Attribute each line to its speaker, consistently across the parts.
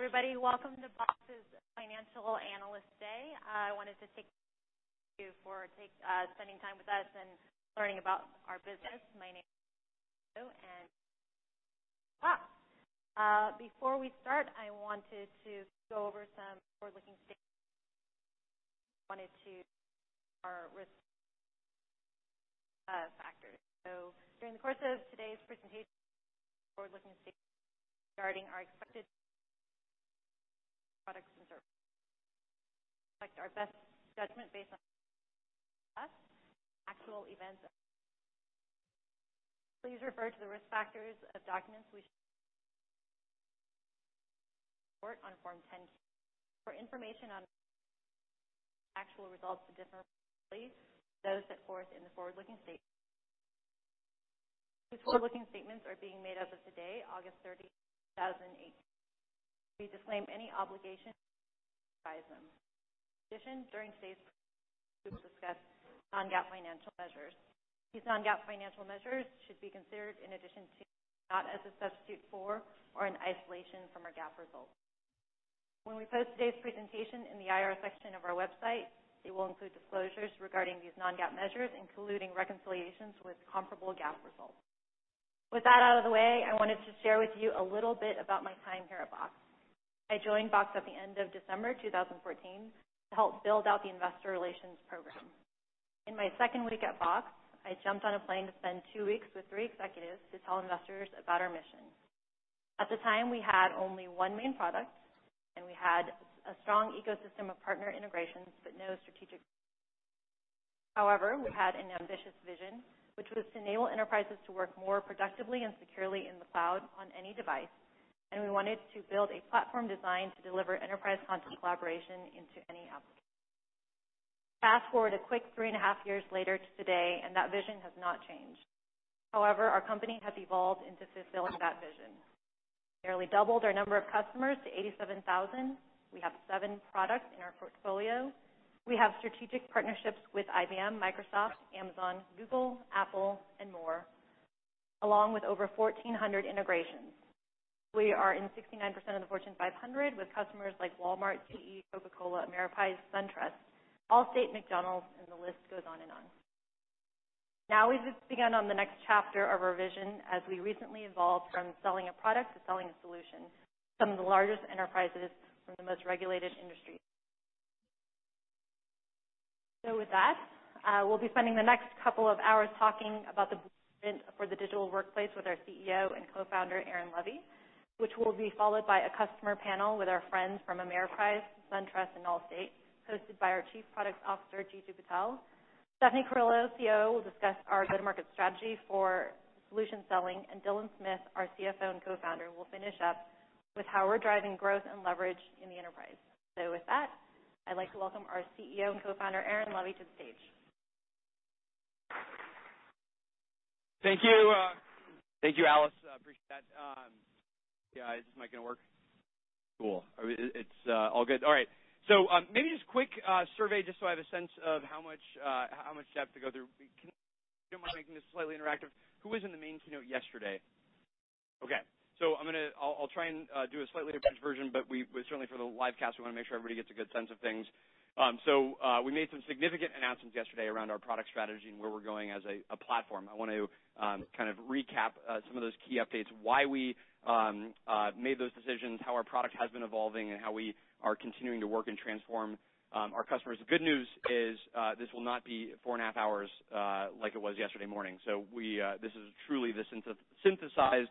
Speaker 1: Hi, everybody. Welcome to Box's Financial Analyst Day. I wanted to thank you for spending time with us and learning about our business. Before we start, I wanted to go over some forward-looking factors. During the course of today's presentation, forward-looking statements regarding our expected products and services. These are based on our best judgment based on actual events. Please refer to the risk factors of documents we on Form 10-K. For information on actual results to differently those set forth in the forward-looking statements. These forward-looking statements are being made as of today, August 30, 2018. We disclaim any obligation to revise them. In addition, during today's group discuss non-GAAP financial measures. These non-GAAP financial measures should be considered in addition to, not as a substitute for or in isolation from our GAAP results. When we post today's presentation in the IR section of our website, it will include disclosures regarding these non-GAAP measures, including reconciliations with comparable GAAP results. With that out of the way, I wanted to share with you a little bit about my time here at Box. I joined Box at the end of December 2014 to help build out the investor relations program. In my second week at Box, I jumped on a plane to spend two weeks with three executives to tell investors about our mission. At the time, we had only one main product, and we had a strong ecosystem of partner integrations, but no strategic. However, we had an ambitious vision, which was to enable enterprises to work more productively and securely in the cloud on any device. We wanted to build a platform designed to deliver enterprise content collaboration into any application. Fast-forward a quick three and a half years later to today, that vision has not changed. However, our company has evolved into fulfilling that vision. Nearly doubled our number of customers to 87,000. We have seven products in our portfolio. We have strategic partnerships with IBM, Microsoft, Amazon, Google, Apple, and more, along with over 1,400 integrations. We are in 69% of the Fortune 500 with customers like Walmart, GE, The Coca-Cola Company, Ameriprise, SunTrust, Allstate, McDonald's, and the list goes on and on. We've just begun on the next chapter of our vision as we recently evolved from selling a product to selling a solution to some of the largest enterprises from the most regulated industries. With that, we'll be spending the next couple of hours talking about the vision for the digital workplace with our CEO and Co-founder, Aaron Levie, which will be followed by a customer panel with our friends from Ameriprise, SunTrust, and Allstate, hosted by our Chief Product Officer, Jeetu Patel. Stephanie Carullo, COO, will discuss our go-to-market strategy for solution selling, and Dylan Smith, our CFO and Co-founder, will finish up with how we're driving growth and leverage in the enterprise. With that, I'd like to welcome our CEO and Co-founder, Aaron Levie, to the stage.
Speaker 2: Thank you, Alice. I appreciate that. Is this mic going to work? Cool. It's all good. All right. Maybe just a quick survey just so I have a sense of how much depth to go through. If you don't mind making this slightly interactive, who was in the main keynote yesterday? Okay. I'll try and do a slightly abridged version, but certainly for the live cast, we want to make sure everybody gets a good sense of things. We made some significant announcements yesterday around our product strategy and where we're going as a platform. I want to kind of recap some of those key updates, why we made those decisions, how our product has been evolving, and how we are continuing to work and transform our customers. The good news is this will not be 4 and a half hours like it was yesterday morning. This is truly the synthesized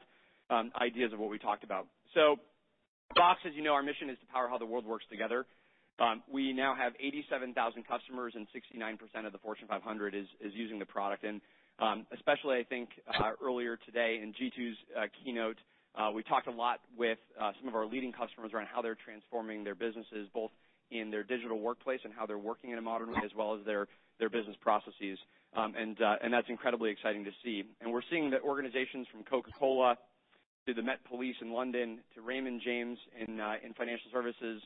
Speaker 2: ideas of what we talked about. Box, as you know, our mission is to power how the world works together. We now have 87,000 customers, and 69% of the Fortune 500 is using the product. Especially, I think earlier today in Jeetu's keynote, we talked a lot with some of our leading customers around how they're transforming their businesses, both in their digital workplace and how they're working in a modern way, as well as their business processes, and that's incredibly exciting to see. We're seeing that organizations from Coca-Cola to the Met Police in London to Raymond James in financial services,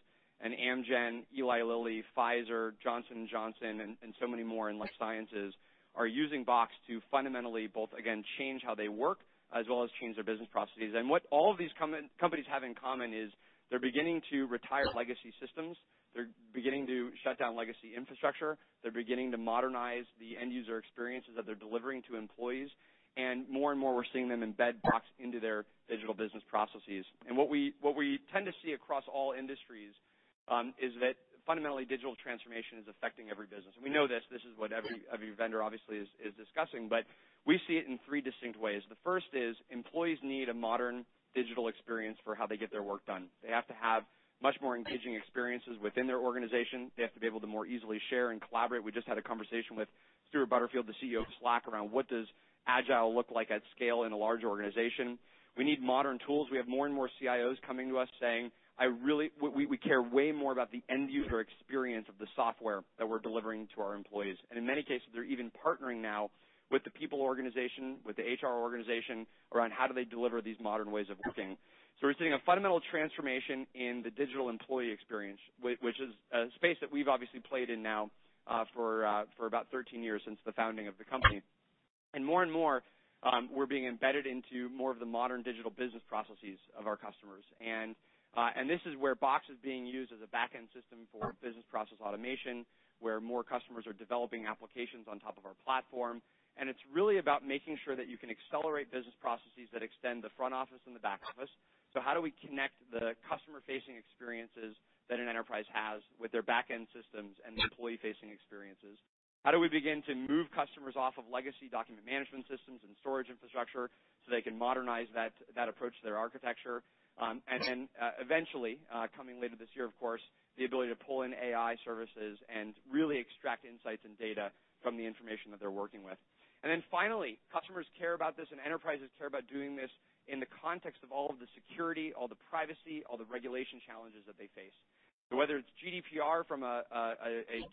Speaker 2: Amgen, Eli Lilly, Pfizer, Johnson & Johnson, and so many more in life sciences are using Box to fundamentally both, again, change how they work as well as change their business processes. What all of these companies have in common is they're beginning to retire legacy systems. They're beginning to shut down legacy infrastructure. They're beginning to modernize the end user experiences that they're delivering to employees. More and more, we're seeing them embed Box into their digital business processes. What we tend to see across all industries is that fundamentally, digital transformation is affecting every business. We know this. This is what every vendor obviously is discussing, but we see it in 3 distinct ways. The first is employees need a modern digital experience for how they get their work done. They have to have much more engaging experiences within their organization. They have to be able to more easily share and collaborate. We just had a conversation with Stewart Butterfield, the CEO of Slack, around what does agile look like at scale in a large organization? We need modern tools. We have more and more CIOs coming to us saying, "We care way more about the end user experience of the software that we're delivering to our employees." In many cases, they're even partnering now with the people organization, with the HR organization around how do they deliver these modern ways of working. We're seeing a fundamental transformation in the digital employee experience, which is a space that we've obviously played in now for about 13 years since the founding of the company. More and more, we're being embedded into more of the modern digital business processes of our customers. This is where Box is being used as a back-end system for business process automation, where more customers are developing applications on top of our platform. It's really about making sure that you can accelerate business processes that extend the front office and the back office. How do we connect the customer-facing experiences that an enterprise has with their back-end systems and employee-facing experiences? How do we begin to move customers off of legacy document management systems and storage infrastructure so they can modernize that approach to their architecture? Eventually, coming later this year, of course, the ability to pull in AI services and really extract insights and data from the information that they're working with. Finally, customers care about this and enterprises care about doing this in the context of all of the security, all the privacy, all the regulation challenges that they face. Whether it's GDPR from a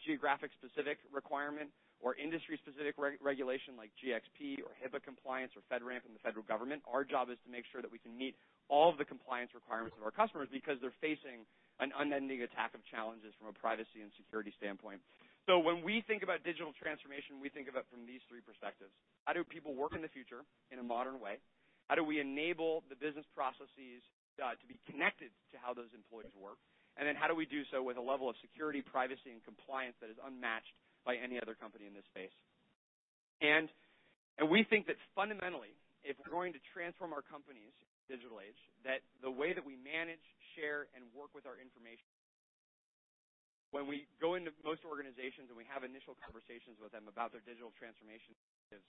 Speaker 2: geographic specific requirement or industry specific regulation like GxP or HIPAA compliance or FedRAMP in the federal government, our job is to make sure that we can meet all of the compliance requirements of our customers because they're facing an unending attack of challenges from a privacy and security standpoint. When we think about digital transformation, we think about from these three perspectives. How do people work in the future in a modern way? How do we enable the business processes to be connected to how those employees work? How do we do so with a level of security, privacy, and compliance that is unmatched by any other company in this space? We think that fundamentally, if we're going to transform our companies in the digital age, that the way that we manage, share, and work with our information. When we go into most organizations, and we have initial conversations with them about their digital transformation initiatives,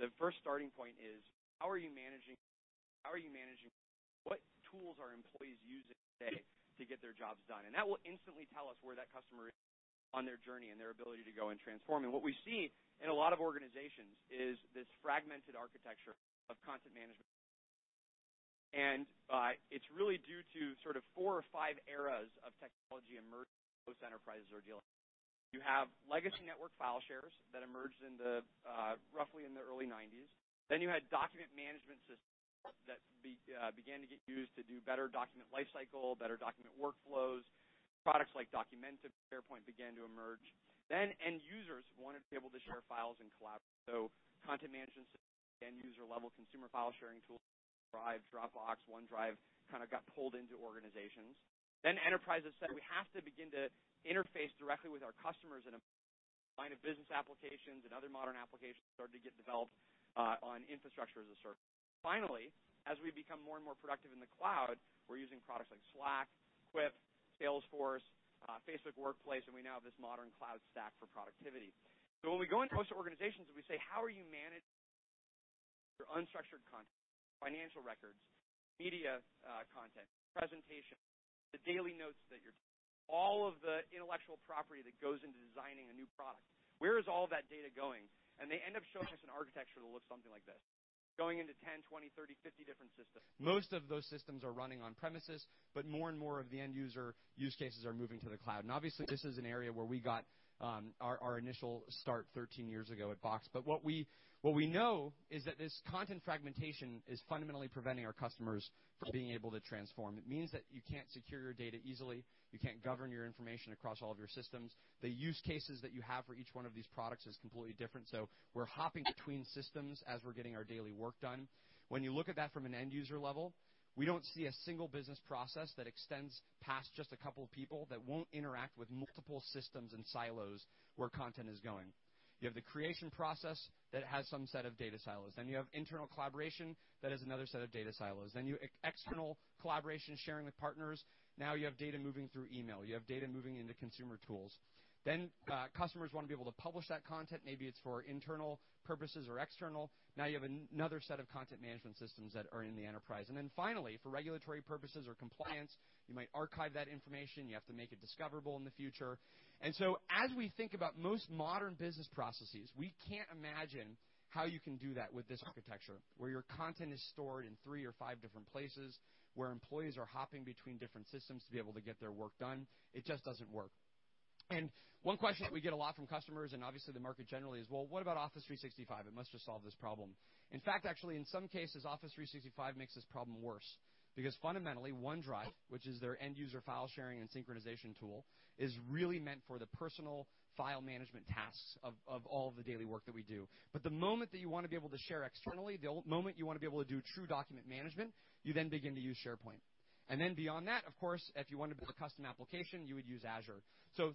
Speaker 2: the first starting point is: how are you managing? What tools are employees using today to get their jobs done? That will instantly tell us where that customer is on their journey and their ability to go and transform. What we see in a lot of organizations is this fragmented architecture of content management. It's really due to sort of four or five eras of technology emerging most enterprises are dealing with. You have legacy network file shares that emerged roughly in the early '90s. You had document management systems that began to get used to do better document life cycle, better document workflows. Products like Documentum, SharePoint began to emerge. End users wanted to be able to share files and collaborate. Content management systems, end-user level consumer file-sharing tools like Drive, Dropbox, OneDrive kind of got pulled into organizations. Enterprises said, "We have to begin to interface directly with our customers" and a line of business applications and other modern applications started to get developed on infrastructure as a service. Finally, as we become more and more productive in the cloud, we're using products like Slack, Quip, Salesforce, Workplace, and we now have this modern cloud stack for productivity. When we go into most organizations, we say, "How are you managing your unstructured content, financial records, media content, presentations, All of the intellectual property that goes into designing a new product. Where is all that data going?" They end up showing us an architecture that looks something like this, going into 10, 20, 30, 50 different systems. Most of those systems are running on premises, but more and more of the end user use cases are moving to the cloud. Obviously, this is an area where we got our initial start 13 years ago at Box. What we know is that this content fragmentation is fundamentally preventing our customers from being able to transform. It means that you can't secure your data easily. You can't govern your information across all of your systems. The use cases that you have for each one of these products is completely different. We're hopping between systems as we're getting our daily work done. When you look at that from an end user level, we don't see a single business process that extends past just a couple of people that won't interact with multiple systems and silos where content is going. You have the creation process that has some set of data silos. You have internal collaboration that has another set of data silos. You external collaboration sharing with partners. You have data moving through email. You have data moving into consumer tools. Customers want to be able to publish that content. Maybe it's for internal purposes or external. You have another set of content management systems that are in the enterprise. Finally, for regulatory purposes or compliance, you might archive that information. You have to make it discoverable in the future. As we think about most modern business processes, we can't imagine how you can do that with this architecture, where your content is stored in three or five different places, where employees are hopping between different systems to be able to get their work done. It just doesn't work. One question that we get a lot from customers, and obviously the market generally, is, "Well, what about Office 365? It must just solve this problem." In fact, actually, in some cases, Office 365 makes this problem worse. Fundamentally, OneDrive, which is their end user file sharing and synchronization tool, is really meant for the personal file management tasks of all the daily work that we do. The moment that you want to be able to share externally, the moment you want to be able to do true document management, you begin to use SharePoint. Beyond that, of course, if you wanted to build a custom application, you would use Azure.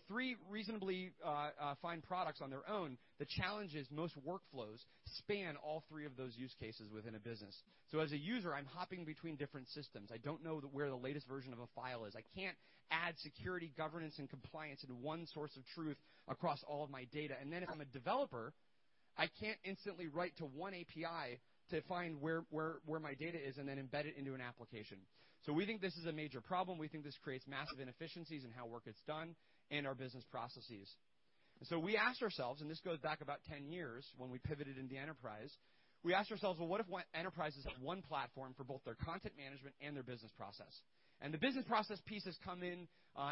Speaker 2: Three reasonably fine products on their own. The challenge is most workflows span all three of those use cases within a business. As a user, I'm hopping between different systems. I don't know where the latest version of a file is. I can't add security, governance, and compliance in one source of truth across all of my data. If I'm a developer, I can't instantly write to one API to find where my data is and then embed it into an application. We think this is a major problem. We think this creates massive inefficiencies in how work gets done and our business processes. We asked ourselves, and this goes back about 10 years when we pivoted in the enterprise. We asked ourselves, "What if enterprises have one platform for both their content management and their business process?" The business process piece has come in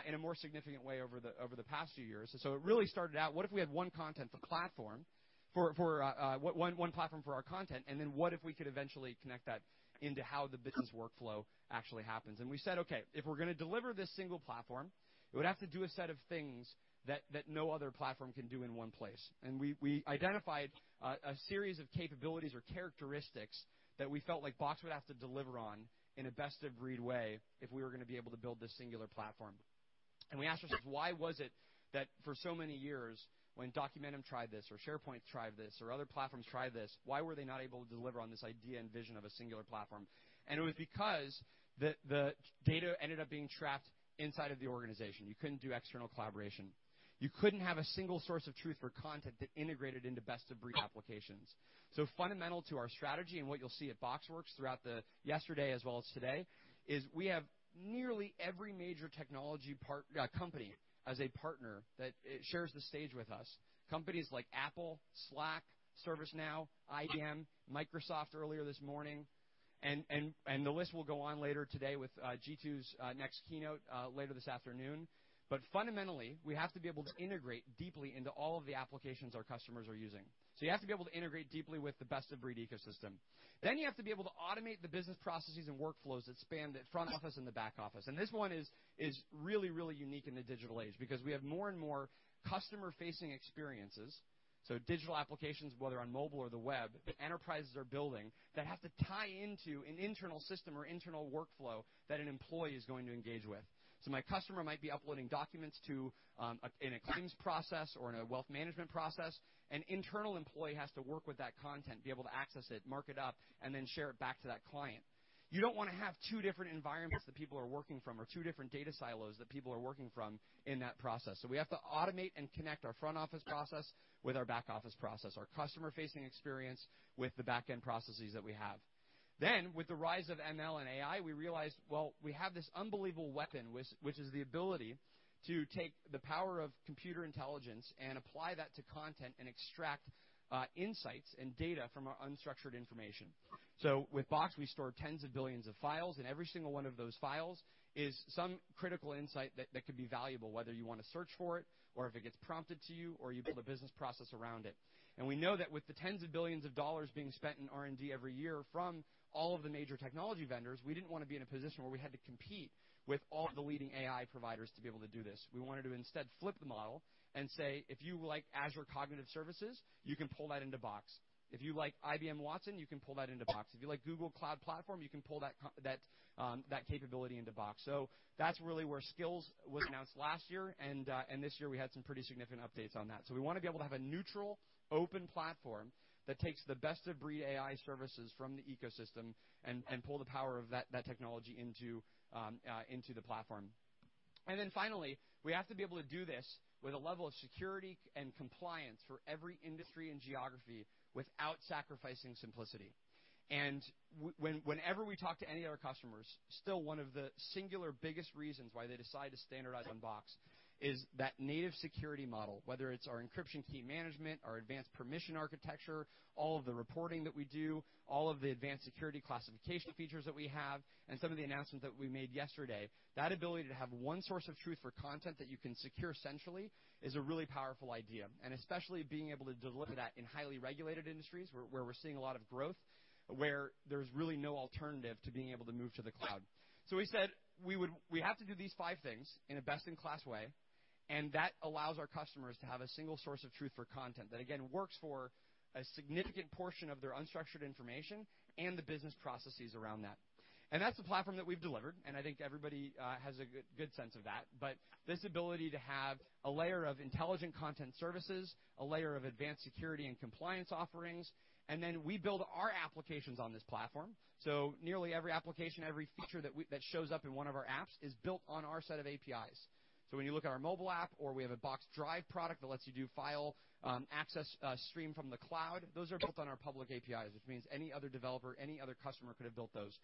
Speaker 2: in a more significant way over the past few years. It really started out, what if we had one platform for our content, and what if we could eventually connect that into how the business workflow actually happens? We said, "If we're going to deliver this single platform, it would have to do a set of things that no other platform can do in one place." We identified a series of capabilities or characteristics that we felt like Box would have to deliver on in a best-of-breed way if we were going to be able to build this singular platform. We asked ourselves, why was it that for so many years when Documentum tried this or SharePoint tried this or other platforms tried this, why were they not able to deliver on this idea and vision of a singular platform? It was because the data ended up being trapped inside of the organization. You couldn't do external collaboration. You couldn't have a single source of truth for content that integrated into best-of-breed applications. Fundamental to our strategy and what you'll see at BoxWorks throughout yesterday as well as today is we have nearly every major technology company as a partner that shares the stage with us. Companies like Apple, Slack, ServiceNow, IBM, Microsoft earlier this morning, and the list will go on later today with Jeetu's next keynote later this afternoon. Fundamentally, we have to be able to integrate deeply into all of the applications our customers are using. You have to be able to integrate deeply with the best-of-breed ecosystem. You have to be able to automate the business processes and workflows that span the front office and the back office. This one is really unique in the digital age because we have more and more customer-facing experiences, digital applications, whether on mobile or the web, that enterprises are building that have to tie into an internal system or internal workflow that an employee is going to engage with. My customer might be uploading documents in a claims process or in a wealth management process. An internal employee has to work with that content, be able to access it, mark it up, and share it back to that client. You don't want to have two different environments that people are working from or two different data silos that people are working from in that process. We have to automate and connect our front-office process with our back-office process, our customer-facing experience with the back-end processes that we have. With the rise of ML and AI, we realized, well, we have this unbelievable weapon, which is the ability to take the power of computer intelligence and apply that to content and extract insights and data from our unstructured information. With Box, we store tens of billions of files, and every single one of those files is some critical insight that could be valuable, whether you want to search for it or if it gets prompted to you or you build a business process around it. We know that with the tens of billions of dollars being spent in R&D every year from all of the major technology vendors, we didn't want to be in a position where we had to compete with all the leading AI providers to be able to do this. We wanted to instead flip the model and say, "If you like Azure Cognitive Services, you can pull that into Box. If you like IBM Watson, you can pull that into Box. If you like Google Cloud Platform, you can pull that capability into Box." That's really where Skills was announced last year, and this year we had some pretty significant updates on that. We want to be able to have a neutral, open platform that takes the best-of-breed AI services from the ecosystem and pull the power of that technology into the platform. Finally, we have to be able to do this with a level of security and compliance for every industry and geography without sacrificing simplicity. Whenever we talk to any of our customers, still one of the singular biggest reasons why they decide to standardize on Box is that native security model, whether it's our encryption key management, our advanced permission architecture, all of the reporting that we do, all of the advanced security classification features that we have, and some of the announcements that we made yesterday. That ability to have one source of truth for content that you can secure centrally is a really powerful idea, and especially being able to deliver that in highly regulated industries where we're seeing a lot of growth, where there's really no alternative to being able to move to the cloud. We said we have to do these five things in a best-in-class way, and that allows our customers to have a single source of truth for content that again works for a significant portion of their unstructured information and the business processes around that. That's the platform that we've delivered, and I think everybody has a good sense of that. This ability to have a layer of intelligent content services, a layer of advanced security and compliance offerings, and then we build our applications on this platform. Nearly every application, every feature that shows up in one of our apps is built on our set of APIs. When you look at our mobile app or we have a Box Drive product that lets you do file access stream from the cloud, those are built on our public APIs, which means any other developer, any other customer could have built those.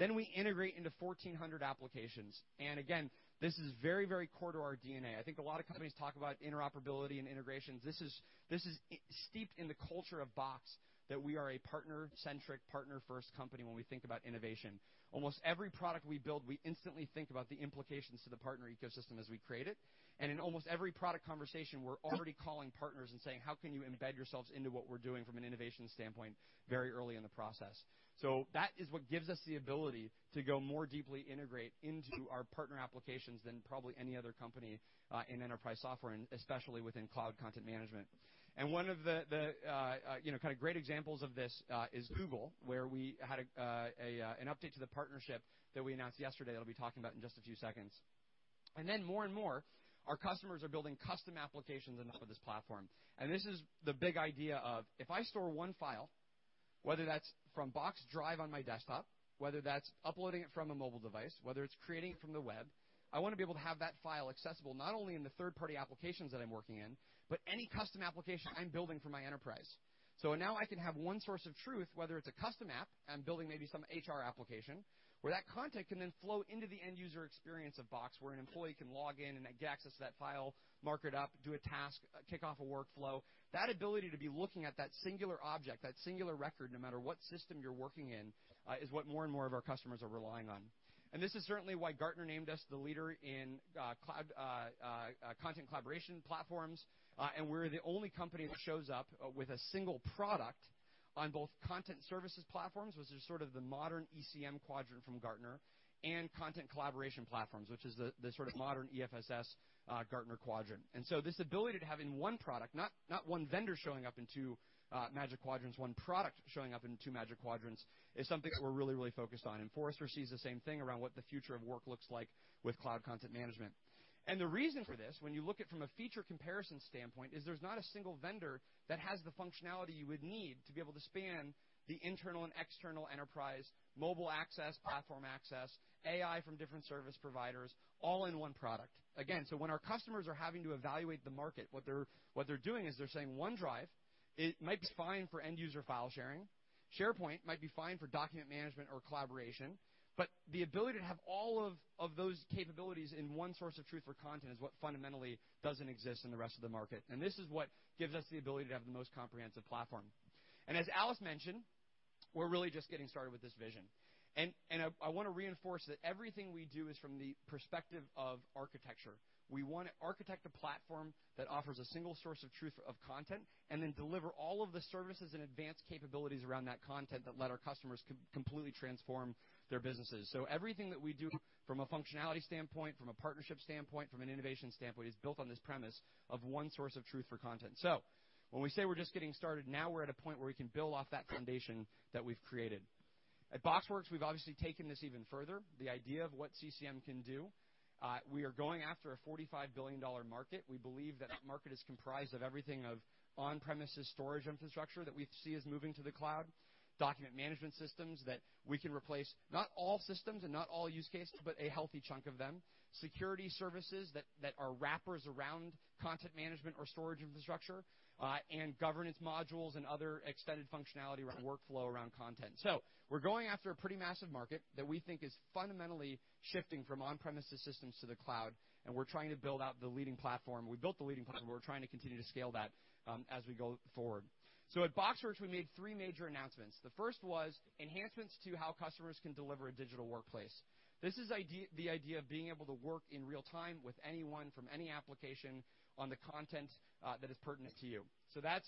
Speaker 2: We integrate into 1,400 applications. Again, this is very core to our DNA. I think a lot of companies talk about interoperability and integrations. This is steeped in the culture of Box that we are a partner-centric, partner-first company when we think about innovation. Almost every product we build, we instantly think about the implications to the partner ecosystem as we create it. In almost every product conversation, we're already calling partners and saying, "How can you embed yourselves into what we're doing from an innovation standpoint very early in the process?" That is what gives us the ability to go more deeply integrate into our partner applications than probably any other company in enterprise software, and especially within cloud content management. One of the kind of great examples of this is Google, where we had an update to the partnership that we announced yesterday that I'll be talking about in just a few seconds. More and more, our customers are building custom applications on top of this platform. This is the big idea of if I store one file, whether that's from Box Drive on my desktop, whether that's uploading it from a mobile device, whether it's creating it from the web, I want to be able to have that file accessible not only in the third-party applications that I'm working in, but any custom application I'm building for my enterprise. Now I can have one source of truth, whether it's a custom app, I'm building maybe some HR application, where that content can then flow into the end-user experience of Box, where an employee can log in and get access to that file, mark it up, do a task, kick off a workflow. That ability to be looking at that singular object, that singular record, no matter what system you're working in, is what more and more of our customers are relying on. This is certainly why Gartner named us the leader in content collaboration platforms, and we're the only company that shows up with a single product on both content services platforms, which is sort of the modern ECM Quadrant from Gartner, and content collaboration platforms, which is the sort of modern EFSS Gartner Quadrant. This ability to have in one product, not one vendor showing up in two Magic Quadrants, one product showing up in two Magic Quadrants, is something that we're really, really focused on. Forrester sees the same thing around what the future of work looks like with cloud content management. The reason for this, when you look at it from a feature comparison standpoint, is there's not a single vendor that has the functionality you would need to be able to span the internal and external enterprise, mobile access, platform access, AI from different service providers, all in one product. When our customers are having to evaluate the market, what they're doing is they're saying OneDrive, it might be fine for end user file sharing. SharePoint might be fine for document management or collaboration, but the ability to have all of those capabilities in one source of truth for content is what fundamentally doesn't exist in the rest of the market. This is what gives us the ability to have the most comprehensive platform. As Alice mentioned, we're really just getting started with this vision. I want to reinforce that everything we do is from the perspective of architecture. We want to architect a platform that offers a single source of truth of content, then deliver all of the services and advanced capabilities around that content that let our customers completely transform their businesses. Everything that we do from a functionality standpoint, from a partnership standpoint, from an innovation standpoint, is built on this premise of one source of truth for content. When we say we're just getting started, now we're at a point where we can build off that foundation that we've created. At BoxWorks, we've obviously taken this even further, the idea of what CCM can do. We are going after a $45 billion market. We believe that that market is comprised of everything of on-premises storage infrastructure that we see as moving to the cloud, document management systems that we can replace, not all systems and not all use cases, but a healthy chunk of them. Security services that are wrappers around content management or storage infrastructure, governance modules and other extended functionality around workflow, around content. We're going after a pretty massive market that we think is fundamentally shifting from on-premises systems to the cloud, and we're trying to build out the leading platform. We built the leading platform. We're trying to continue to scale that as we go forward. At BoxWorks, we made 3 major announcements. The first was enhancements to how customers can deliver a digital workplace. This is the idea of being able to work in real time with anyone from any application on the content that is pertinent to you. That's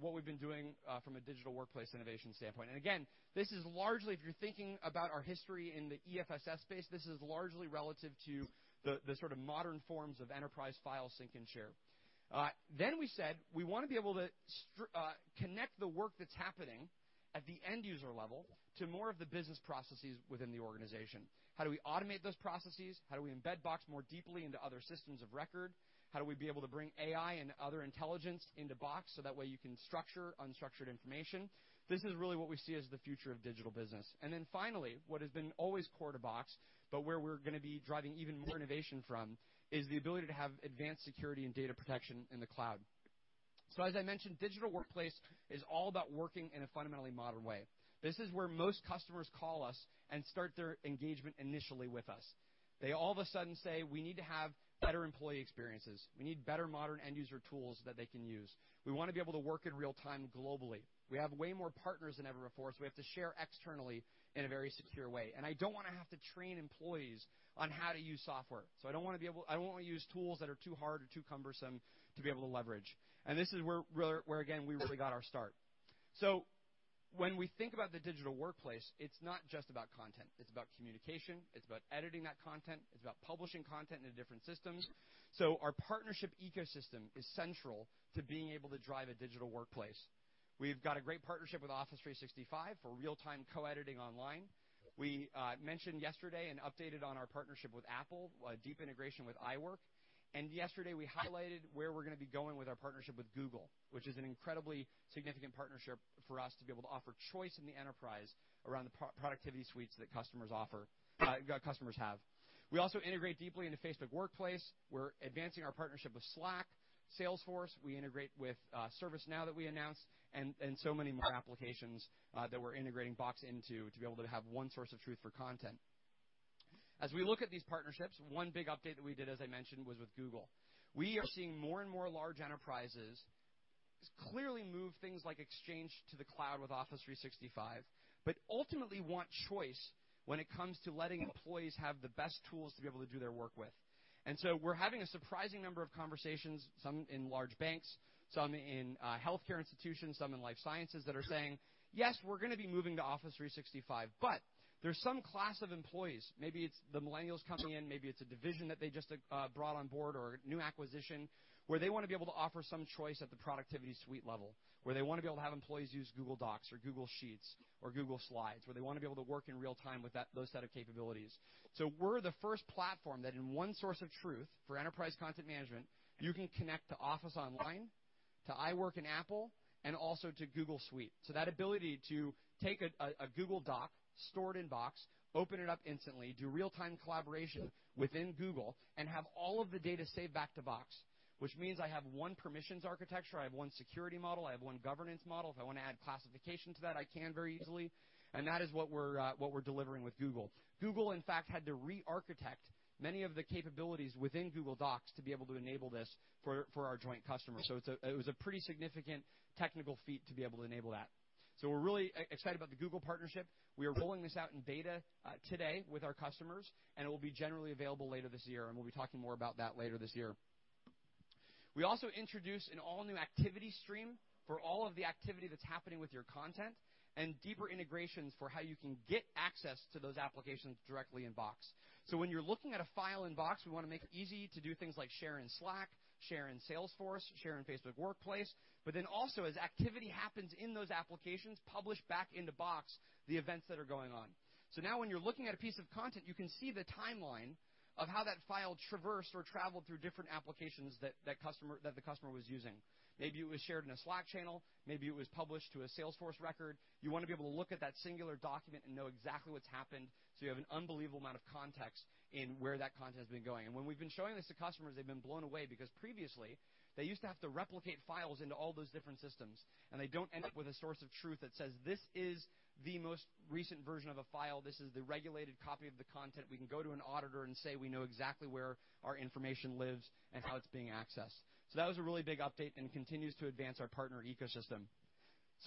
Speaker 2: what we've been doing from a digital workplace innovation standpoint. Again, this is largely, if you're thinking about our history in the EFSS space, this is largely relative to the sort of modern forms of enterprise file sync and share. Then we said we want to be able to connect the work that's happening at the end user level to more of the business processes within the organization. How do we automate those processes? How do we embed Box more deeply into other systems of record? How do we be able to bring AI and other intelligence into Box, so that way you can structure unstructured information? This is really what we see as the future of digital business. Finally, what has been always core to Box, but where we're going to be driving even more innovation from, is the ability to have advanced security and data protection in the cloud. As I mentioned, digital workplace is all about working in a fundamentally modern way. This is where most customers call us and start their engagement initially with us. They all of a sudden say, "We need to have better employee experiences. We need better modern end user tools that they can use. We want to be able to work in real time globally. We have way more partners than ever before, so we have to share externally in a very secure way. I don't want to have to train employees on how to use software. I don't want to use tools that are too hard or too cumbersome to be able to leverage." This is where, again, we really got our start. When we think about the digital workplace, it's not just about content. It's about communication. It's about editing that content. It's about publishing content into different systems. Our partnership ecosystem is central to being able to drive a digital workplace. We've got a great partnership with Office 365 for real-time co-editing online. We mentioned yesterday and updated on our partnership with Apple, deep integration with iWork, and yesterday we highlighted where we're going to be going with our partnership with Google, which is an incredibly significant partnership for us to be able to offer choice in the enterprise around the productivity suites that customers have. We also integrate deeply into Workplace. We're advancing our partnership with Slack, Salesforce. We integrate with ServiceNow that we announced, and so many more applications that we're integrating Box into to be able to have one source of truth for content. As we look at these partnerships, one big update that we did, as I mentioned, was with Google. We are seeing more and more large enterprises clearly move things like Exchange to the cloud with Office 365, but ultimately want choice when it comes to letting employees have the best tools to be able to do their work with. We're having a surprising number of conversations, some in large banks, some in healthcare institutions, some in life sciences, that are saying, "Yes, we're going to be moving to Office 365," but there's some class of employees, maybe it's the millennials coming in, maybe it's a division that they just brought on board or a new acquisition, where they want to be able to offer some choice at the productivity suite level, where they want to be able to have employees use Google Docs or Google Sheets or Google Slides, where they want to be able to work in real time with those set of capabilities. We're the first platform that in one source of truth for enterprise content management, you can connect to Office Online, to iWork and Apple, and also to G Suite. That ability to take a Google Doc stored in Box, open it up instantly, do real-time collaboration within Google, and have all of the data saved back to Box, which means I have one permissions architecture, I have one security model, I have one governance model. If I want to add classification to that, I can very easily. That is what we're delivering with Google. Google, in fact, had to re-architect many of the capabilities within Google Docs to be able to enable this for our joint customers. It was a pretty significant technical feat to be able to enable that. We're really excited about the Google partnership. We are rolling this out in beta today with our customers, and it will be generally available later this year, and we'll be talking more about that later this year. We also introduced an all-new activity stream for all of the activity that's happening with your content, and deeper integrations for how you can get access to those applications directly in Box. When you're looking at a file in Box, we want to make it easy to do things like share in Slack, share in Salesforce, share in Facebook Workplace. Also as activity happens in those applications, publish back into Box the events that are going on. Now when you're looking at a piece of content, you can see the timeline of how that file traversed or traveled through different applications that the customer was using. Maybe it was shared in a Slack channel, maybe it was published to a Salesforce record. You want to be able to look at that singular document and know exactly what's happened so you have an unbelievable amount of context in where that content has been going. When we've been showing this to customers, they've been blown away because previously they used to have to replicate files into all those different systems, and they don't end up with a source of truth that says, "This is the most recent version of a file. This is the regulated copy of the content." We can go to an auditor and say we know exactly where our information lives and how it's being accessed. That was a really big update and continues to advance our partner ecosystem.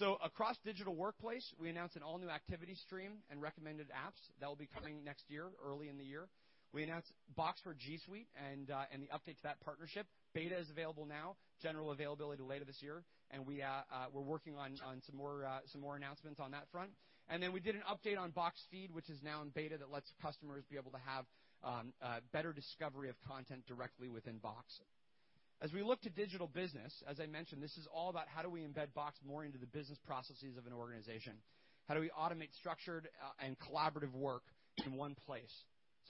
Speaker 2: Across digital workplace, we announced an all-new activity stream and recommended apps that will be coming next year, early in the year. We announced Box for G Suite and the update to that partnership. Beta is available now, general availability later this year. We're working on some more announcements on that front. We did an update on Box Feed, which is now in beta, that lets customers be able to have better discovery of content directly within Box. As we look to digital business, as I mentioned, this is all about how do we embed Box more into the business processes of an organization? How do we automate structured and collaborative work in one place?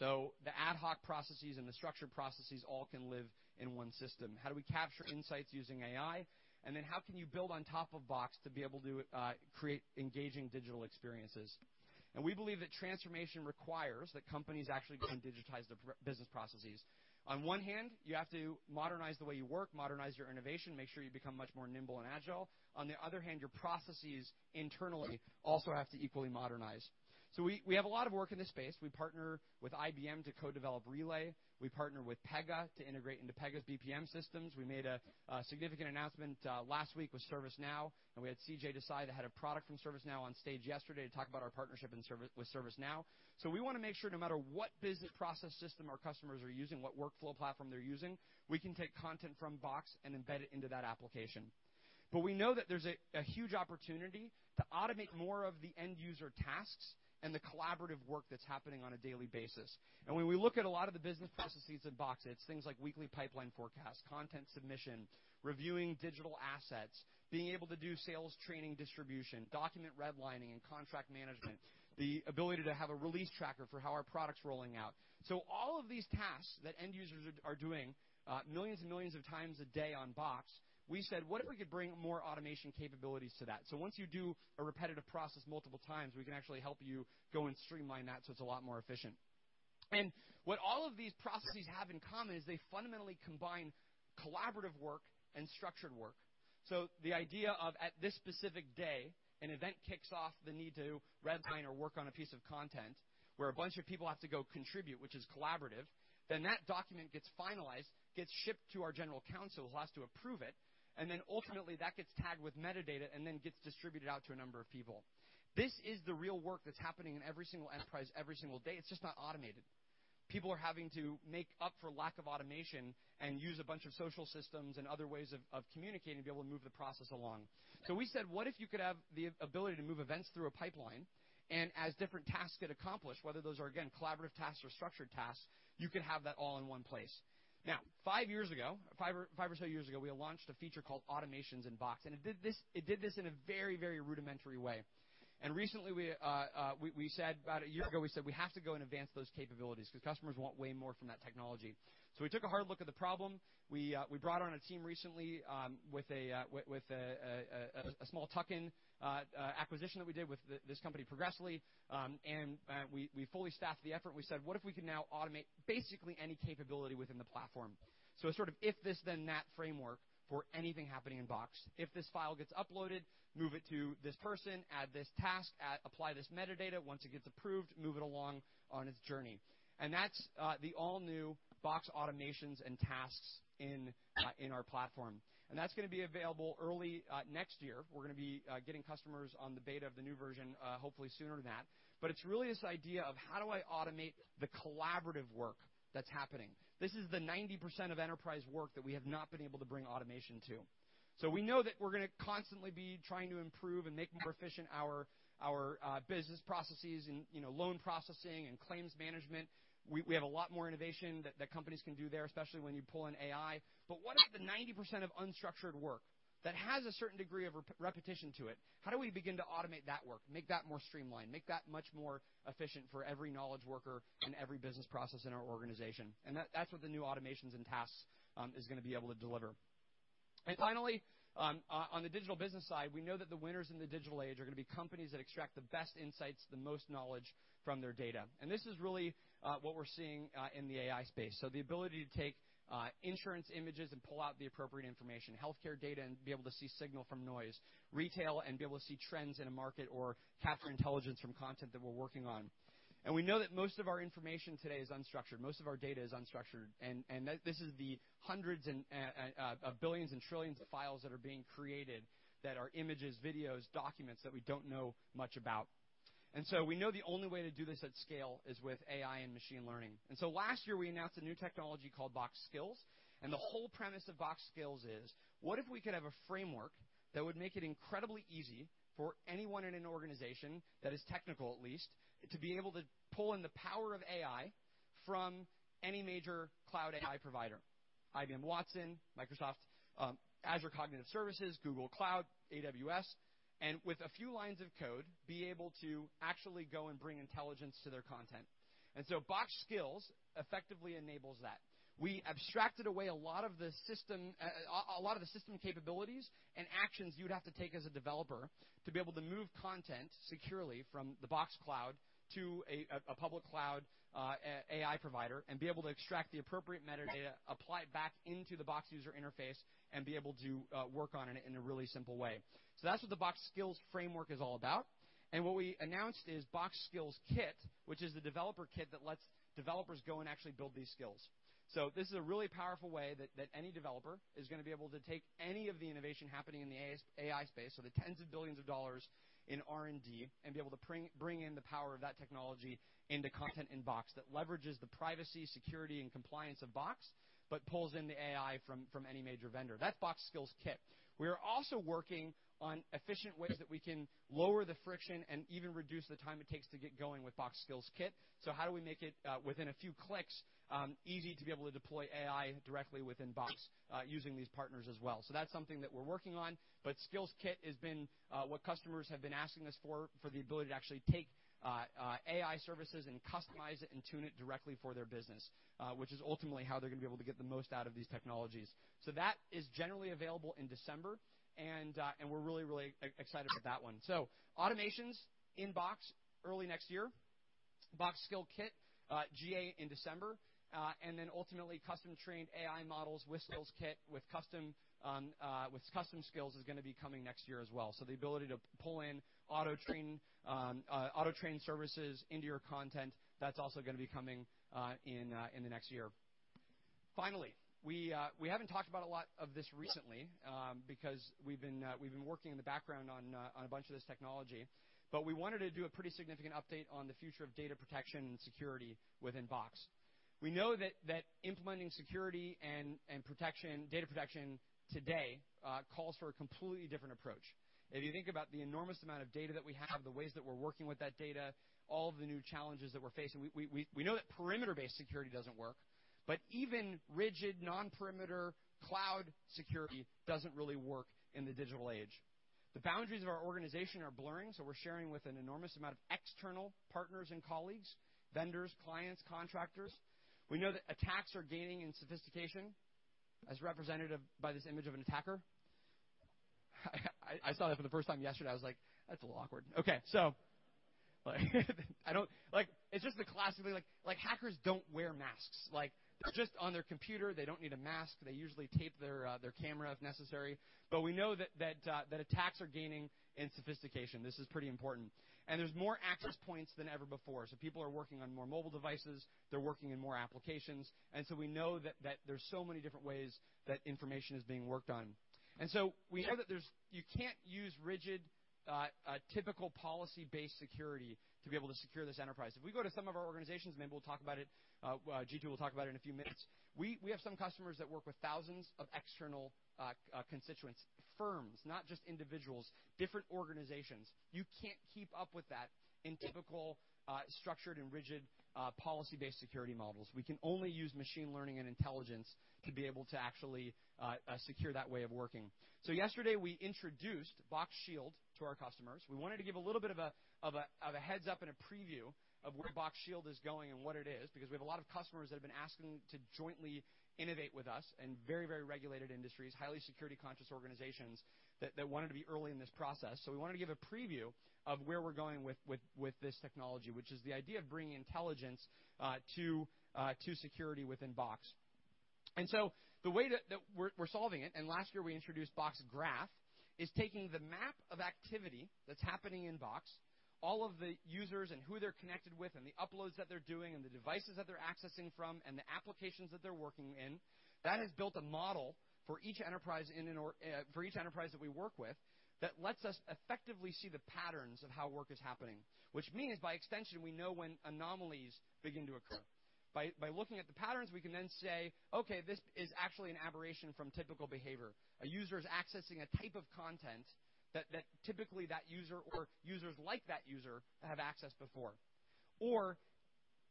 Speaker 2: The ad hoc processes and the structured processes all can live in one system. How do we capture insights using AI? How can you build on top of Box to be able to create engaging digital experiences? We believe that transformation requires that companies actually go and digitize their business processes. On one hand, you have to modernize the way you work, modernize your innovation, make sure you become much more nimble and agile. On the other hand, your processes internally also have to equally modernize. We have a lot of work in this space. We partner with IBM to co-develop Relay. We partner with Pega to integrate into Pega's BPM systems. We made a significant announcement last week with ServiceNow, and we had CJ Desai, the head of product from ServiceNow, on stage yesterday to talk about our partnership with ServiceNow. We want to make sure no matter what business process system our customers are using, what workflow platform they're using, we can take content from Box and embed it into that application. We know that there's a huge opportunity to automate more of the end-user tasks and the collaborative work that's happening on a daily basis. When we look at a lot of the business processes in Box, it's things like weekly pipeline forecast, content submission, reviewing digital assets, being able to do sales training distribution, document redlining and contract management, the ability to have a release tracker for how our product's rolling out. All of these tasks that end users are doing millions and millions of times a day on Box, we said, "What if we could bring more automation capabilities to that?" Once you do a repetitive process multiple times, we can actually help you go and streamline that so it's a lot more efficient. What all of these processes have in common is they fundamentally combine collaborative work and structured work. The idea of at this specific day, an event kicks off the need to redline or work on a piece of content, where a bunch of people have to go contribute, which is collaborative, then that document gets finalized, gets shipped to our general counsel, who has to approve it, and then ultimately that gets tagged with metadata and then gets distributed out to a number of people. This is the real work that's happening in every single enterprise every single day. It's just not automated. People are having to make up for lack of automation and use a bunch of social systems and other ways of communicating to be able to move the process along. We said, "What if you could have the ability to move events through a pipeline, and as different tasks get accomplished, whether those are, again, collaborative tasks or structured tasks, you could have that all in one place?" Now, five or so years ago, we launched a feature called Automations in Box, and it did this in a very rudimentary way. Recently, about a year ago, we said we have to go and advance those capabilities because customers want way more from that technology. We took a hard look at the problem. We brought on a team recently, with a small tuck-in acquisition that we did with this company, Progressly. We fully staffed the effort. We said, "What if we could now automate basically any capability within the platform?" A sort of if this, then that framework for anything happening in Box. If this file gets uploaded, move it to this person, add this task, apply this metadata. Once it gets approved, move it along on its journey. That's the all-new Box Automations and Tasks in our platform. That's going to be available early next year. We're going to be getting customers on the beta of the new version, hopefully sooner than that. It's really this idea of how do I automate the collaborative work that's happening? This is the 90% of enterprise work that we have not been able to bring automation to. We know that we're going to constantly be trying to improve and make more efficient our business processes and loan processing and claims management. We have a lot more innovation that companies can do there, especially when you pull in AI. What about the 90% of unstructured work that has a certain degree of repetition to it? How do we begin to automate that work, make that more streamlined, make that much more efficient for every knowledge worker and every business process in our organization? That's what the new Automations and Tasks is going to be able to deliver. Finally, on the digital business side, we know that the winners in the digital age are going to be companies that extract the best insights, the most knowledge from their data. This is really what we're seeing in the AI space. The ability to take insurance images and pull out the appropriate information, healthcare data and be able to see signal from noise, retail and be able to see trends in a market or capture intelligence from content that we're working on. We know that most of our information today is unstructured. Most of our data is unstructured, and this is the hundreds of billions and trillions of files that are being created that are images, videos, documents that we don't know much about. We know the only way to do this at scale is with AI and machine learning. Last year, we announced a new technology called Box Skills, and the whole premise of Box Skills is: what if we could have a framework that would make it incredibly easy for anyone in an organization, that is technical at least, to be able to pull in the power of AI from any major cloud AI provider, IBM Watson, Microsoft Azure Cognitive Services, Google Cloud, AWS, and with a few lines of code, be able to actually go and bring intelligence to their content. Box Skills effectively enables that. We abstracted away a lot of the system capabilities and actions you would have to take as a developer to be able to move content securely from the Box Cloud to a public cloud AI provider and be able to extract the appropriate metadata, apply it back into the Box user interface, and be able to work on it in a really simple way. That's what the Box Skills framework is all about. What we announced is Box Skills Kit, which is the developer kit that lets developers go and actually build these skills. This is a really powerful way that any developer is going to be able to take any of the innovation happening in the AI space, the tens of billions of dollars in R&D, and be able to bring in the power of that technology into content in Box that leverages the privacy, security, and compliance of Box, but pulls in the AI from any major vendor. That's Box Skills Kit. We are also working on efficient ways that we can lower the friction and even reduce the time it takes to get going with Box Skills Kit. How do we make it, within a few clicks, easy to be able to deploy AI directly within Box using these partners as well? That's something that we're working on, but Skills Kit has been what customers have been asking us for the ability to actually take AI services and customize it and tune it directly for their business, which is ultimately how they're going to be able to get the most out of these technologies. That is generally available in December, and we're really excited about that one. Automations in Box early next year, Box Skills Kit GA in December, and then ultimately custom-trained AI models with Skills Kit with custom skills is going to be coming next year as well. The ability to pull in auto-training services into your content, that's also going to be coming in the next year. Finally, we haven't talked about a lot of this recently because we've been working in the background on a bunch of this technology, but we wanted to do a pretty significant update on the future of data protection and security within Box. We know that implementing security and data protection today calls for a completely different approach. If you think about the enormous amount of data that we have, the ways that we're working with that data, all of the new challenges that we're facing, we know that perimeter-based security doesn't work. Even rigid non-perimeter cloud security doesn't really work in the digital age. The boundaries of our organization are blurring, so we're sharing with an enormous amount of external partners and colleagues, vendors, clients, contractors. We know that attacks are gaining in sophistication as represented by this image of an attacker. I saw that for the first time yesterday. I was like, "That's a little awkward." Okay. It's just the classic like hackers don't wear masks. They're just on their computer. They don't need a mask. They usually tape their camera if necessary. We know that attacks are gaining in sophistication. This is pretty important, and there's more access points than ever before. People are working on more mobile devices. They're working in more applications. We know that there's so many different ways that information is being worked on. We know that you can't use rigid, typical policy-based security to be able to secure this enterprise. If we go to some of our organizations, maybe Jeetu will talk about it in a few minutes. We have some customers that work with thousands of external constituents, firms, not just individuals, different organizations. Yesterday, we introduced Box Shield to our customers. We wanted to give a little bit of a heads-up and a preview of where Box Shield is going and what it is because we have a lot of customers that have been asking to jointly innovate with us in very regulated industries, highly security-conscious organizations that wanted to be early in this process. We wanted to give a preview of where we're going with this technology, which is the idea of bringing intelligence to security within Box. The way that we're solving it, and last year we introduced Box Graph, is taking the map of activity that's happening in Box, all of the users and who they're connected with and the uploads that they're doing and the devices that they're accessing from, and the applications that they're working in. That has built a model for each enterprise that we work with that lets us effectively see the patterns of how work is happening. Which means by extension, we know when anomalies begin to occur. By looking at the patterns, we can then say, "Okay, this is actually an aberration from typical behavior." A user is accessing a type of content that typically that user or users like that user have accessed before.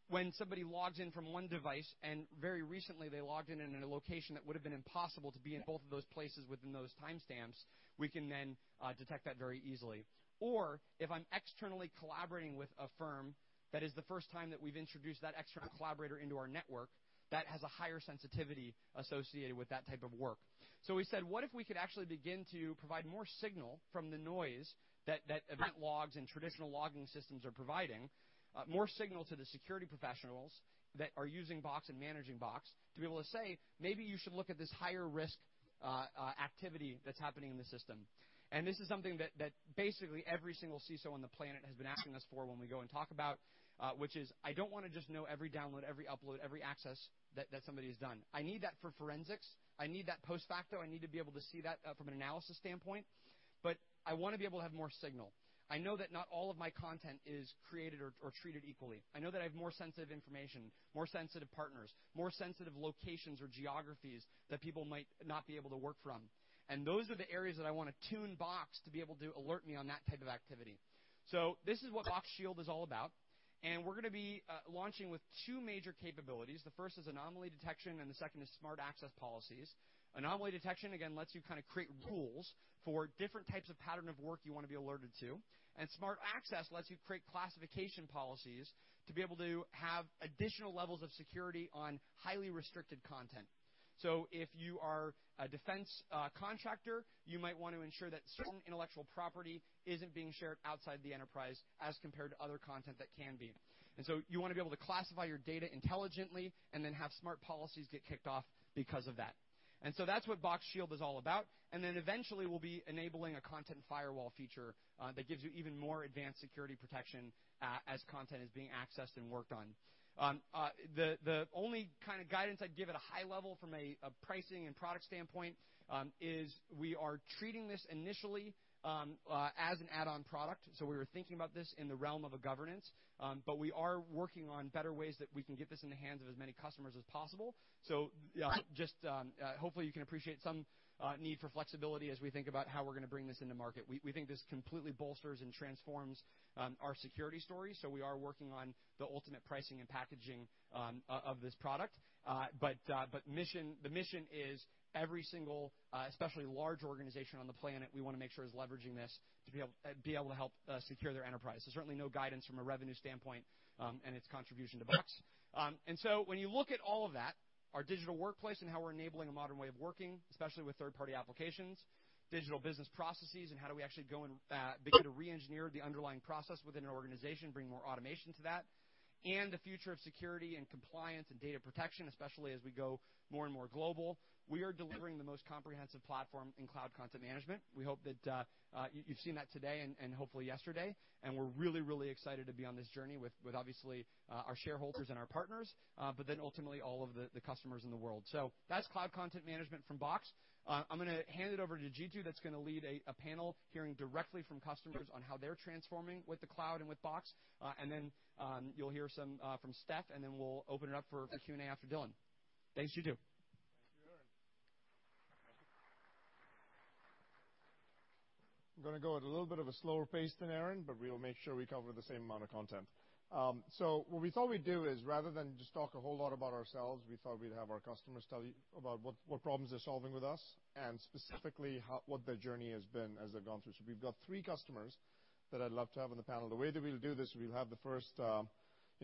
Speaker 2: When somebody logs in from one device and very recently they logged in in a location that would've been impossible to be in both of those places within those timestamps, we can then detect that very easily. If I'm externally collaborating with a firm, that is the first time that we've introduced that external collaborator into our network, that has a higher sensitivity associated with that type of work. We said, what if we could actually begin to provide more signal from the noise that event logs and traditional logging systems are providing, more signal to the security professionals that are using Box and managing Box to be able to say, "Maybe you should look at this higher risk activity that's happening in the system." This is something that basically every single CISO on the planet has been asking us for when we go and talk about, which is, I don't want to just know every download, every upload, every access that somebody has done. I need that for forensics. I need that post facto. I need to be able to see that from an analysis standpoint. I want to be able to have more signal. I know that not all of my content is created or treated equally. Those are the areas that I want to tune Box to be able to alert me on that type of activity. This is what Box Shield is all about, and we're going to be launching with two major capabilities. The first is anomaly detection and the second is smart access policies. Anomaly detection, again, lets you create rules for different types of pattern of work you want to be alerted to. Smart access lets you create classification policies to be able to have additional levels of security on highly restricted content. If you are a defense contractor, you might want to ensure that certain intellectual property isn't being shared outside the enterprise as compared to other content that can be. You want to be able to classify your data intelligently and then have smart policies get kicked off because of that. That's what Box Shield is all about. Eventually, we'll be enabling a content firewall feature that gives you even more advanced security protection as content is being accessed and worked on. The only kind of guidance I'd give at a high level from a pricing and product standpoint is we are treating this initially as an add-on product. We were thinking about this in the realm of a governance. We are working on better ways that we can get this in the hands of as many customers as possible. Just hopefully you can appreciate some need for flexibility as we think about how we're going to bring this into market. We think this completely bolsters and transforms our security story. We are working on the ultimate pricing and packaging of this product. The mission is every single, especially large organization on the planet, we want to make sure is leveraging this to be able to help secure their enterprise. There's certainly no guidance from a revenue standpoint and its contribution to Box. When you look at all of that, our digital workplace and how we're enabling a modern way of working, especially with third-party applications, digital business processes, and how do we actually go and begin to re-engineer the underlying process within an organization, bring more automation to that, and the future of security and compliance and data protection, especially as we go more and more global. We are delivering the most comprehensive platform in cloud content management. We hope that you've seen that today and hopefully yesterday. We're really excited to be on this journey with obviously our shareholders and our partners, ultimately all of the customers in the world. That's cloud content management from Box. I'm going to hand it over to Jeetu, that's going to lead a panel hearing directly from customers on how they're transforming with the cloud and with Box. You'll hear some from Stef. We'll open it up for Q&A after Dylan. Thanks, Jeetu.
Speaker 3: Thank you, Aaron. I'm going to go at a little bit of a slower pace than Aaron, we'll make sure we cover the same amount of content. What we thought we'd do is, rather than just talk a whole lot about ourselves, we thought we'd have our customers tell you about what problems they're solving with us and specifically what their journey has been as they've gone through. We've got three customers that I'd love to have on the panel. The way that we'll do this, we'll have the first 20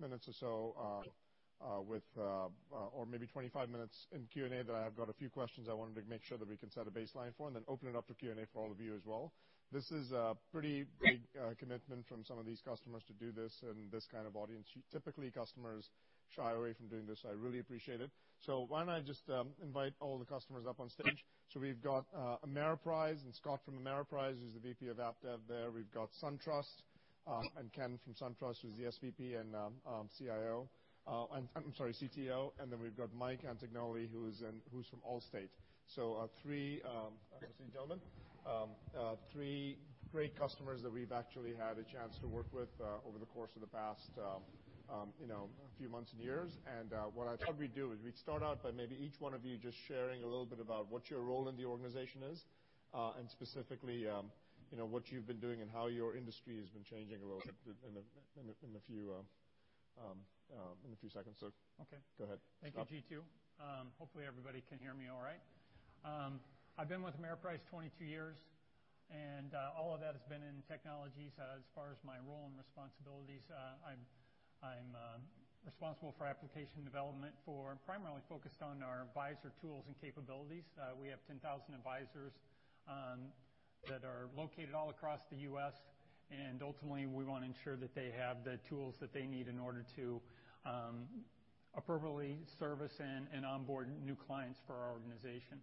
Speaker 3: minutes or so with or maybe 25 minutes in Q&A that I've got a few questions I wanted to make sure that we can set a baseline for, and then open it up to Q&A for all of you as well. This is a pretty big commitment from some of these customers to do this in this kind of audience. Typically, customers shy away from doing this. I really appreciate it. Why don't I just invite all the customers up on stage? We've got Ameriprise, and Scott from Ameriprise, who's the VP of App Dev there. We've got SunTrust, and Ken from SunTrust, who's the SVP and CIO I'm sorry, CTO. We've got Mike Antognoli, who's from Allstate. Three gentlemen. Three great customers that we've actually had a chance to work with, over the course of the past few months and years. What I thought we'd do is we'd start out by maybe each one of you just sharing a little bit about what your role in the organization is, and specifically, what you've been doing and how your industry has been changing a little bit in a few seconds.
Speaker 4: Okay.
Speaker 3: Go ahead.
Speaker 4: Thank you, Jeetu. Hopefully, everybody can hear me all right. I've been with Ameriprise 22 years, and all of that has been in technology. As far as my role and responsibilities, I'm responsible for application development for primarily focused on our advisor tools and capabilities. We have 10,000 advisors that are located all across the U.S., and ultimately, we want to ensure that they have the tools that they need in order to appropriately service and onboard new clients for our organization.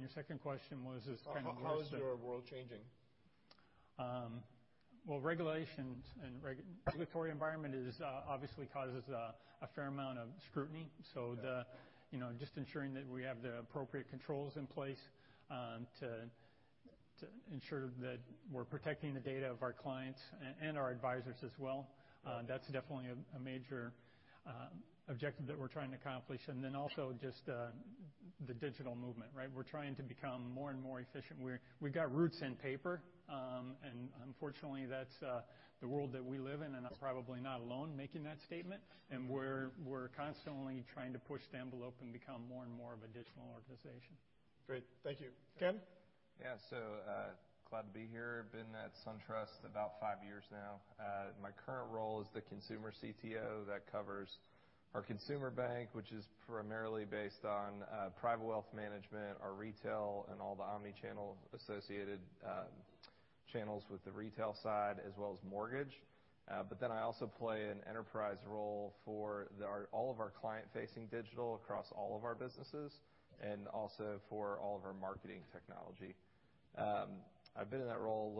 Speaker 4: Your second question was,
Speaker 3: How is your world changing?
Speaker 4: Well, regulations and regulatory environment obviously causes a fair amount of scrutiny. Yeah. Just ensuring that we have the appropriate controls in place to ensure that we're protecting the data of our clients and our advisors as well, that's definitely a major objective that we're trying to accomplish. Also just the digital movement, right? We're trying to become more and more efficient. We've got roots in paper, and unfortunately, that's the world that we live in, and I'm probably not alone making that statement. We're constantly trying to push the envelope and become more and more of a digital organization.
Speaker 3: Great. Thank you. Ken?
Speaker 5: Yeah. Glad to be here. Been at SunTrust about five years now. My current role is the consumer CTO that covers our consumer bank, which is primarily based on private wealth management, our retail, and all the omni-channel associated channels with the retail side, as well as mortgage. I also play an enterprise role for all of our client-facing digital across all of our businesses and also for all of our marketing technology. I've been in that role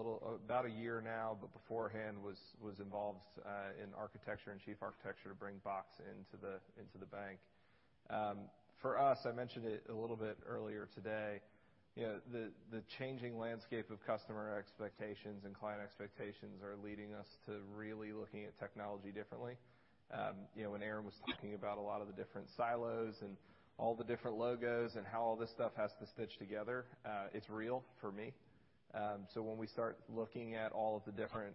Speaker 5: about a year now, but beforehand was involved in architecture and chief architecture to bring Box into the bank. For us, I mentioned it a little bit earlier today, the changing landscape of customer expectations and client expectations are leading us to really looking at technology differently. When Aaron was talking about a lot of the different silos and all the different logos and how all this stuff has to stitch together, it's real for me. When we start looking at all of the different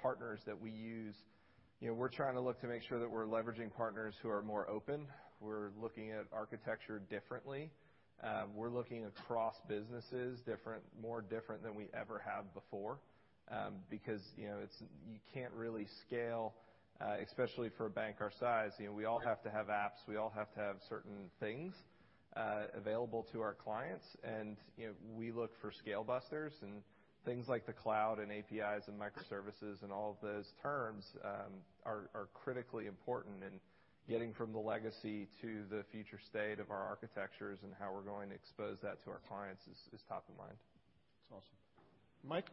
Speaker 5: partners that we use, we're trying to look to make sure that we're leveraging partners who are more open. We're looking at architecture differently. We're looking across businesses more different than we ever have before. You can't really scale, especially for a bank our size. We all have to have apps, we all have to have certain things available to our clients. We look for scale busters and things like the cloud and APIs and microservices and all of those terms are critically important in getting from the legacy to the future state of our architectures, and how we're going to expose that to our clients is top of mind.
Speaker 3: That's awesome. Mike?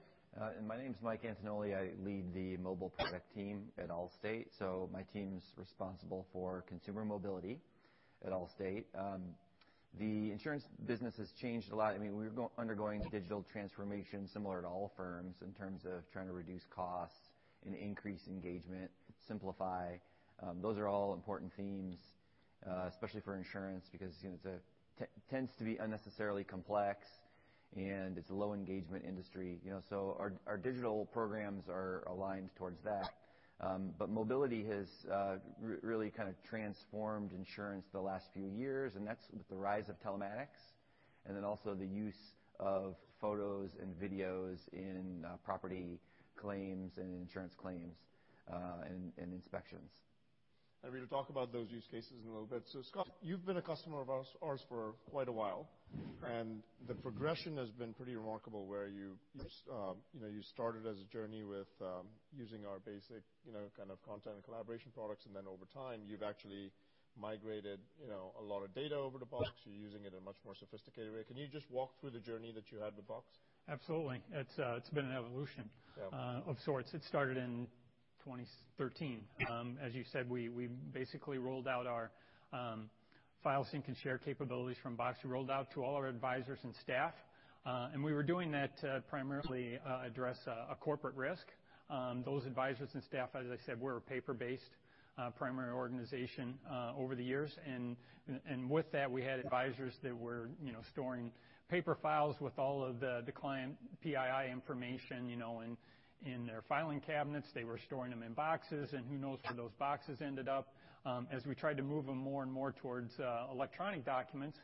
Speaker 6: My name's Mike Antognoli. I lead the mobile product team at Allstate. My team's responsible for consumer mobility at Allstate. The insurance business has changed a lot. We're undergoing digital transformation similar to all firms in terms of trying to reduce costs and increase engagement, simplify. Those are all important themes, especially for insurance, because it tends to be unnecessarily complex, and it's a low engagement industry. Our digital programs are aligned towards that. Mobility has really kind of transformed insurance the last few years, and that's with the rise of telematics, and then also the use of photos and videos in property claims and insurance claims, and inspections.
Speaker 3: We're going to talk about those use cases in a little bit. Scott, you've been a customer of ours for quite a while.
Speaker 4: Correct.
Speaker 3: The progression has been pretty remarkable, where you started as a journey with using our basic kind of content and collaboration products, and then over time, you've actually migrated a lot of data over to Box. You're using it in a much more sophisticated way. Can you just walk through the journey that you had with Box?
Speaker 4: Absolutely. It's been an evolution. Yeah of sorts. It started in 2013. As you said, we basically rolled out our file sync and share capabilities from Box. We rolled out to all our advisors and staff. We were doing that to primarily address a corporate risk. Those advisors and staff, as I said, were a paper-based primary organization over the years. With that, we had advisors that were storing paper files with all of the client PII information in their filing cabinets. They were storing them in boxes, and who knows where those boxes ended up. As we tried to move them more and more towards electronic documents,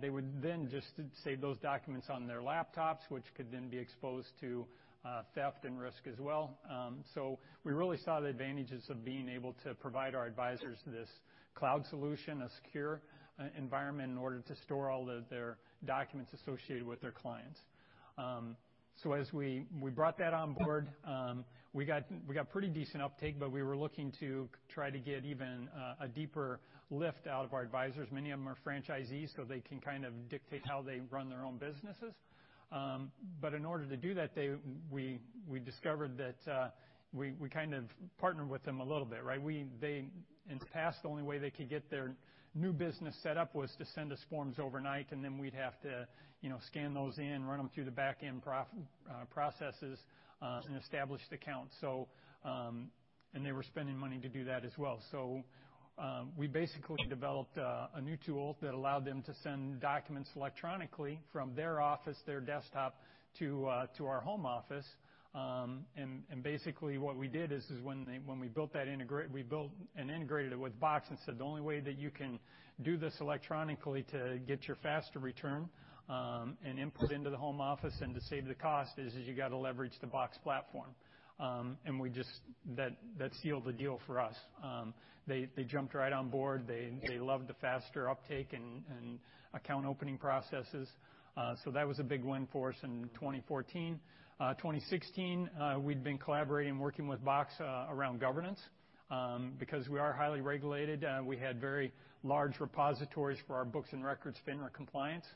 Speaker 4: they would then just save those documents on their laptops, which could then be exposed to theft and risk as well. We really saw the advantages of being able to provide our advisors this cloud solution, a secure environment in order to store all of their documents associated with their clients. As we brought that on board, we got pretty decent uptake, but we were looking to try to get even a deeper lift out of our advisors. Many of them are franchisees. They can kind of dictate how they run their own businesses. In order to do that, we discovered that we kind of partnered with them a little bit, right? In the past, the only way they could get their new business set up was to send us forms overnight. We'd have to scan those in, run them through the back-end processes, and establish the account. They were spending money to do that as well. We basically developed a new tool that allowed them to send documents electronically from their office, their desktop, to our home office. Basically, what we did is when we built and integrated it with Box and said, "The only way that you can do this electronically to get your faster return, and input into the home office and to save the cost is you got to leverage the Box Platform." That sealed the deal for us. They jumped right on board. They loved the faster uptake and account opening processes. That was a big win for us in 2014. 2016, we'd been collaborating, working with Box, around governance. Because we are highly regulated, we had very large repositories for our books and records, FINRA compliance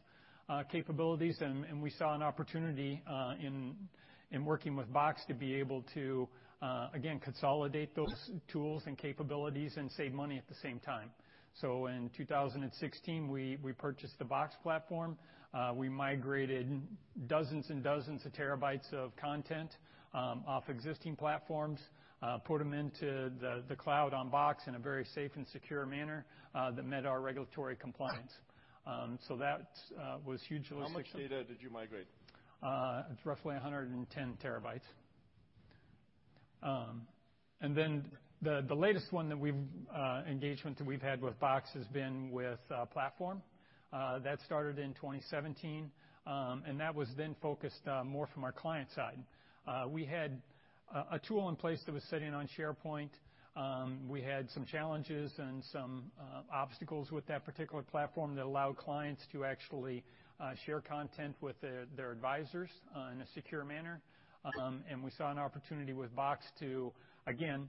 Speaker 4: capabilities, we saw an opportunity in working with Box to be able to, again, consolidate those tools and capabilities and save money at the same time. In 2016, we purchased the Box Platform. We migrated dozens and dozens of terabytes of content off existing platforms, put them into the cloud on Box in a very safe and secure manner, that met our regulatory compliance. That was huge.
Speaker 3: How much data did you migrate?
Speaker 4: Roughly 110 terabytes. The latest one engagement that we've had with Box has been with Platform. That started in 2017, that was then focused more from our client side. We had a tool in place that was sitting on SharePoint. We had some challenges and some obstacles with that particular platform that allowed clients to actually share content with their advisors in a secure manner. We saw an opportunity with Box to, again,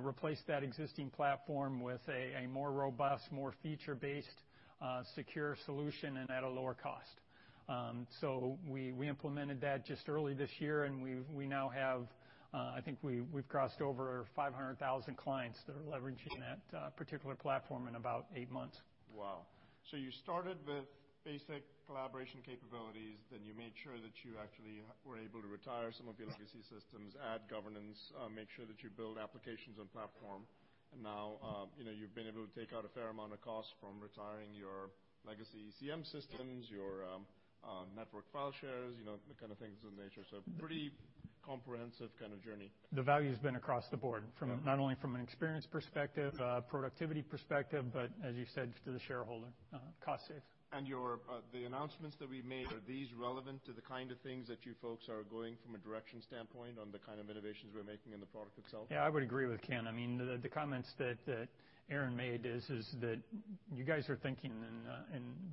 Speaker 4: replace that existing platform with a more robust, more feature-based, secure solution and at a lower cost. We implemented that just early this year, and we now have, I think we've crossed over 500,000 clients that are leveraging that particular platform in about eight months.
Speaker 3: Wow. You started with basic collaboration capabilities, you made sure that you actually were able to retire some of your legacy systems, add governance, make sure that you build applications and platform. Now, you've been able to take out a fair amount of cost from retiring your legacy CM systems, your network file shares, that kind of things in nature. Pretty comprehensive kind of journey.
Speaker 4: The value's been across the board.
Speaker 3: Yeah.
Speaker 4: Not only from an experience perspective, a productivity perspective, but as you said, to the shareholder, cost save.
Speaker 3: The announcements that we've made, are these relevant to the kind of things that you folks are going from a direction standpoint on the kind of innovations we're making in the product itself?
Speaker 4: Yeah, I would agree with Ken. The comments that Aaron made is that you guys are thinking,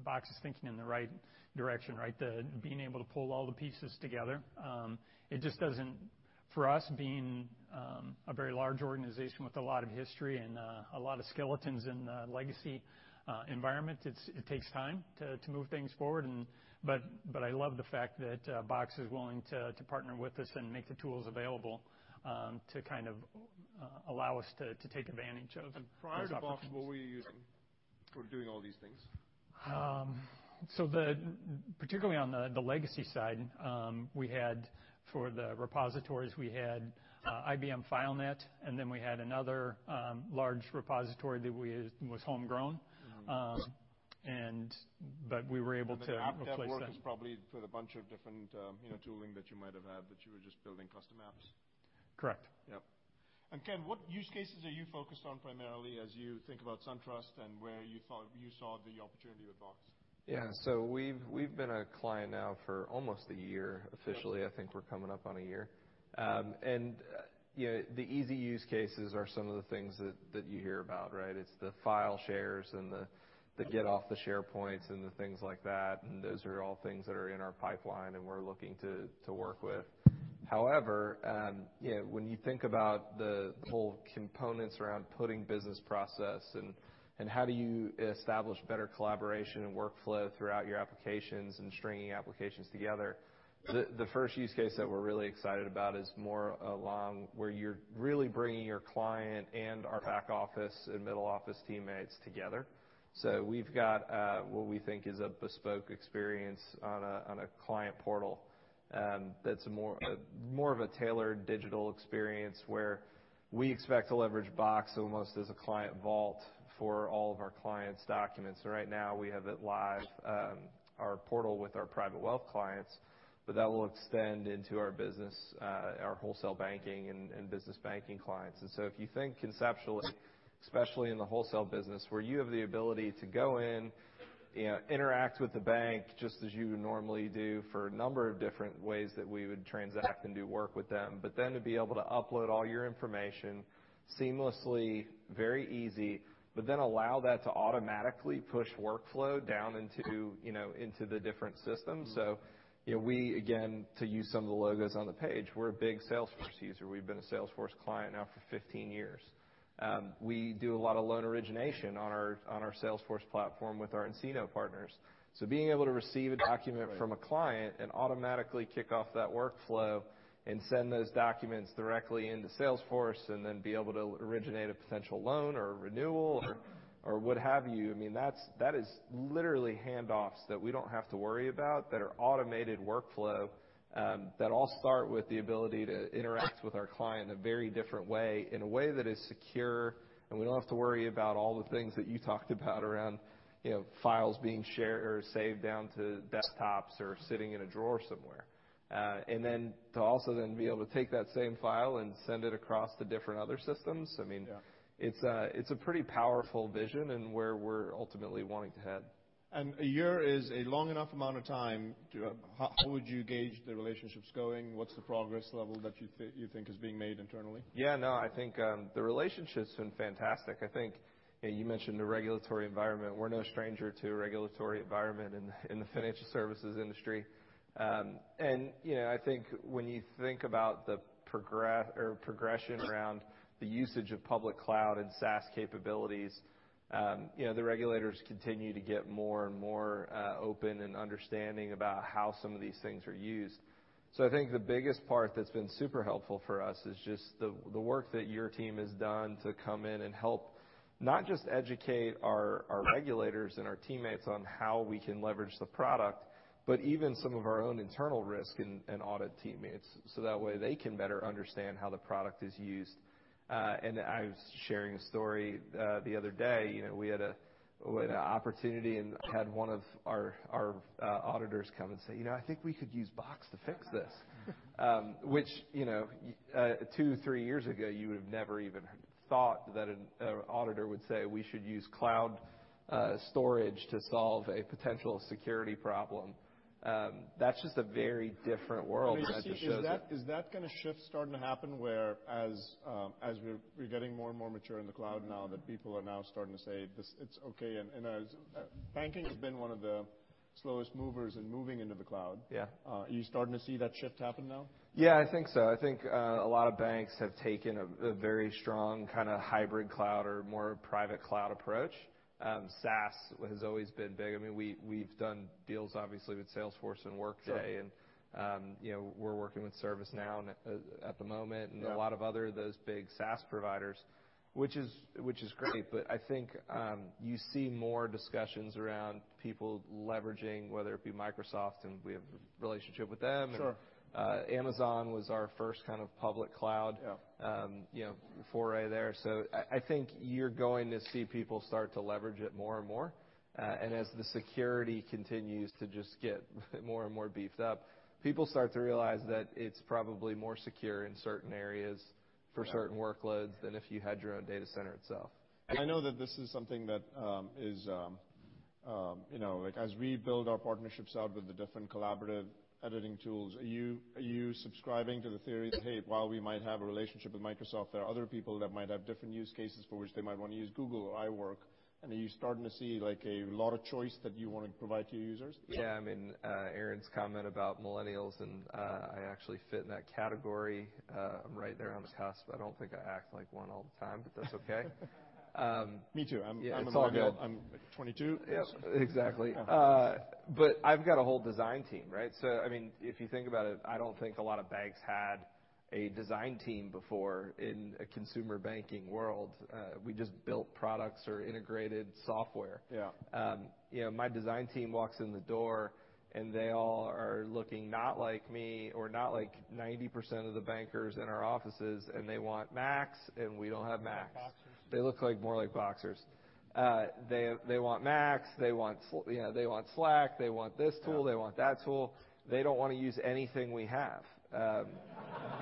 Speaker 4: Box is thinking in the right direction, right? The being able to pull all the pieces together. It just doesn't, for us, being a very large organization with a lot of history and a lot of skeletons in a legacy environment, it takes time to move things forward. I love the fact that Box is willing to partner with us and make the tools available, to kind of allow us to take advantage of those options.
Speaker 3: Prior to Box, what were you using for doing all these things?
Speaker 4: Particularly on the legacy side, we had, for the repositories, we had IBM FileNet, and then we had another large repository that was homegrown. We were able to replace that.
Speaker 3: The app dev work is probably with a bunch of different tooling that you might have had, but you were just building custom apps.
Speaker 4: Correct.
Speaker 3: Yep. Ken, what use cases are you focused on primarily as you think about SunTrust and where you saw the opportunity with Box?
Speaker 5: Yeah. We've been a client now for almost a year officially. I think we're coming up on a year. The easy use cases are some of the things that you hear about, right? It's the file shares and the get off the SharePoint and the things like that, and those are all things that are in our pipeline and we're looking to work with. However, when you think about the whole components around putting business process and how do you establish better collaboration and workflow throughout your applications and stringing applications together, the first use case that we're really excited about is more along where you're really bringing your client and our back-office and middle-office teammates together. We've got, what we think is a bespoke experience on a client portal that's more of a tailored digital experience where we expect to leverage Box almost as a client vault for all of our clients' documents. Right now, we have it live, our portal with our private wealth clients, but that will extend into our business, our wholesale banking, and business banking clients. If you think conceptually, especially in the wholesale business where you have the ability to go in, interact with the bank just as you normally do for a number of different ways that we would transact and do work with them, but then to be able to upload all your information seamlessly, very easy, but then allow that to automatically push workflow down into the different systems. We, again, to use some of the logos on the page, we're a big Salesforce user. We've been a Salesforce client now for 15 years. We do a lot of loan origination on our Salesforce platform with our nCino partners. Being able to receive a document from a client and automatically kick off that workflow and send those documents directly into Salesforce and then be able to originate a potential loan or renewal or what have you, that is literally handoffs that we don't have to worry about that are automated workflow, that all start with the ability to interact with our client in a very different way, in a way that is secure and we don't have to worry about all the things that you talked about around files being shared or saved down to desktops or sitting in a drawer somewhere. To also then be able to take that same file and send it across to different other systems, it's a pretty powerful vision in where we're ultimately wanting to head.
Speaker 3: A year is a long enough amount of time. How would you gauge the relationship's going? What's the progress level that you think is being made internally?
Speaker 5: I think the relationship's been fantastic. I think you mentioned the regulatory environment. We're no stranger to a regulatory environment in the financial services industry. I think when you think about the progression around the usage of public cloud and SaaS capabilities, the regulators continue to get more and more open and understanding about how some of these things are used. I think the biggest part that's been super helpful for us is just the work that your team has done to come in and help, not just educate our regulators and our teammates on how we can leverage the product, but even some of our own internal risk and audit teammates, so that way they can better understand how the product is used. I was sharing a story the other day. We had an opportunity and had one of our auditors come and say, "I think we could use Box to fix this." Which two, three years ago, you would've never even thought that an auditor would say we should use cloud storage to solve a potential security problem. That's just a very different world.
Speaker 3: Is that kind of shift starting to happen where as we're getting more and more mature in the cloud now, that people are now starting to say it's okay? As banking has been one of the slowest movers in moving into the cloud.
Speaker 5: Yeah.
Speaker 3: Are you starting to see that shift happen now?
Speaker 5: Yeah, I think so. I think a lot of banks have taken a very strong kind of hybrid cloud or more private cloud approach. SaaS has always been big. We've done deals obviously with Salesforce and Workday and we're working with ServiceNow at the moment, and a lot of other of those big SaaS providers, which is great. I think you see more discussions around people leveraging, whether it be Microsoft, and we have a relationship with them.
Speaker 3: Sure.
Speaker 5: Amazon was our first kind of public cloud foray there. I think you're going to see people start to leverage it more and more. As the security continues to just get more and more beefed up, people start to realize that it's probably more secure in certain areas for certain workloads than if you had your own data center itself.
Speaker 3: I know that this is something that is, as we build our partnerships out with the different collaborative editing tools, are you subscribing to the theory that, hey, while we might have a relationship with Microsoft, there are other people that might have different use cases for which they might want to use Google or iWork? Are you starting to see a lot of choice that you want to provide to your users?
Speaker 5: Yeah, Aaron's comment about millennials, and I actually fit in that category, I'm right there on the cusp. I don't think I act like one all the time, but that's okay.
Speaker 3: Me too.
Speaker 5: Yeah, it's all good.
Speaker 3: I'm a millennial. I'm 22.
Speaker 5: Yep, exactly. I've got a whole design team, right? If you think about it, I don't think a lot of banks had a design team before in a consumer banking world. We just built products or integrated software.
Speaker 3: Yeah.
Speaker 5: My design team walks in the door, they all are looking not like me or not like 90% of the bankers in our offices, they want Macs, and we don't have Macs.
Speaker 3: Boxers?
Speaker 5: They look more like Boxers. They want Macs, they want Slack, they want this tool, they want that tool. They don't want to use anything we have.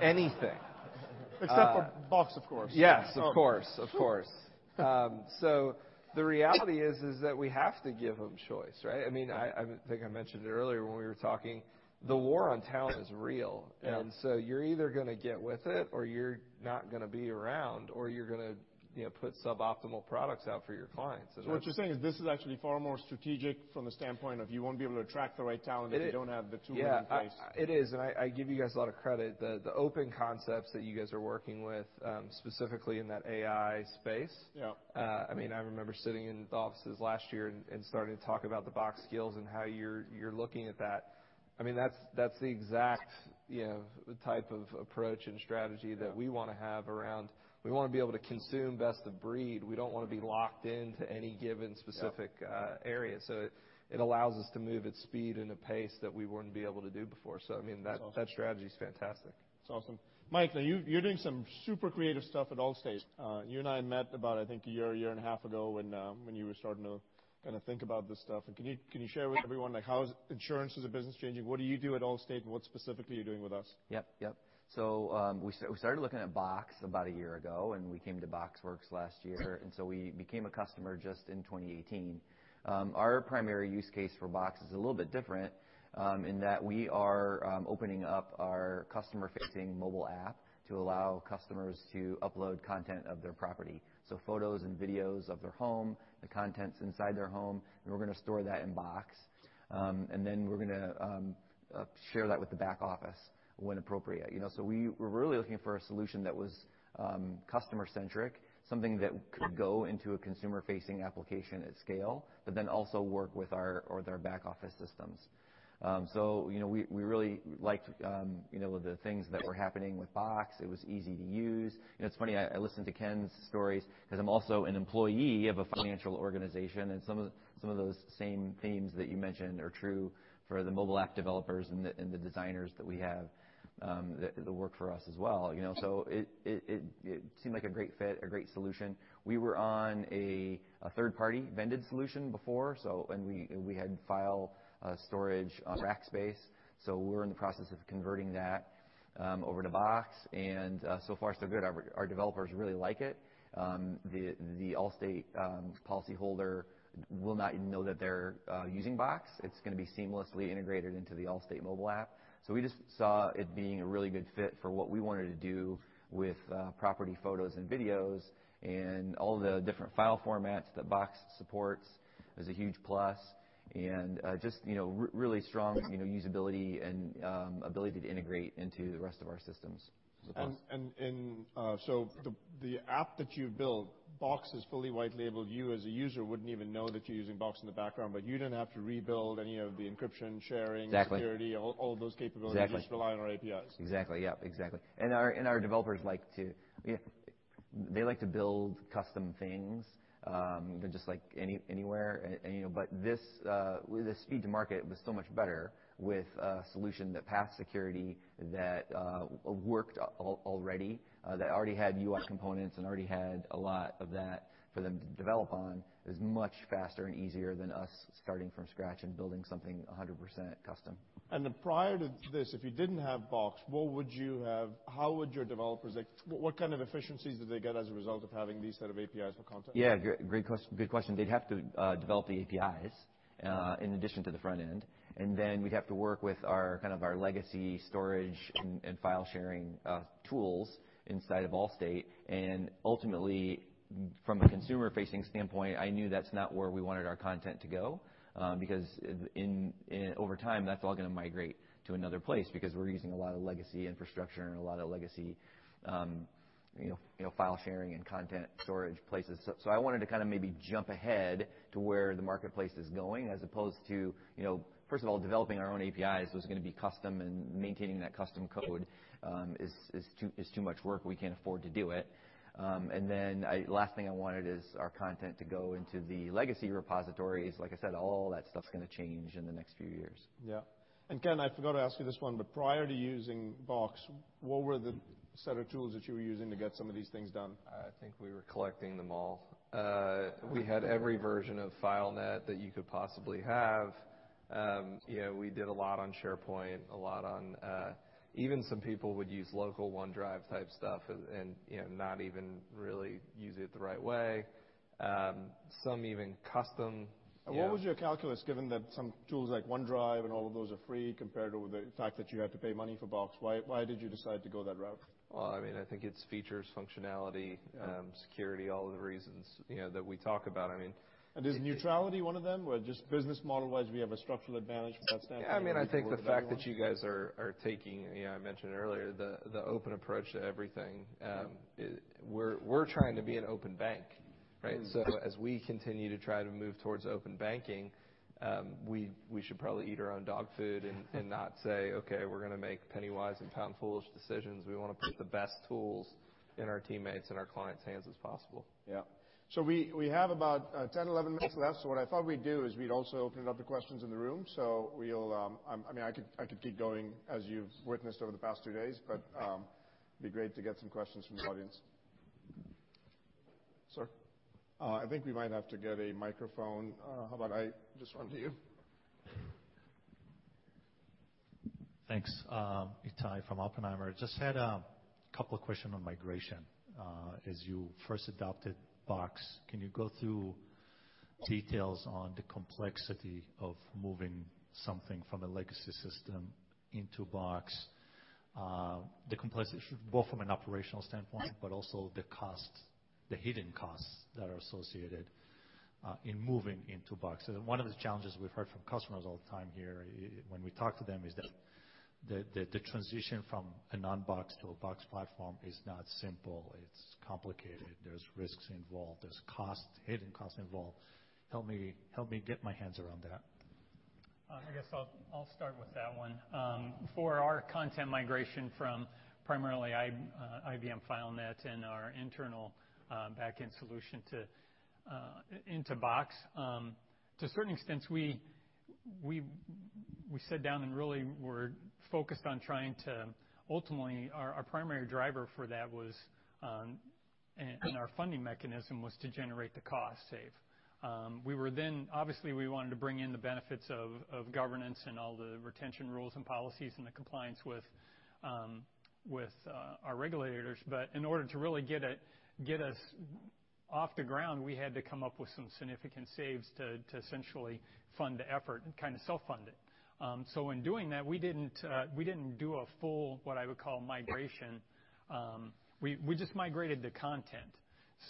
Speaker 5: Anything.
Speaker 3: Except for Box, of course.
Speaker 5: Yes, of course.
Speaker 3: Sure.
Speaker 5: The reality is that we have to give them choice, right? I think I mentioned it earlier when we were talking, the war on talent is real.
Speaker 3: Yeah.
Speaker 5: You're either going to get with it, or you're not going to be around, or you're going to put suboptimal products out for your clients.
Speaker 3: What you're saying is this is actually far more strategic from the standpoint of you won't be able to attract the right talent if you don't have the tooling in place.
Speaker 5: Yeah. It is. I give you guys a lot of credit, the open concepts that you guys are working with, specifically in that AI space.
Speaker 3: Yeah.
Speaker 5: I remember sitting in the offices last year and starting to talk about the Box Skills and how you're looking at that. That's the exact type of approach and strategy that we want to have around. We want to be able to consume best of breed. We don't want to be locked into any given specific area. It allows us to move at speed and a pace that we wouldn't be able to do before. That strategy's fantastic.
Speaker 3: That's awesome. Mike, now you're doing some super creative stuff at Allstate. You and I met about, I think, a year and a half ago when you were starting to think about this stuff. Can you share with everyone, how is insurance as a business changing? What do you do at Allstate, and what specifically are you doing with us?
Speaker 6: We started looking at Box about a year ago, and we came to BoxWorks last year. We became a customer just in 2018. Our primary use case for Box is a little bit different, in that we are opening up our customer-facing mobile app to allow customers to upload content of their property. Photos and videos of their home, the contents inside their home, and we're going to store that in Box. Then we're going to share that with the back office when appropriate. We were really looking for a solution that was customer-centric, something that could go into a consumer-facing application at scale, but then also work with our back office systems. We really liked the things that were happening with Box. It was easy to use. It's funny, I listen to Ken's stories because I'm also an employee of a financial organization, and some of those same themes that you mentioned are true for the mobile app developers and the designers that we have that work for us as well. It seemed like a great fit, a great solution. We were on a third-party vended solution before, and we had file storage Rackspace. We're in the process of converting that over to Box, and so far, so good. Our developers really like it. The Allstate policyholder will not even know that they're using Box. It's going to be seamlessly integrated into the Allstate mobile app. We just saw it being a really good fit for what we wanted to do with property photos and videos, and all the different file formats that Box supports is a huge plus, and just really strong usability and ability to integrate into the rest of our systems as well.
Speaker 3: The app that you've built, Box is fully white labeled. You as a user wouldn't even know that you're using Box in the background, but you didn't have to rebuild any of the encryption, sharing.
Speaker 6: Exactly.
Speaker 3: -security, all those capabilities.
Speaker 6: Exactly.
Speaker 3: You're just relying on APIs.
Speaker 6: Exactly. Our developers like to build custom things, just like anywhere. The speed to market was so much better with a solution that passed security, that worked already, that already had UI components and already had a lot of that for them to develop on, is much faster and easier than us starting from scratch and building something 100% custom.
Speaker 3: Prior to this, if you didn't have Box, what would you have How would your developers What kind of efficiencies did they get as a result of having these set of APIs for content?
Speaker 6: Great question. They'd have to develop the APIs in addition to the front end. We'd have to work with our legacy storage and file-sharing tools inside of Allstate, ultimately, from a consumer-facing standpoint, I knew that's not where we wanted our content to go, because over time, that's all going to migrate to another place, because we're using a lot of legacy infrastructure and a lot of legacy file sharing and content storage places. I wanted to maybe jump ahead to where the marketplace is going, as opposed to, first of all, developing our own APIs was going to be custom, maintaining that custom code is too much work. We can't afford to do it. Last thing I wanted is our content to go into the legacy repositories. Like I said, all that stuff's going to change in the next few years.
Speaker 3: Ken, I forgot to ask you this one, prior to using Box, what were the set of tools that you were using to get some of these things done?
Speaker 5: I think we were collecting them all. We had every version of FileNet that you could possibly have. We did a lot on SharePoint. Even some people would use local OneDrive type stuff and not even really use it the right way.
Speaker 3: What was your calculus, given that some tools like OneDrive and all of those are free, compared with the fact that you had to pay money for Box? Why did you decide to go that route?
Speaker 5: I think it's features, functionality, security, all of the reasons that we talk about.
Speaker 3: Is neutrality one of them? Where just business model-wise, we have a structural advantage from that standpoint?
Speaker 5: I think the fact that you guys are taking, I mentioned it earlier, the open approach to everything. We're trying to be an open bank, right? As we continue to try to move towards open banking, we should probably eat our own dog food and not say, "Okay, we're going to make penny-wise and pound-foolish decisions." We want to put the best tools in our teammates' and our clients' hands as possible.
Speaker 3: Yeah. We have about 10, 11 minutes left, so what I thought we'd do is we'd also open it up to questions in the room. I could keep going as you've witnessed over the past two days, but it'd be great to get some questions from the audience. Sir? I think we might have to get a microphone. How about I just run to you?
Speaker 7: Thanks. Ittai from Oppenheimer. Just had a couple of questions on migration. As you first adopted Box, can you go through details on the complexity of moving something from a legacy system into Box? The complexity, both from an operational standpoint, but also the costs, the hidden costs that are associated in moving into Box. One of the challenges we have heard from customers all the time here when we talk to them is that the transition from a non-Box to a Box Platform is not simple. It's complicated. There's risks involved. There's hidden costs involved. Help me get my hands around that.
Speaker 4: I guess I'll start with that one. For our content migration from primarily IBM FileNet and our internal back-end solution into Box, to a certain extent, we sat down and really were focused on trying to, ultimately, our primary driver for that and our funding mechanism was to generate the cost save. Obviously, we wanted to bring in the benefits of governance and all the retention rules and policies, and the compliance with our regulators. In order to really get us off the ground, we had to come up with some significant saves to essentially fund the effort and kind of self-fund it. In doing that, we didn't do a full, what I would call migration. We just migrated the content.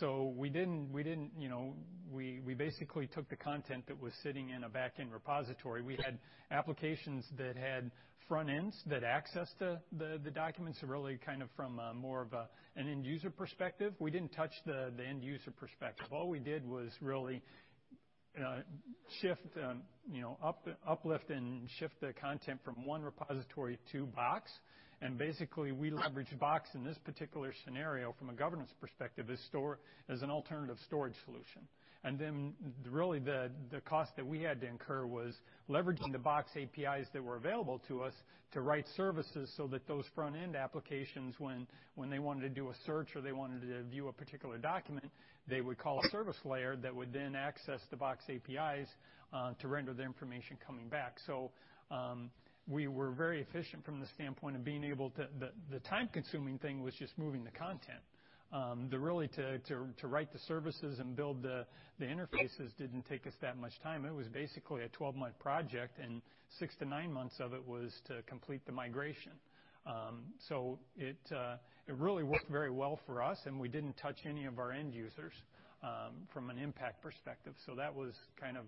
Speaker 4: We basically took the content that was sitting in a back-end repository. We had applications that had front ends that accessed the documents, really from more of an end-user perspective. We didn't touch the end-user perspective. All we did was really uplift and shift the content from one repository to Box. Basically, we leveraged Box in this particular scenario from a governance perspective as an alternative storage solution. Then really the cost that we had to incur was leveraging the Box APIs that were available to us to write services so that those front-end applications, when they wanted to do a search or they wanted to view a particular document, they would call a service layer that would then access the Box APIs to render the information coming back. We were very efficient from the standpoint of being able to. The time-consuming thing was just moving the content. To write the services and build the interfaces didn't take us that much time. It was basically a 12-month project, and 6 to 9 months of it was to complete the migration. It really worked very well for us, and we didn't touch any of our end users from an impact perspective. That was kind of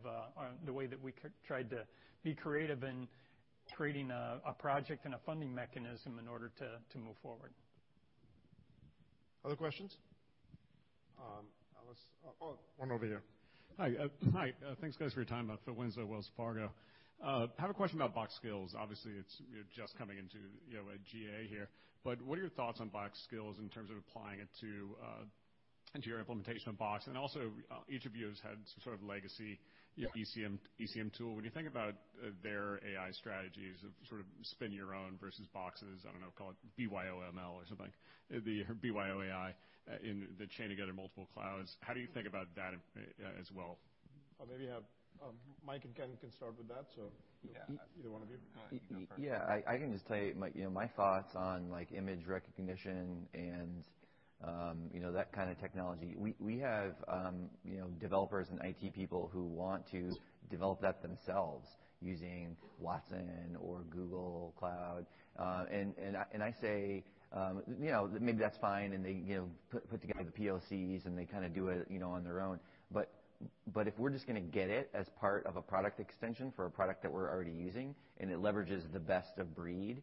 Speaker 4: the way that we tried to be creative in creating a project and a funding mechanism in order to move forward.
Speaker 3: Other questions? One over here.
Speaker 8: Hi. Thanks, guys, for your time. Phil Winslow, Wells Fargo. Have a question about Box Skills. Obviously, you're just coming into a GA here, what are your thoughts on Box Skills in terms of applying it into your implementation of Box? Each of you has had some sort of legacy ECM tool. When you think about their AI strategies of sort of spin your own versus Box's, I don't know, call it BYOML or something, the BYOAI in the chain together multiple clouds, how do you think about that as well?
Speaker 3: Maybe Mike and Ken can start with that. Either one of you.
Speaker 6: Yeah, I can just tell you my thoughts on image recognition and that kind of technology. We have developers and IT people who want to develop that themselves using Watson or Google Cloud. I say maybe that's fine, and they put together the POCs and they do it on their own. If we're just going to get it as part of a product extension for a product that we're already using, and it leverages the best of breed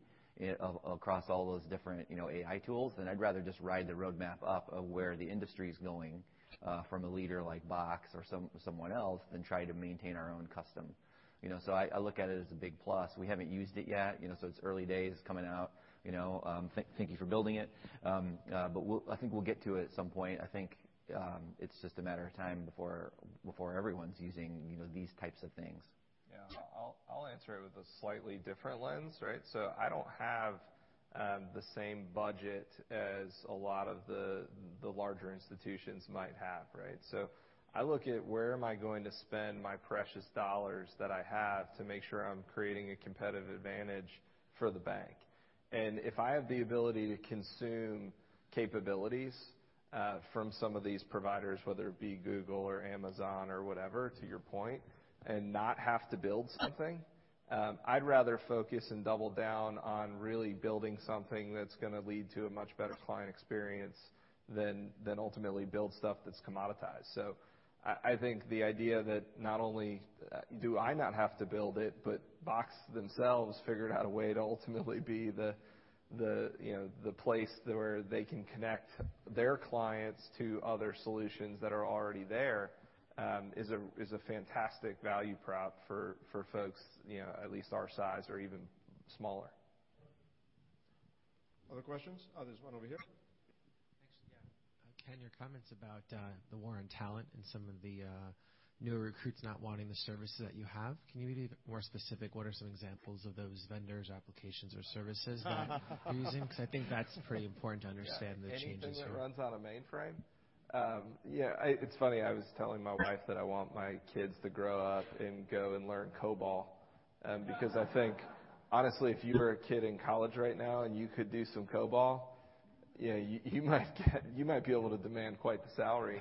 Speaker 6: across all those different AI tools, then I'd rather just ride the roadmap up of where the industry's going from a leader like Box or someone else than try to maintain our own custom. I look at it as a big plus. We haven't used it yet, so it's early days coming out. Thank you for building it. I think we'll get to it at some point.
Speaker 9: I think it's just a matter of time before everyone's using these types of things.
Speaker 5: Yeah. I'll answer it with a slightly different lens, right? I don't have the same budget as a lot of the larger institutions might have, right? I look at where am I going to spend my precious dollars that I have to make sure I'm creating a competitive advantage for the bank. If I have the ability to consume capabilities from some of these providers, whether it be Google or Amazon or whatever, to your point, and not have to build something, I'd rather focus and double down on really building something that's going to lead to a much better client experience than ultimately build stuff that's commoditized. I think the idea that not only do I not have to build it, but Box themselves figured out a way to ultimately be the place where they can connect their clients to other solutions that are already there is a fantastic value prop for folks at least our size or even smaller.
Speaker 3: Other questions? There's one over here.
Speaker 10: Thanks. Yeah. Ken, your comments about the war on talent and some of the newer recruits not wanting the services that you have, can you be more specific? What are some examples of those vendors, applications or services that you're using? Because I think that's pretty important to understand the changes.
Speaker 5: Yeah. Anything that runs on a mainframe. It's funny, I was telling my wife that I want my kids to grow up and go and learn COBOL because I think honestly, if you were a kid in college right now and you could do some COBOL, you might be able to demand quite the salary.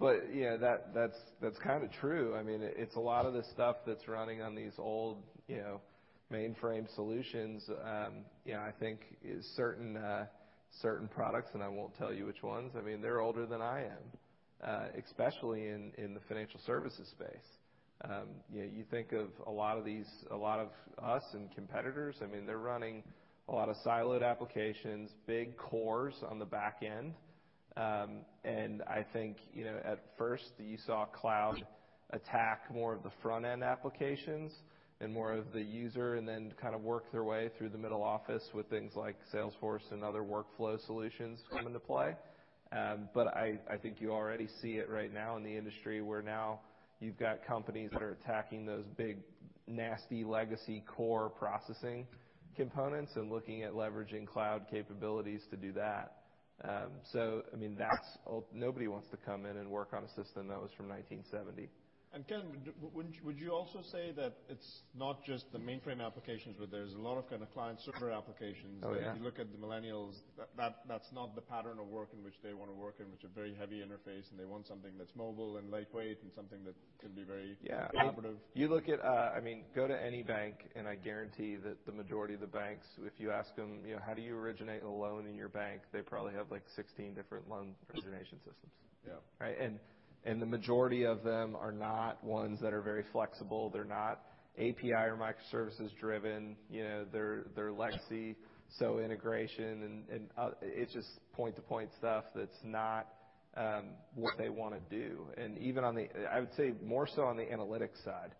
Speaker 5: That's true. It's a lot of the stuff that's running on these old mainframe solutions I think certain products, and I won't tell you which ones, they're older than I am, especially in the financial services space. You think of a lot of us and competitors, they're running a lot of siloed applications, big cores on the back end. I think at first you saw cloud attack more of the front-end applications and more of the user and then work their way through the middle office with things like Salesforce and other workflow solutions come into play. I think you already see it right now in the industry, where now you've got companies that are attacking those big, nasty legacy core processing components and looking at leveraging cloud capabilities to do that. Nobody wants to come in and work on a system that was from 1970.
Speaker 3: Ken, would you also say that it's not just the mainframe applications but there's a lot of client server applications-
Speaker 5: Oh, yeah
Speaker 3: if you look at the millennials, that's not the pattern of work in which they want to work in, which are very heavy interface, and they want something that's mobile and lightweight and something that can be very collaborative.
Speaker 5: Go to any bank and I guarantee that the majority of the banks, if you ask them how do you originate a loan in your bank, they probably have 16 different loan origination systems.
Speaker 3: Yeah.
Speaker 5: The majority of them are not ones that are very flexible. They're not API or microservices driven. They're legacy. Integration and it's just point-to-point stuff that's not what they want to do. Even, I would say more so on the analytics side.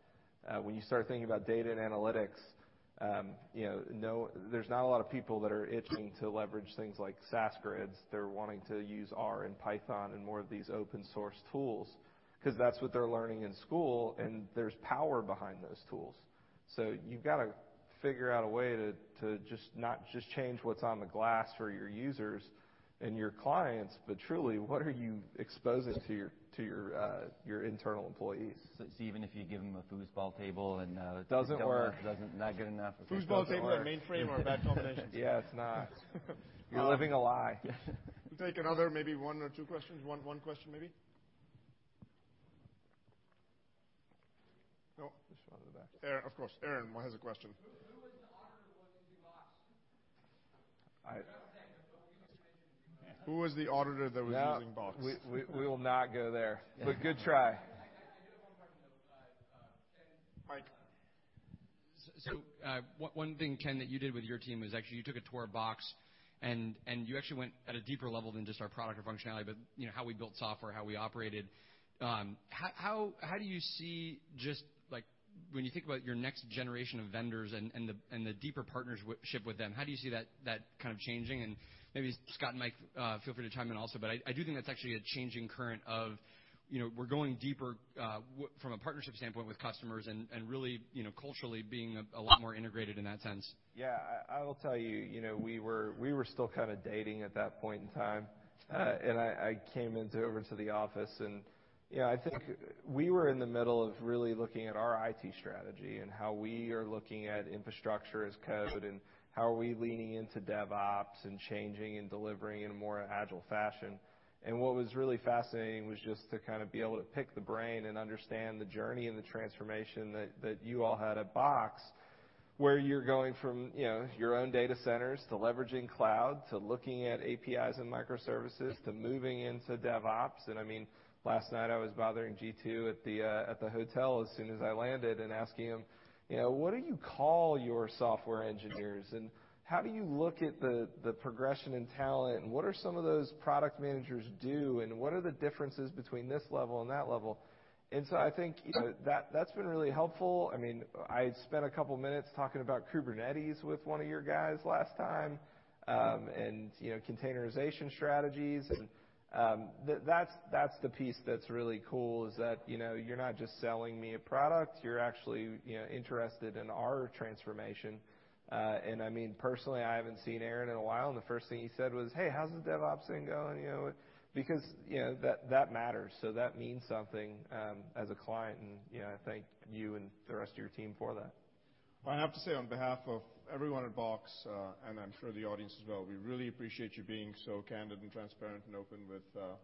Speaker 5: When you start thinking about data and analytics, there's not a lot of people that are itching to leverage things like SAS grids. They're wanting to use R and Python and more of these open source tools because that's what they're learning in school, and there's power behind those tools. You've got to figure out a way to not just change what's on the glass for your users and your clients, but truly, what are you exposing to your internal employees.
Speaker 6: Even if you give them a foosball table.
Speaker 5: Doesn't work It's not good enough.
Speaker 3: Foosball table and mainframe are a bad combination.
Speaker 5: Yeah, it's not. You're living a lie.
Speaker 6: Yeah.
Speaker 3: We'll take another maybe one or two questions. One question, maybe. No.
Speaker 5: There's one at the back.
Speaker 3: Of course. Aaron has a question.
Speaker 2: Who was the auditor working for Box?
Speaker 5: I-
Speaker 3: Who was the auditor that was using Box?
Speaker 5: We will not go there, but good try.
Speaker 2: I do have one question, though.
Speaker 3: Mike. One thing, Ken, that you did with your team was actually you took a tour of Box, and you actually went at a deeper level than just our product or functionality, but how we built software, how we operated. How do you see just like when you think about your next generation of vendors and the deeper partnership with them, how do you see that changing? Maybe Scott and Mike feel free to chime in also, but I do think that's actually a changing current of we're going deeper from a partnership standpoint with customers and really culturally being a lot more integrated in that sense.
Speaker 5: Yeah. I will tell you, we were still kind of dating at that point in time. I came over to the office, and I think we were in the middle of really looking at our IT strategy and how we are looking at infrastructure as code, and how are we leaning into DevOps and changing and delivering in a more agile fashion. What was really fascinating was just to be able to pick the brain and understand the journey and the transformation that you all had at Box, where you're going from your own data centers to leveraging cloud, to looking at APIs and microservices, to moving into DevOps. Last night I was bothering Jeetu at the hotel as soon as I landed and asking him, "What do you call your software engineers? How do you look at the progression in talent, and what are some of those product managers do, and what are the differences between this level and that level?" I think that's been really helpful. I spent a couple of minutes talking about Kubernetes with one of your guys last time, and containerization strategies. That's the piece that's really cool is that you're not just selling me a product, you're actually interested in our transformation. Personally, I haven't seen Aaron in a while, and the first thing he said was, "Hey, how's the DevOps thing going?" Because that matters. That means something as a client, and I thank you and the rest of your team for that.
Speaker 3: Well, I have to say on behalf of everyone at Box, I'm sure the audience as well, we really appreciate you being so candid and transparent and open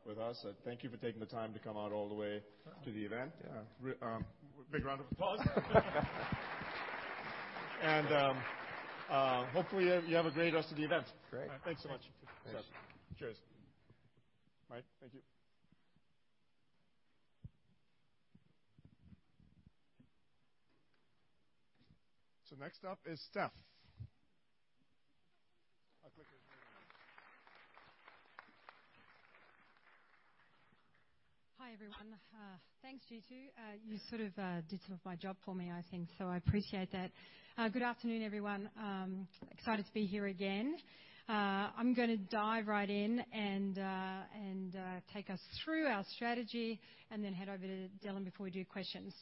Speaker 3: with us. Thank you for taking the time to come out all the way to the event. Big round of applause. Hopefully you have a great rest of the event.
Speaker 5: Great.
Speaker 3: Thanks so much.
Speaker 5: Thanks.
Speaker 3: Cheers. Mike, thank you. Next up is Steph.
Speaker 11: Hi, everyone. Thanks, Jeetu. You sort of did my job for me, I think, I appreciate that. Good afternoon, everyone. I'm excited to be here again. I'm going to dive right in and take us through our strategy, then head over to Dylan before we do questions.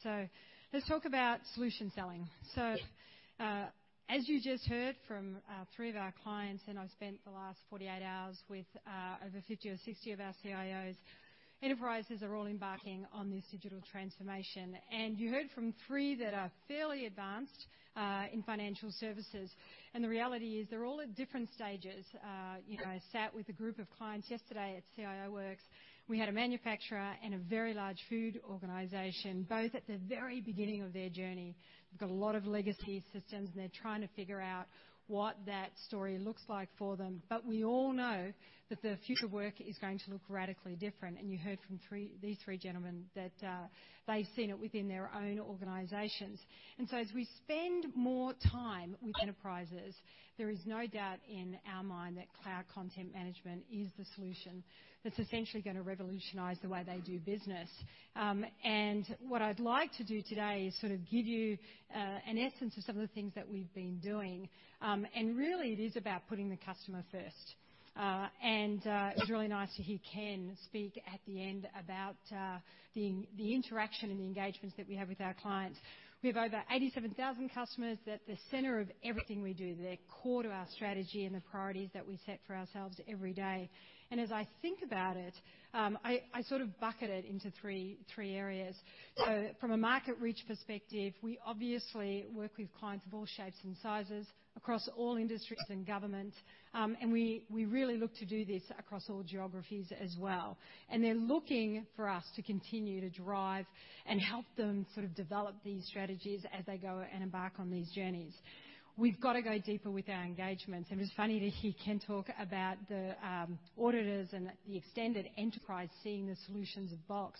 Speaker 11: Let's talk about solution selling. As you just heard from three of our clients, I've spent the last 48 hours with over 50 or 60 of our CIOs, enterprises are all embarking on this digital transformation. You heard from three that are fairly advanced in financial services. The reality is they're all at different stages. I sat with a group of clients yesterday at CIO Works. We had a manufacturer and a very large food organization, both at the very beginning of their journey. They've got a lot of legacy systems, they're trying to figure out what that story looks like for them. We all know that the future of work is going to look radically different, you heard from these three gentlemen that they've seen it within their own organizations. As we spend more time with enterprises, there is no doubt in our mind that cloud content management is the solution that's essentially going to revolutionize the way they do business. What I'd like to do today is sort of give you an essence of some of the things that we've been doing. Really it is about putting the customer first. It was really nice to hear Ken speak at the end about the interaction and the engagements that we have with our clients. We have over 87,000 customers. They're at the center of everything we do. They're core to our strategy and the priorities that we set for ourselves every day. As I think about it, I sort of bucket it into three areas. From a market reach perspective, we obviously work with clients of all shapes and sizes across all industries and government. We really look to do this across all geographies as well. They're looking for us to continue to drive and help them sort of develop these strategies as they go and embark on these journeys. We've got to go deeper with our engagements. It was funny to hear Ken talk about the auditors and the extended enterprise seeing the solutions of Box.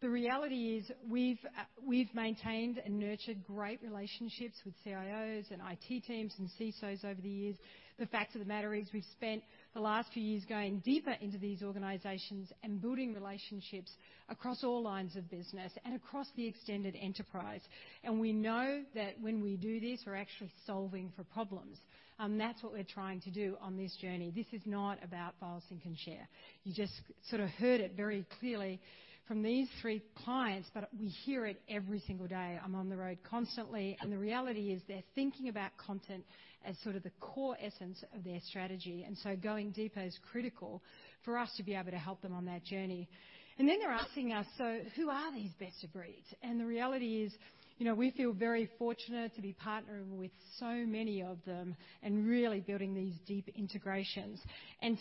Speaker 11: The reality is we've maintained and nurtured great relationships with CIOs and IT teams and CISOs over the years. The fact of the matter is we've spent the last few years going deeper into these organizations and building relationships across all lines of business and across the extended enterprise. We know that when we do this, we're actually solving for problems. That's what we're trying to do on this journey. This is not about file sync and share. You just sort of heard it very clearly from these three clients, but we hear it every single day. I'm on the road constantly, the reality is they're thinking about content as sort of the core essence of their strategy. Going deeper is critical for us to be able to help them on that journey. They're asking us, who are these best of breeds? The reality is we feel very fortunate to be partnering with so many of them and really building these deep integrations.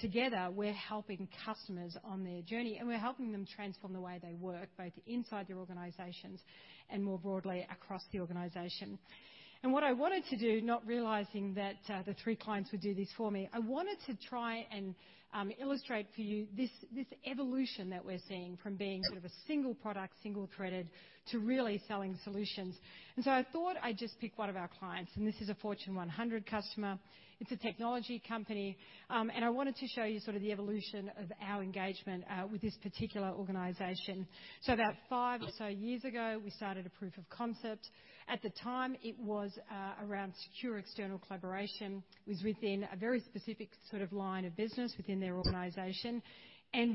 Speaker 11: Together, we're helping customers on their journey, we're helping them transform the way they work, both inside their organizations and more broadly across the organization. What I wanted to do, not realizing that the three clients would do this for me, I wanted to try and illustrate for you this evolution that we're seeing from being sort of a single product, single-threaded, to really selling solutions. I thought I'd just pick one of our clients, this is a Fortune 100 customer. It's a technology company. I wanted to show you sort of the evolution of our engagement with this particular organization. About five or so years ago, we started a proof of concept. At the time, it was around secure external collaboration. It was within a very specific sort of line of business within their organization.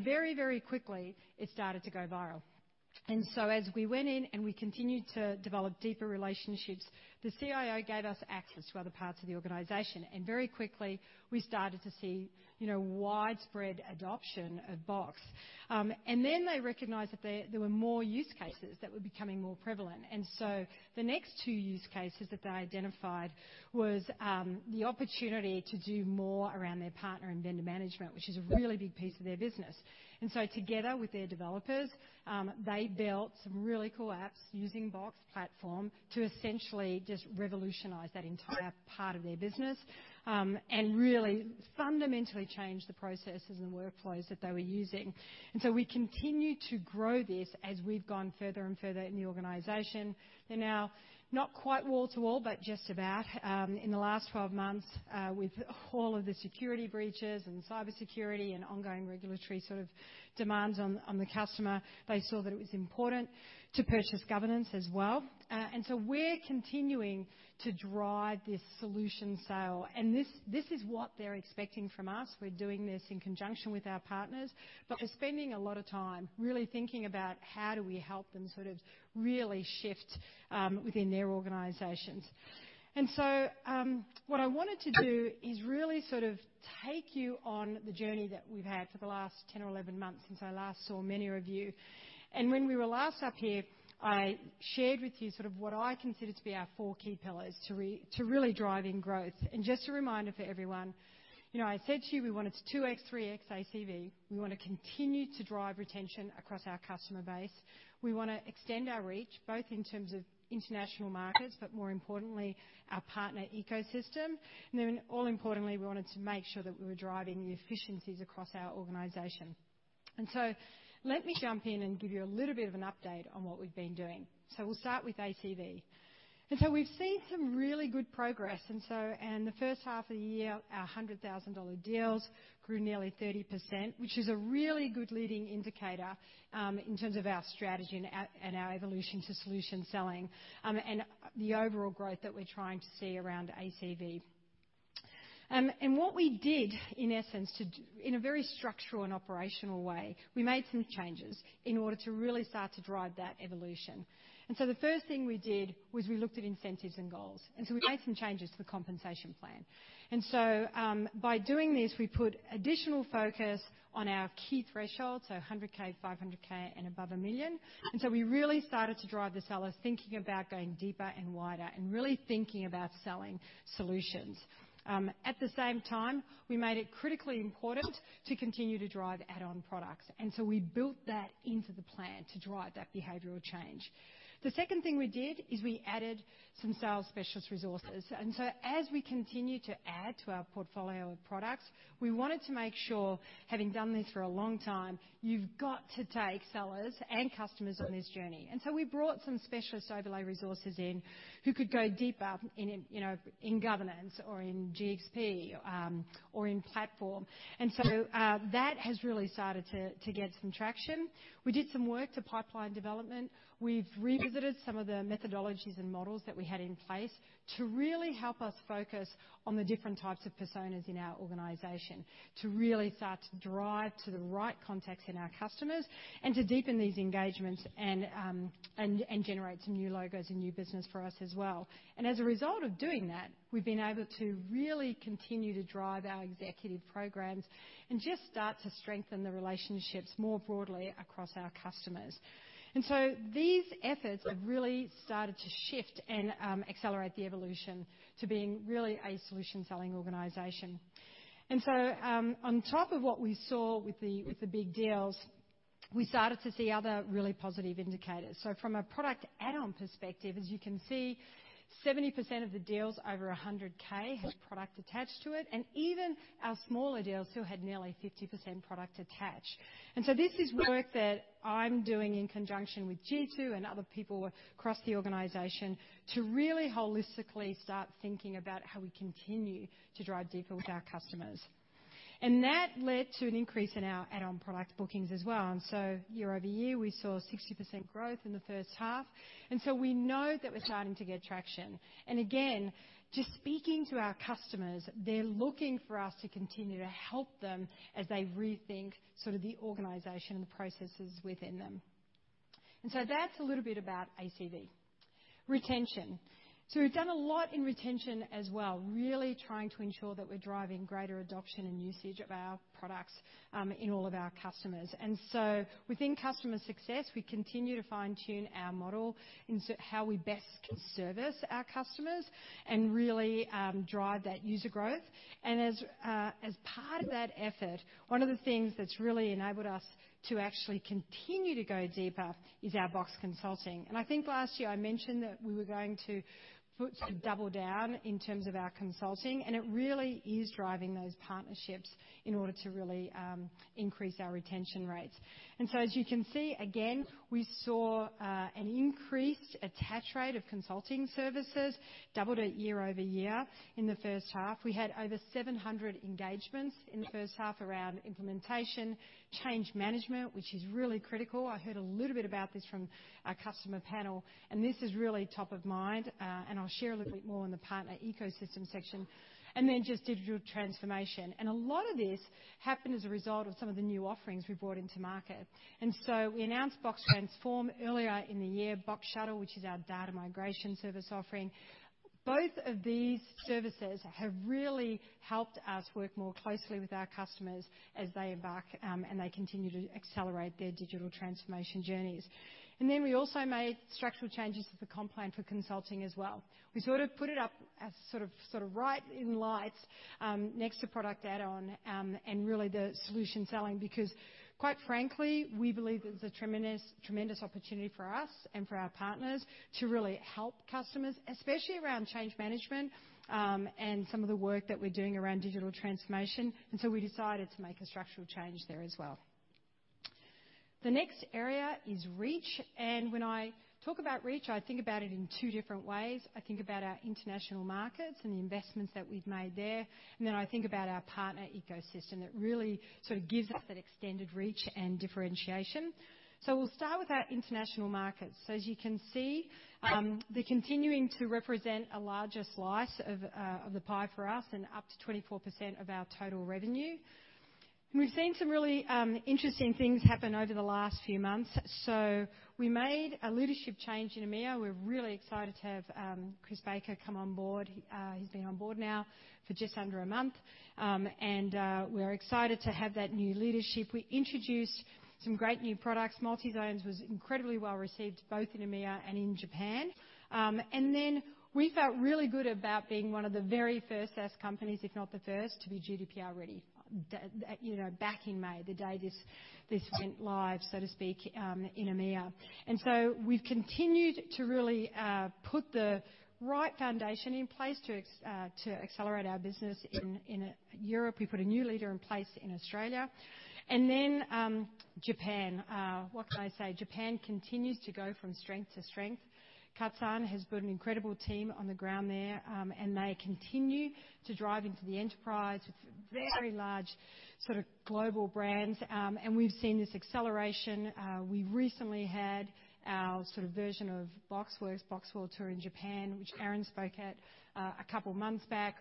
Speaker 11: Very quickly, it started to go viral. As we went in, we continued to develop deeper relationships, the CIO gave us access to other parts of the organization, very quickly we started to see widespread adoption of Box. They recognized that there were more use cases that were becoming more prevalent. The next two use cases that they identified was the opportunity to do more around their partner and vendor management, which is a really big piece of their business. Together with their developers, they built some really cool apps using Box Platform to essentially just revolutionize that entire part of their business, really fundamentally change the processes and workflows that they were using. We continue to grow this as we've gone further and further in the organization. They're now not quite wall-to-wall, but just about. In the last 12 months, with all of the security breaches and cybersecurity and ongoing regulatory sort of demands on the customer, they saw that it was important to purchase governance as well. We're continuing to drive this solution sale. This is what they're expecting from us. We're doing this in conjunction with our partners, but we're spending a lot of time really thinking about how do we help them sort of really shift within their organizations. What I wanted to do is really sort of take you on the journey that we've had for the last 10 or 11 months since I last saw many of you. When we were last up here, I shared with you sort of what I consider to be our four key pillars to really drive in growth. Just a reminder for everyone, I said to you we wanted to 2X, 3X ACV. We want to continue to drive retention across our customer base. We want to extend our reach, both in terms of international markets, but more importantly, our partner ecosystem. All importantly, we wanted to make sure that we were driving the efficiencies across our organization. Let me jump in and give you a little bit of an update on what we've been doing. We'll start with ACV. We've seen some really good progress. The first half of the year, our $100,000 deals grew nearly 30%, which is a really good leading indicator in terms of our strategy and our evolution to solution selling, and the overall growth that we're trying to see around ACV. What we did, in essence, in a very structural and operational way, we made some changes in order to really start to drive that evolution. The first thing we did was we looked at incentives and goals, we made some changes to the compensation plan. By doing this, we put additional focus on our key thresholds, so 100K, 500K, and above $1 million. We really started to drive the sellers thinking about going deeper and wider and really thinking about selling solutions. At the same time, we made it critically important to continue to drive add-on products. We built that into the plan to drive that behavioral change. The second thing we did is we added some sales specialist resources. As we continue to add to our portfolio of products, we wanted to make sure, having done this for a long time, you've got to take sellers and customers on this journey. We brought some specialist overlay resources in who could go deeper in governance or in GxP, or in Platform. That has really started to get some traction. We did some work to pipeline development. We've revisited some of the methodologies and models that we had in place to really help us focus on the different types of personas in our organization, to really start to drive to the right context in our customers and to deepen these engagements and generate some new logos and new business for us as well. As a result of doing that, we've been able to really continue to drive our executive programs and just start to strengthen the relationships more broadly across our customers. These efforts have really started to shift and accelerate the evolution to being really a solution-selling organization. On top of what we saw with the big deals, we started to see other really positive indicators. From a product add-on perspective, as you can see, 70% of the deals over 100K had product attached to it. Even our smaller deals still had nearly 50% product attached. This is work that I'm doing in conjunction with Jeetu and other people across the organization to really holistically start thinking about how we continue to drive deeper with our customers. That led to an increase in our add-on product bookings as well. Year-over-year, we saw a 60% growth in the first half. We know that we're starting to get traction. Again, just speaking to our customers, they're looking for us to continue to help them as they rethink sort of the organization and the processes within them. That's a little bit about ACV. Retention. We've done a lot in retention as well, really trying to ensure that we're driving greater adoption and usage of our products in all of our customers. Within customer success, we continue to fine-tune our model in how we best can service our customers and really drive that user growth. As part of that effort, one of the things that's really enabled us to actually continue to go deeper is our Box Consulting. I think last year I mentioned that we were going to double down in terms of our consulting, and it really is driving those partnerships in order to really increase our retention rates. As you can see, again, we saw an increased attach rate of consulting services, doubled it year-over-year in the first half. We had over 700 engagements in the first half around implementation, change management, which is really critical. I heard a little bit about this Our customer panel, this is really top of mind, I'll share a little bit more in the partner ecosystem section, then just digital transformation. A lot of this happened as a result of some of the new offerings we brought into market. We announced Box Transform earlier in the year, Box Shuttle, which is our data migration service offering. Both of these services have really helped us work more closely with our customers as they embark, and they continue to accelerate their digital transformation journeys. We also made structural changes to the comp plan for consulting as well. We sort of put it up as sort of right in lights, next to product add-on, and really the solution selling, because quite frankly, we believe there's a tremendous opportunity for us and for our partners to really help customers, especially around change management, and some of the work that we're doing around digital transformation. We decided to make a structural change there as well. The next area is reach. When I talk about reach, I think about it in two different ways. I think about our international markets and the investments that we've made there. Then I think about our partner ecosystem that really sort of gives us that extended reach and differentiation. We'll start with our international markets. As you can see, they're continuing to represent a larger slice of the pie for us and up to 24% of our total revenue. We've seen some really interesting things happen over the last few months. We made a leadership change in EMEA. We're really excited to have Chris Baker come on board. He's been on board now for just under a month. We're excited to have that new leadership. We introduced some great new products. Multi-Zones was incredibly well-received both in EMEA and in Japan. Then we felt really good about being one of the very first SaaS companies, if not the first, to be GDPR ready back in May, the day this went live, so to speak, in EMEA. We've continued to really put the right foundation in place to accelerate our business in Europe. We put a new leader in place in Australia. Then Japan, what can I say? Japan continues to go from strength to strength. Katsan has built an incredible team on the ground there, and they continue to drive into the enterprise with very large global brands, and we've seen this acceleration. We recently had our version of BoxWorks, Box World Tour in Japan, which Aaron spoke at a couple of months back.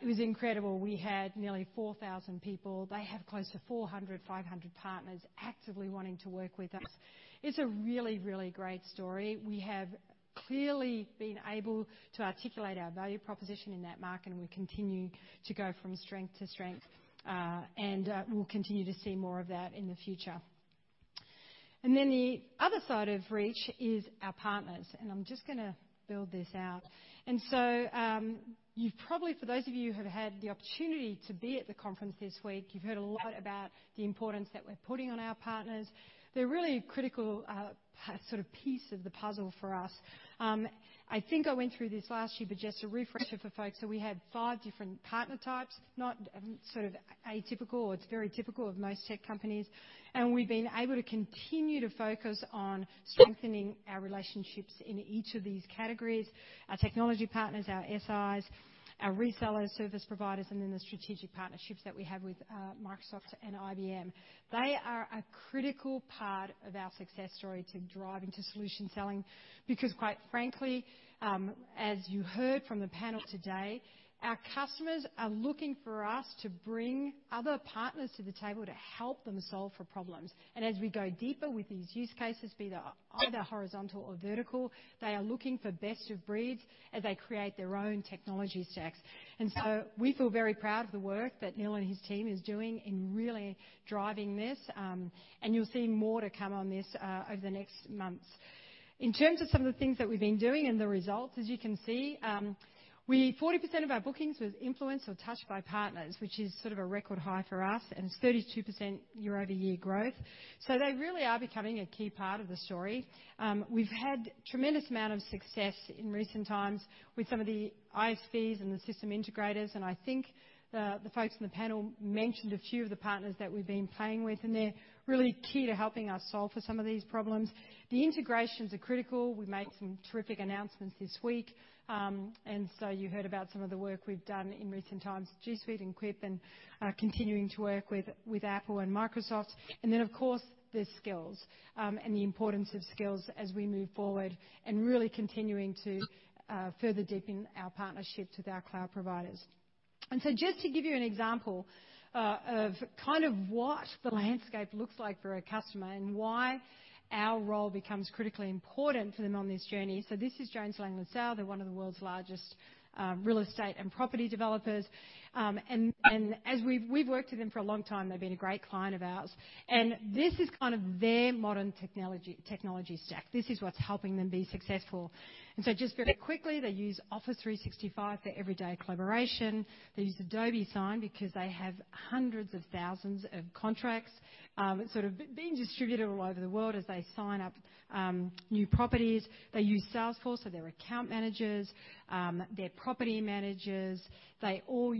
Speaker 11: It was incredible. We had nearly 4,000 people. They have close to 400-500 partners actively wanting to work with us. It's a really, really great story. We have clearly been able to articulate our value proposition in that market. We continue to go from strength to strength. We'll continue to see more of that in the future. Then the other side of reach is our partners. I'm just going to build this out. You've probably, for those of you who have had the opportunity to be at the conference this week, you've heard a lot about the importance that we're putting on our partners. They're really a critical piece of the puzzle for us. I think I went through this last year, just a refresher for folks. We have 5 different partner types, not sort of atypical. It's very typical of most tech companies. We've been able to continue to focus on strengthening our relationships in each of these categories, our technology partners, our SIs, our resellers, service providers, and then the strategic partnerships that we have with Microsoft and IBM. They are a critical part of our success story to driving to solution selling because quite frankly, as you heard from the panel today, our customers are looking for us to bring other partners to the table to help them solve for problems. As we go deeper with these use cases, be they either horizontal or vertical, they are looking for best of breeds as they create their own technology stacks. We feel very proud of the work that Niall and his team is doing in really driving this, and you'll see more to come on this over the next months. In terms of some of the things that we've been doing and the results, as you can see, 40% of our bookings was influenced or touched by partners, which is sort of a record high for us, and it's 32% year-over-year growth. They really are becoming a key part of the story. We've had tremendous amount of success in recent times with some of the ISVs and the system integrators, I think the folks on the panel mentioned a few of the partners that we've been playing with, they're really key to helping us solve for some of these problems. The integrations are critical. We made some terrific announcements this week. You heard about some of the work we've done in recent times, G Suite and Quip, continuing to work with Apple and Microsoft. Of course, the skills, the importance of skills as we move forward and really continuing to further deepen our partnerships with our cloud providers. Just to give you an example of kind of what the landscape looks like for a customer and why our role becomes critically important for them on this journey. This is Jones Lang LaSalle. They're one of the world's largest real estate and property developers. As we've worked with them for a long time, they've been a great client of ours. This is kind of their modern technology stack. This is what's helping them be successful. Just very quickly, they use Office 365 for everyday collaboration. They use Adobe Sign because they have hundreds of thousands of contracts being distributed all over the world as they sign up new properties. They use Salesforce for their account managers, their property managers. They all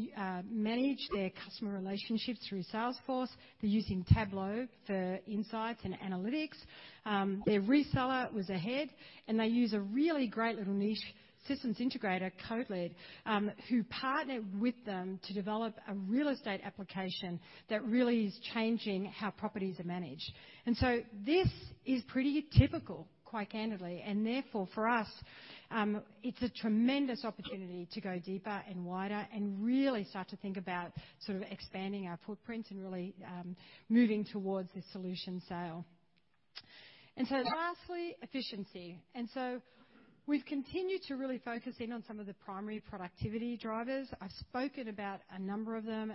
Speaker 11: manage their customer relationships through Salesforce. They're using Tableau for insights and analytics. Their reseller was AHEAD, they use a really great little niche systems integrator, CodeLead, who partnered with them to develop a real estate application that really is changing how properties are managed. This is pretty typical, quite candidly, therefore for us, it's a tremendous opportunity to go deeper and wider and really start to think about expanding our footprint and really moving towards this solution sale. Lastly, efficiency. We've continued to really focus in on some of the primary productivity drivers. I've spoken about a number of them,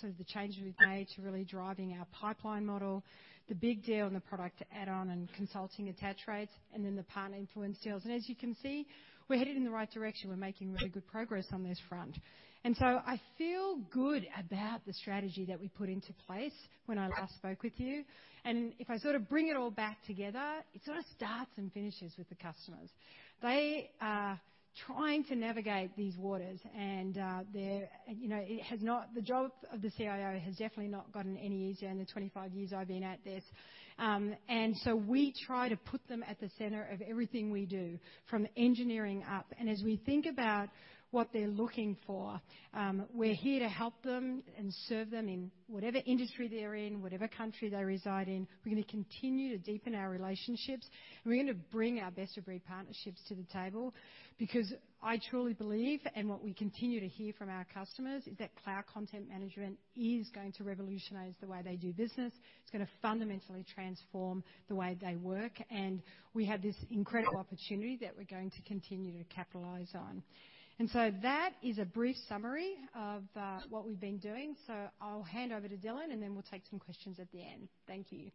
Speaker 11: sort of the changes we've made to really driving our pipeline model, the big deal on the product add-on consulting attach rates, the partner influence deals. As you can see, we're headed in the right direction. We're making really good progress on this front. I feel good about the strategy that we put into place when I last spoke with you. If I sort of bring it all back together, it sort of starts and finishes with the customers. They are trying to navigate these waters, and the job of the CIO has definitely not gotten any easier in the 25 years I've been at this. We try to put them at the center of everything we do, from engineering up. As we think about what they're looking for, we're here to help them and serve them in whatever industry they're in, whatever country they reside in. We're going to continue to deepen our relationships, and we're going to bring our best-of-breed partnerships to the table, because I truly believe, and what we continue to hear from our customers, is that cloud content management is going to revolutionize the way they do business. It's going to fundamentally transform the way they work. We have this incredible opportunity that we're going to continue to capitalize on. That is a brief summary of what we've been doing. I'll hand over to Dylan, and then we'll take some questions at the end. Thank you.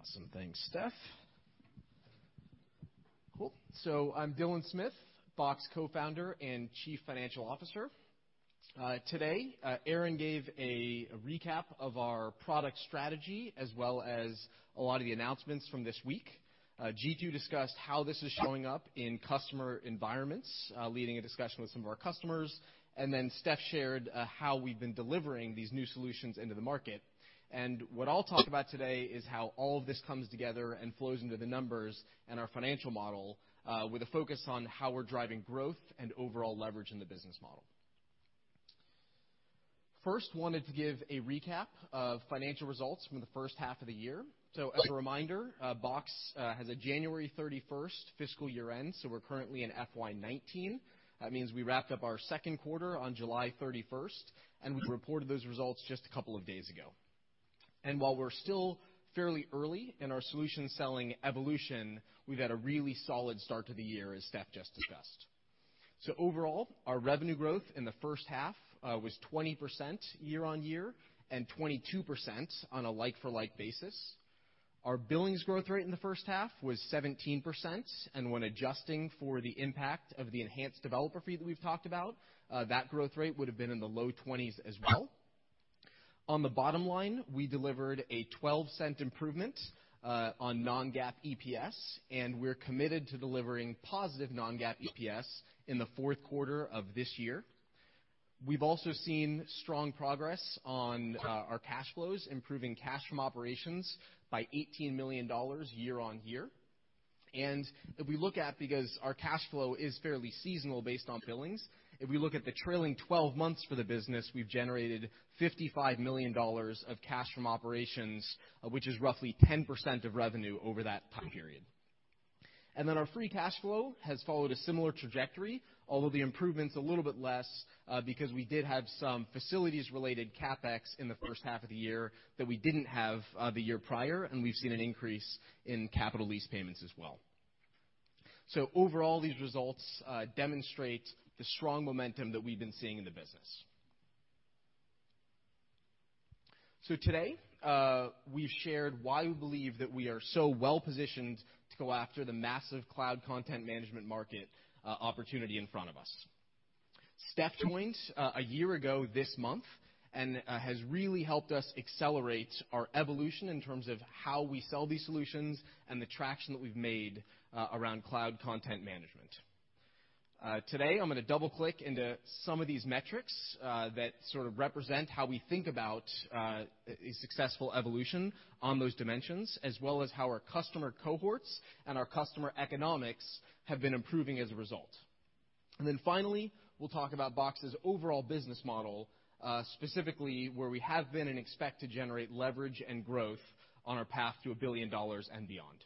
Speaker 12: Awesome. Thanks, Steph. Cool. I'm Dylan Smith, Box Co-founder and Chief Financial Officer. Today, Aaron gave a recap of our product strategy as well as a lot of the announcements from this week. Jeetu discussed how this is showing up in customer environments, leading a discussion with some of our customers, then Steph shared how we've been delivering these new solutions into the market. What I'll talk about today is how all of this comes together and flows into the numbers and our financial model, with a focus on how we're driving growth and overall leverage in the business model. First, wanted to give a recap of financial results from the first half of the year. As a reminder, Box has a January 31st fiscal year end, so we're currently in FY 2019. That means we wrapped up our second quarter on July 31st, and we reported those results just a couple of days ago. While we're still fairly early in our solution-selling evolution, we've had a really solid start to the year, as Steph just discussed. Overall, our revenue growth in the first half was 20% year-on-year and 22% on a like-for-like basis. Our billings growth rate in the first half was 17%, and when adjusting for the impact of the enhanced developer fee that we've talked about, that growth rate would have been in the low 20s as well. On the bottom line, we delivered a $0.12 improvement on non-GAAP EPS, and we're committed to delivering positive non-GAAP EPS in the fourth quarter of this year. We've also seen strong progress on our cash flows, improving cash from operations by $18 million year-on-year. If we look at, because our cash flow is fairly seasonal based on billings, if we look at the trailing 12 months for the business, we've generated $55 million of cash from operations, which is roughly 10% of revenue over that time period. Our free cash flow has followed a similar trajectory, although the improvement's a little bit less because we did have some facilities-related CapEx in the first half of the year that we didn't have the year prior, and we've seen an increase in capital lease payments as well. Overall, these results demonstrate the strong momentum that we've been seeing in the business. Today, we've shared why we believe that we are so well-positioned to go after the massive cloud content management market opportunity in front of us. Steph joined a year ago this month and has really helped us accelerate our evolution in terms of how we sell these solutions and the traction that we've made around cloud content management. Today, I'm going to double-click into some of these metrics that sort of represent how we think about a successful evolution on those dimensions, as well as how our customer cohorts and our customer economics have been improving as a result. Finally, we'll talk about Box's overall business model, specifically where we have been and expect to generate leverage and growth on our path to $1 billion and beyond.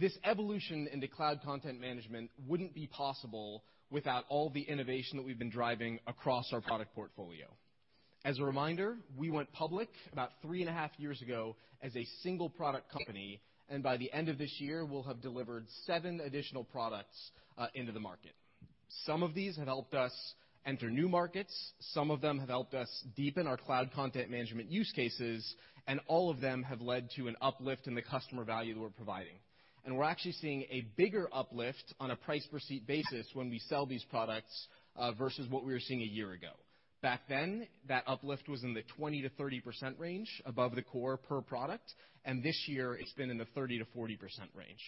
Speaker 12: This evolution into cloud content management wouldn't be possible without all the innovation that we've been driving across our product portfolio. As a reminder, we went public about three and a half years ago as a single product company, by the end of this year, we'll have delivered seven additional products into the market. Some of these have helped us enter new markets, some of them have helped us deepen our cloud content management use cases, and all of them have led to an uplift in the customer value that we're providing. We're actually seeing a bigger uplift on a price per seat basis when we sell these products versus what we were seeing a year ago. Back then, that uplift was in the 20%-30% range above the core per product, and this year it's been in the 30%-40% range.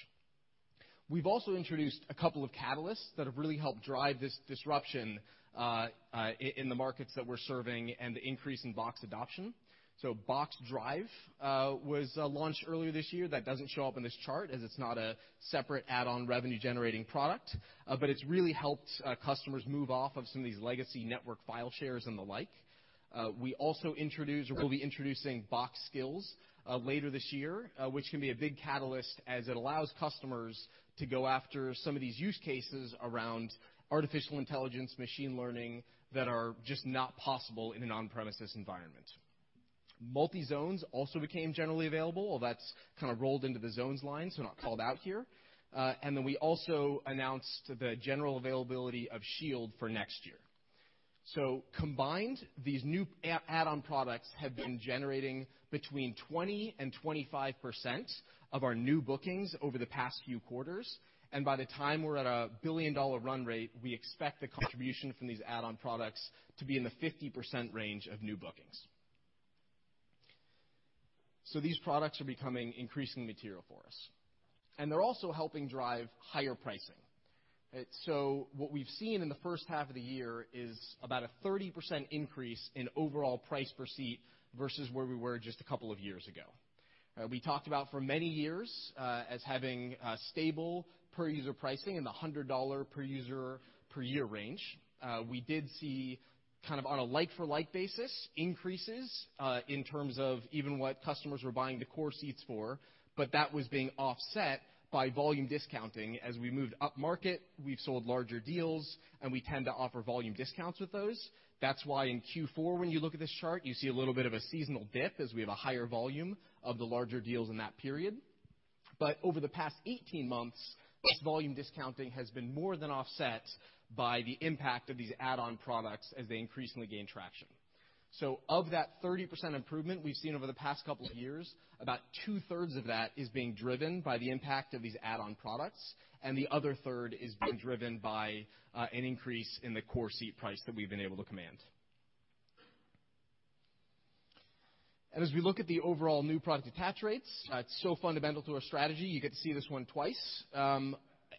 Speaker 12: We've also introduced a couple of catalysts that have really helped drive this disruption in the markets that we're serving and the increase in Box adoption. Box Drive was launched earlier this year. That doesn't show up in this chart as it's not a separate add-on revenue generating product, but it's really helped customers move off of some of these legacy network file shares and the like. We also will be introducing Box Skills later this year, which can be a big catalyst as it allows customers to go after some of these use cases around artificial intelligence, machine learning, that are just not possible in an on-premises environment. Box Zones also became generally available. That's kind of rolled into the zones line, so not called out here. We also announced the general availability of Box Shield for next year. Combined, these new add-on products have been generating between 20%-25% of our new bookings over the past few quarters. By the time we're at a billion-dollar run rate, we expect the contribution from these add-on products to be in the 50% range of new bookings. These products are becoming increasingly material for us, and they're also helping drive higher pricing. What we've seen in the first half of the year is about a 30% increase in overall price per seat versus where we were just a couple of years ago. We talked about for many years as having a stable per-user pricing in the $100 per user per year range. We did see kind of on a like-for-like basis, increases in terms of even what customers were buying the core seats for, but that was being offset by volume discounting. As we moved upmarket, we've sold larger deals, and we tend to offer volume discounts with those. That's why in Q4, when you look at this chart, you see a little bit of a seasonal dip as we have a higher volume of the larger deals in that period. Over the past 18 months, this volume discounting has been more than offset by the impact of these add-on products as they increasingly gain traction. Of that 30% improvement we've seen over the past couple of years, about two-thirds of that is being driven by the impact of these add-on products, and the other third is being driven by an increase in the core seat price that we've been able to command. As we look at the overall new product attach rates, it's so fundamental to our strategy, you get to see this one twice.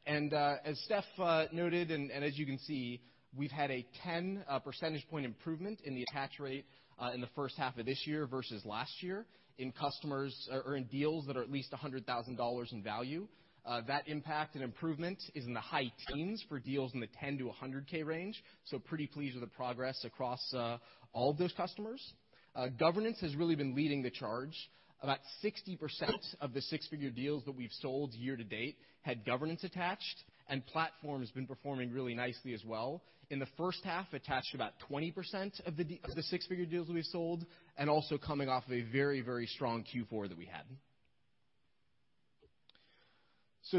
Speaker 12: As Steph noted, and as you can see, we've had a 10 percentage point improvement in the attach rate in the first half of this year versus last year in customers or in deals that are at least $100,000 in value. That impact and improvement is in the high teens for deals in the $10,000-$100,000 range, pretty pleased with the progress across all of those customers. Governance has really been leading the charge. About 60% of the six-figure deals that we've sold year to date had governance attached, and platform has been performing really nicely as well. In the first half, attached about 20% of the six-figure deals we sold and also coming off a very strong Q4 that we had.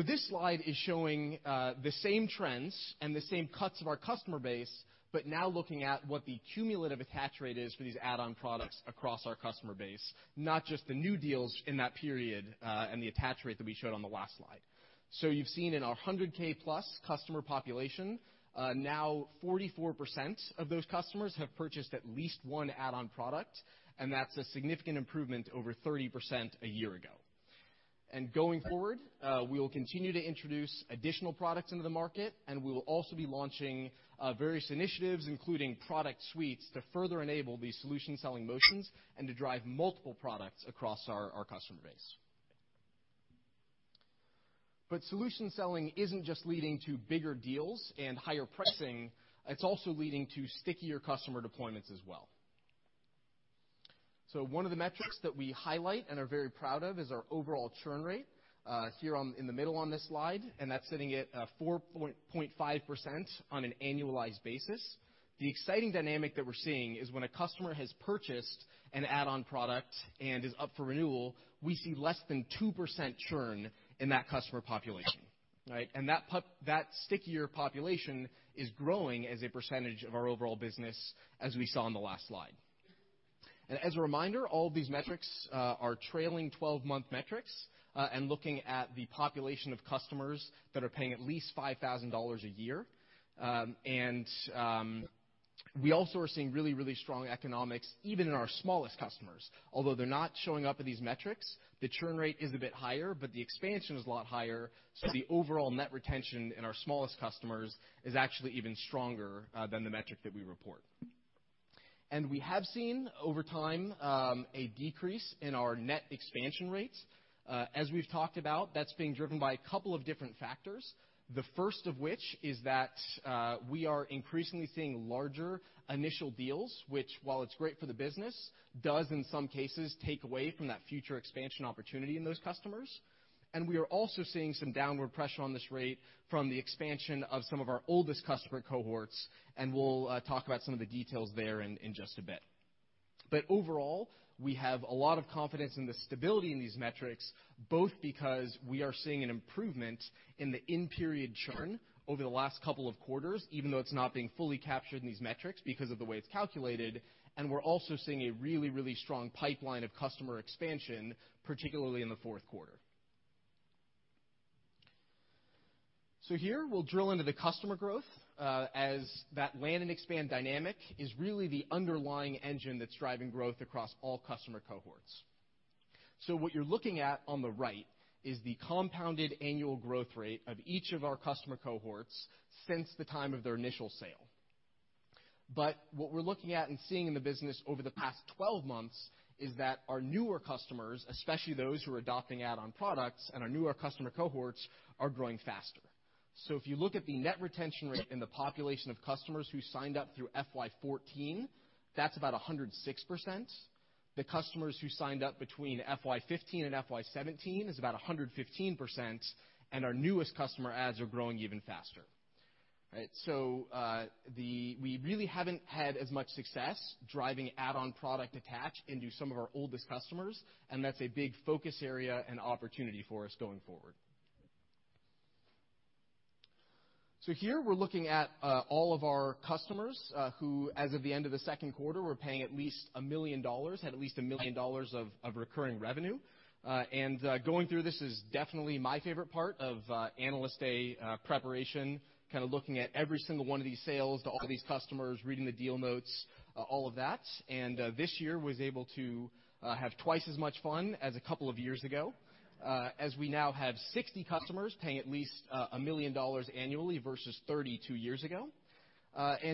Speaker 12: This slide is showing the same trends and the same cuts of our customer base, but now looking at what the cumulative attach rate is for these add-on products across our customer base, not just the new deals in that period, and the attach rate that we showed on the last slide. You've seen in our $100k-plus customer population, now 44% of those customers have purchased at least one add-on product, and that's a significant improvement over 30% a year ago. Going forward, we will continue to introduce additional products into the market, and we will also be launching various initiatives, including product suites, to further enable these solution selling motions and to drive multiple products across our customer base. Solution selling isn't just leading to bigger deals and higher pricing, it's also leading to stickier customer deployments as well. One of the metrics that we highlight and are very proud of is our overall churn rate, here in the middle on this slide, that's sitting at 4.5% on an annualized basis. The exciting dynamic that we're seeing is when a customer has purchased an add-on product and is up for renewal, we see less than 2% churn in that customer population, right? That stickier population is growing as a percentage of our overall business, as we saw on the last slide. As a reminder, all of these metrics are trailing 12-month metrics, looking at the population of customers that are paying at least $5,000 a year. We also are seeing really strong economics, even in our smallest customers. Although they're not showing up in these metrics, the churn rate is a bit higher, but the expansion is a lot higher, so the overall net retention in our smallest customers is actually even stronger than the metric that we report. We have seen over time, a decrease in our net expansion rates. As we've talked about, that's being driven by a couple of different factors. The first of which is that we are increasingly seeing larger initial deals, which while it's great for the business, does in some cases take away from that future expansion opportunity in those customers. We are also seeing some downward pressure on this rate from the expansion of some of our oldest customer cohorts, and we'll talk about some of the details there in just a bit. Overall, we have a lot of confidence in the stability in these metrics, both because we are seeing an improvement in the in-period churn over the last couple of quarters, even though it's not being fully captured in these metrics because of the way it's calculated. We're also seeing a really strong pipeline of customer expansion, particularly in the fourth quarter. Here we'll drill into the customer growth, as that land and expand dynamic is really the underlying engine that's driving growth across all customer cohorts. What you're looking at on the right is the compounded annual growth rate of each of our customer cohorts since the time of their initial sale. What we're looking at and seeing in the business over the past 12 months is that our newer customers, especially those who are adopting add-on products and our newer customer cohorts, are growing faster. If you look at the net retention rate in the population of customers who signed up through FY 2014, that's about 106%. The customers who signed up between FY 2015 and FY 2017 is about 115%, and our newest customer adds are growing even faster. Right. We really haven't had as much success driving add-on product attach into some of our oldest customers, and that's a big focus area and opportunity for us going forward. Here we're looking at all of our customers who, as of the end of the second quarter, were paying at least $1 million, had at least $1 million of recurring revenue. Going through this is definitely my favorite part of Analyst Day preparation, kind of looking at every single one of these sales to all of these customers, reading the deal notes, all of that. This year was able to have twice as much fun as a couple of years ago, as we now have 60 customers paying at least $1 million annually versus 32 years ago.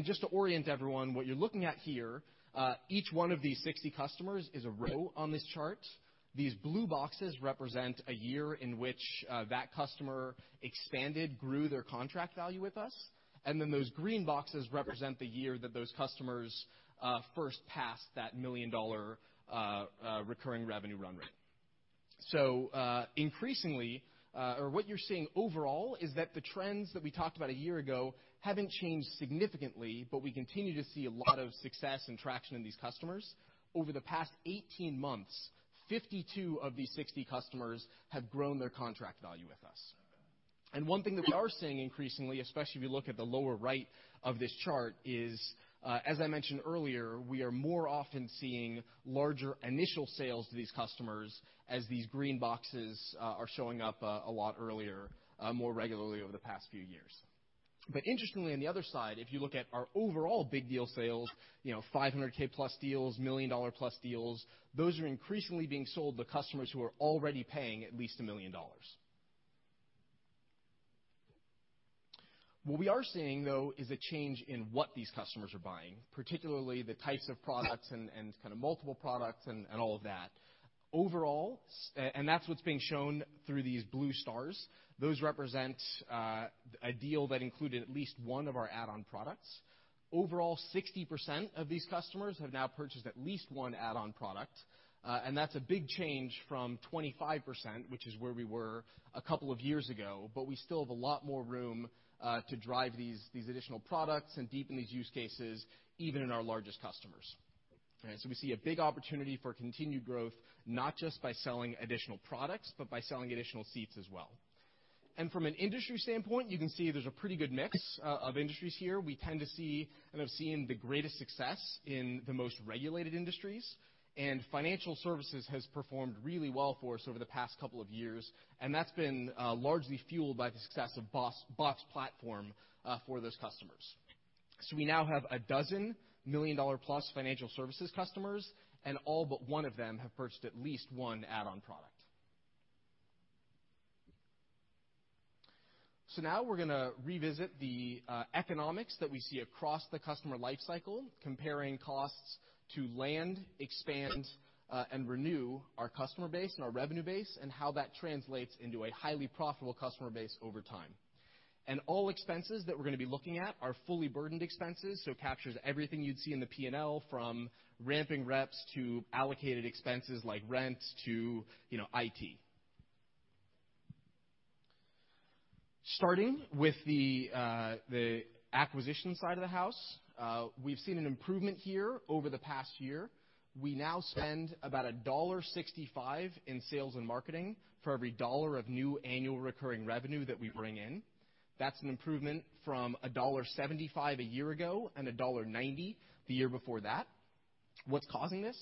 Speaker 12: Just to orient everyone, what you're looking at here, each one of these 60 customers is a row on this chart. These blue boxes represent a year in which that customer expanded, grew their contract value with us, then those green boxes represent the year that those customers first passed that $1 million recurring revenue run rate. Increasingly, or what you're seeing overall is that the trends that we talked about a year ago haven't changed significantly, but we continue to see a lot of success and traction in these customers. Over the past 18 months, 52 of these 60 customers have grown their contract value with us. One thing that we are seeing increasingly, especially if you look at the lower right of this chart, is, as I mentioned earlier, we are more often seeing larger initial sales to these customers as these green boxes are showing up a lot earlier, more regularly over the past few years. Interestingly, on the other side, if you look at our overall big deal sales, $500K-plus deals, $1 million-plus deals, those are increasingly being sold to customers who are already paying at least $1 million. What we are seeing, though, is a change in what these customers are buying, particularly the types of products and kind of multiple products and all of that. That's what's being shown through these blue stars. Those represent a deal that included at least one of our add-on products. Overall, 60% of these customers have now purchased at least one add-on product. That's a big change from 25%, which is where we were a couple of years ago. We still have a lot more room to drive these additional products and deepen these use cases, even in our largest customers. We see a big opportunity for continued growth, not just by selling additional products, but by selling additional seats as well. From an industry standpoint, you can see there's a pretty good mix of industries here. We tend to see, and have seen the greatest success in the most regulated industries. Financial services has performed really well for us over the past couple of years, and that's been largely fueled by the success of Box Platform for those customers. We now have a dozen $1 million-plus financial services customers, and all but one of them have purchased at least one add-on product. Now we're going to revisit the economics that we see across the customer life cycle, comparing costs to land, expand, and renew our customer base and our revenue base, and how that translates into a highly profitable customer base over time. All expenses that we're going to be looking at are fully burdened expenses, so it captures everything you'd see in the P&L, from ramping reps to allocated expenses like rent to IT. Starting with the acquisition side of the house. We've seen an improvement here over the past year. We now spend about $1.65 in sales and marketing for every dollar of new annual recurring revenue that we bring in. That's an improvement from $1.75 a year ago and $1.90 the year before that. What's causing this?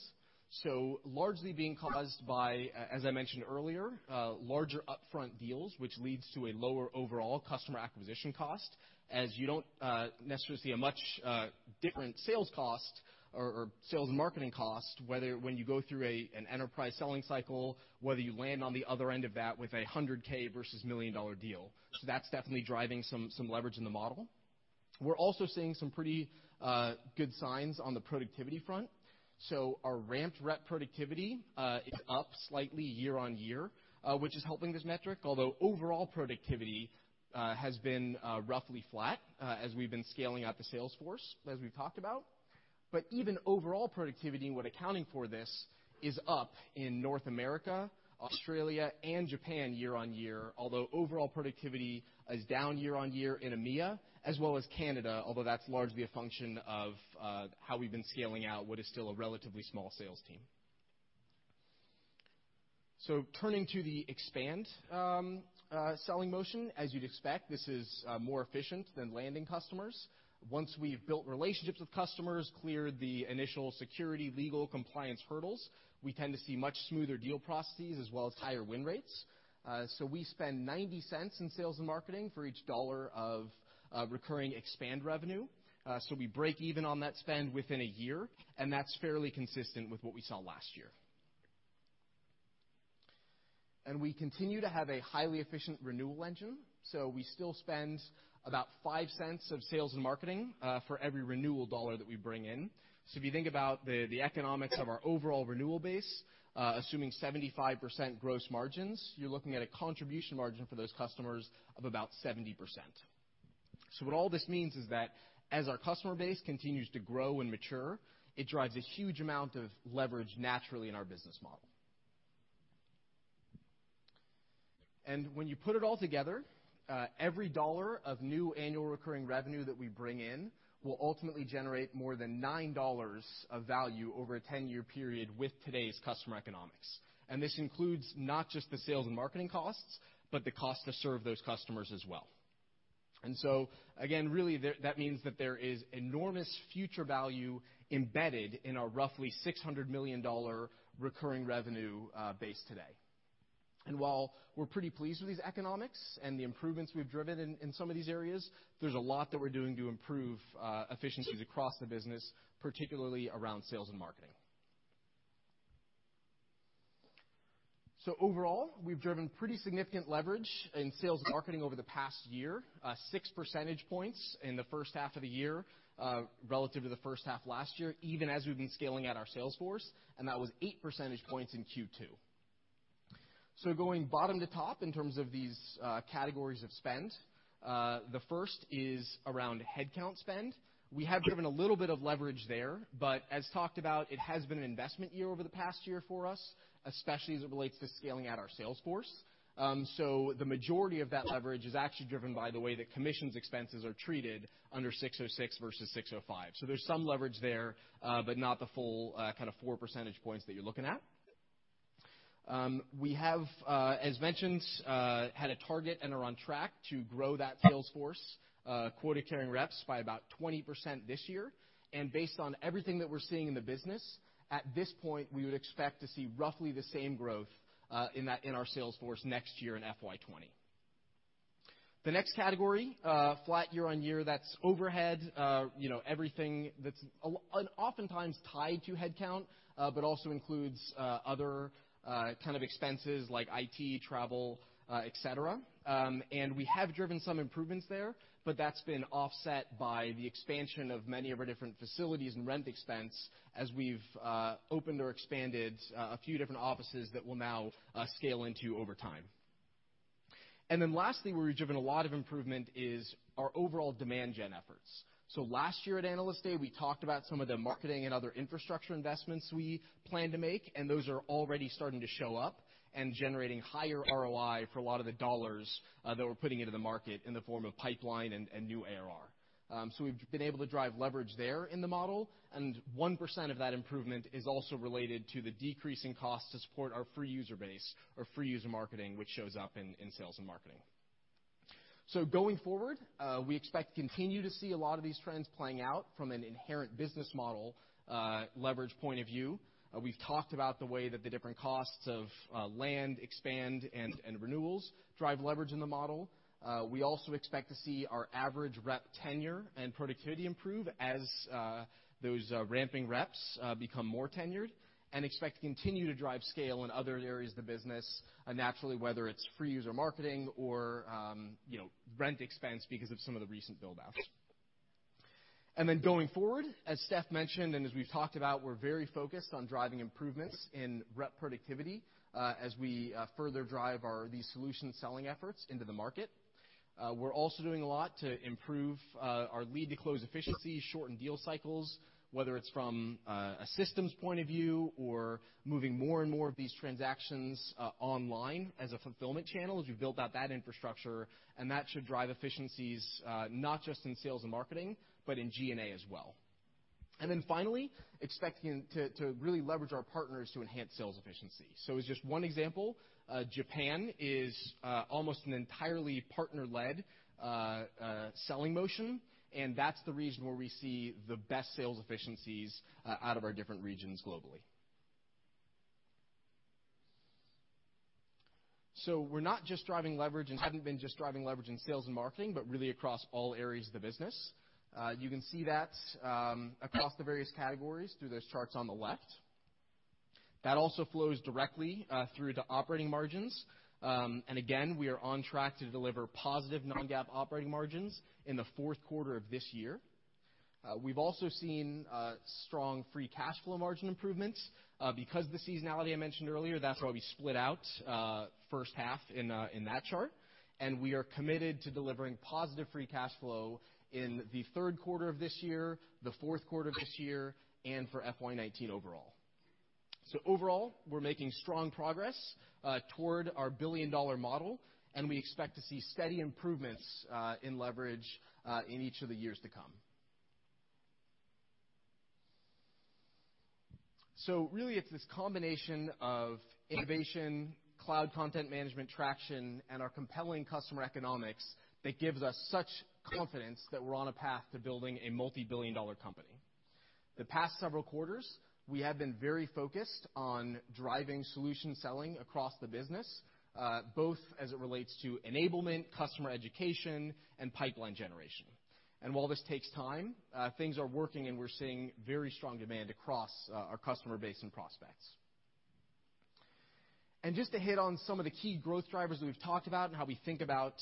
Speaker 12: Largely being caused by, as I mentioned earlier, larger upfront deals, which leads to a lower overall customer acquisition cost, as you don't necessarily see a much different sales cost or sales and marketing cost, whether when you go through an enterprise selling cycle, whether you land on the other end of that with a $100K versus $1 million deal. That's definitely driving some leverage in the model. We're also seeing some pretty good signs on the productivity front. Our ramped rep productivity is up slightly year-over-year, which is helping this metric, although overall productivity has been roughly flat as we've been scaling out the sales force, as we've talked about. Even overall productivity and what accounting for this is up in North America, Australia, and Japan year-over-year. Although overall productivity is down year-over-year in EMEA as well as Canada, although that's largely a function of how we've been scaling out what is still a relatively small sales team. Turning to the expand selling motion. As you'd expect, this is more efficient than landing customers. Once we've built relationships with customers, cleared the initial security legal compliance hurdles, we tend to see much smoother deal processes as well as higher win rates. We spend $0.90 in sales and marketing for each dollar of recurring expand revenue. We break even on that spend within a year, and that's fairly consistent with what we saw last year. We continue to have a highly efficient renewal engine. We still spend about $0.05 of sales and marketing for every renewal dollar that we bring in. If you think about the economics of our overall renewal base, assuming 75% gross margins, you're looking at a contribution margin for those customers of about 70%. What all this means is that as our customer base continues to grow and mature, it drives a huge amount of leverage naturally in our business model. When you put it all together, every dollar of new annual recurring revenue that we bring in will ultimately generate more than $9 of value over a 10-year period with today's customer economics. This includes not just the sales and marketing costs, but the cost to serve those customers as well. Again, really, that means that there is enormous future value embedded in our roughly $600 million recurring revenue base today. While we're pretty pleased with these economics and the improvements we've driven in some of these areas, there's a lot that we're doing to improve efficiencies across the business, particularly around sales and marketing. Overall, we've driven pretty significant leverage in sales and marketing over the past year, six percentage points in the first half of the year relative to the first half last year, even as we've been scaling out our sales force, and that was eight percentage points in Q2. Going bottom to top in terms of these categories of spend, the first is around headcount spend. We have driven a little bit of leverage there, but as talked about, it has been an investment year over the past year for us, especially as it relates to scaling out our sales force. The majority of that leverage is actually driven by the way that commissions expenses are treated under 606 versus 605. There's some leverage there, but not the full kind of four percentage points that you're looking at. We have, as mentioned, had a target and are on track to grow that sales force quota-carrying reps by about 20% this year. Based on everything that we're seeing in the business, at this point, we would expect to see roughly the same growth in our sales force next year in FY 2020. The next category, flat year-over-year, that's overhead, everything that's oftentimes tied to headcount, but also includes other kind of expenses like IT, travel, et cetera. We have driven some improvements there, but that's been offset by the expansion of many of our different facilities and rent expense as we've opened or expanded a few different offices that we'll now scale into over time. Lastly, where we've driven a lot of improvement is our overall demand gen efforts. Last year at Analyst Day, we talked about some of the marketing and other infrastructure investments we plan to make, and those are already starting to show up and generating higher ROI for a lot of the dollars that we're putting into the market in the form of pipeline and new ARR. We've been able to drive leverage there in the model, and 1% of that improvement is also related to the decrease in cost to support our free user base or free user marketing, which shows up in sales and marketing. Going forward, we expect to continue to see a lot of these trends playing out from an inherent business model leverage point of view. We've talked about the way that the different costs of land, expand, and renewals drive leverage in the model. We also expect to see our average rep tenure and productivity improve as those ramping reps become more tenured and expect to continue to drive scale in other areas of the business naturally, whether it's free user marketing or rent expense because of some of the recent build-outs. Going forward, as Steph mentioned and as we've talked about, we're very focused on driving improvements in rep productivity as we further drive these solution selling efforts into the market. We're also doing a lot to improve our lead to close efficiency, shorten deal cycles, whether it's from a systems point of view or moving more and more of these transactions online as a fulfillment channel, as you build out that infrastructure, and that should drive efficiencies not just in sales and marketing, but in G&A as well. Finally, expecting to really leverage our partners to enhance sales efficiency. As just one example, Japan is almost an entirely partner-led selling motion, and that's the region where we see the best sales efficiencies out of our different regions globally. We're not just driving leverage and haven't been just driving leverage in sales and marketing, but really across all areas of the business. You can see that across the various categories through those charts on the left. That also flows directly through to operating margins. Again, we are on track to deliver positive non-GAAP operating margins in the fourth quarter of this year. We've also seen strong free cash flow margin improvements. Because of the seasonality I mentioned earlier, that's why we split out the first half in that chart. We are committed to delivering positive free cash flow in the third quarter of this year, the fourth quarter of this year, and for FY 2019 overall. Overall, we're making strong progress toward our billion-dollar model, and we expect to see steady improvements in leverage in each of the years to come. Really it's this combination of innovation, cloud content management traction, and our compelling customer economics that gives us such confidence that we're on a path to building a multi-billion dollar company. The past several quarters, we have been very focused on driving solution selling across the business, both as it relates to enablement, customer education, and pipeline generation. While this takes time, things are working, and we're seeing very strong demand across our customer base and prospects. Just to hit on some of the key growth drivers we've talked about and how we think about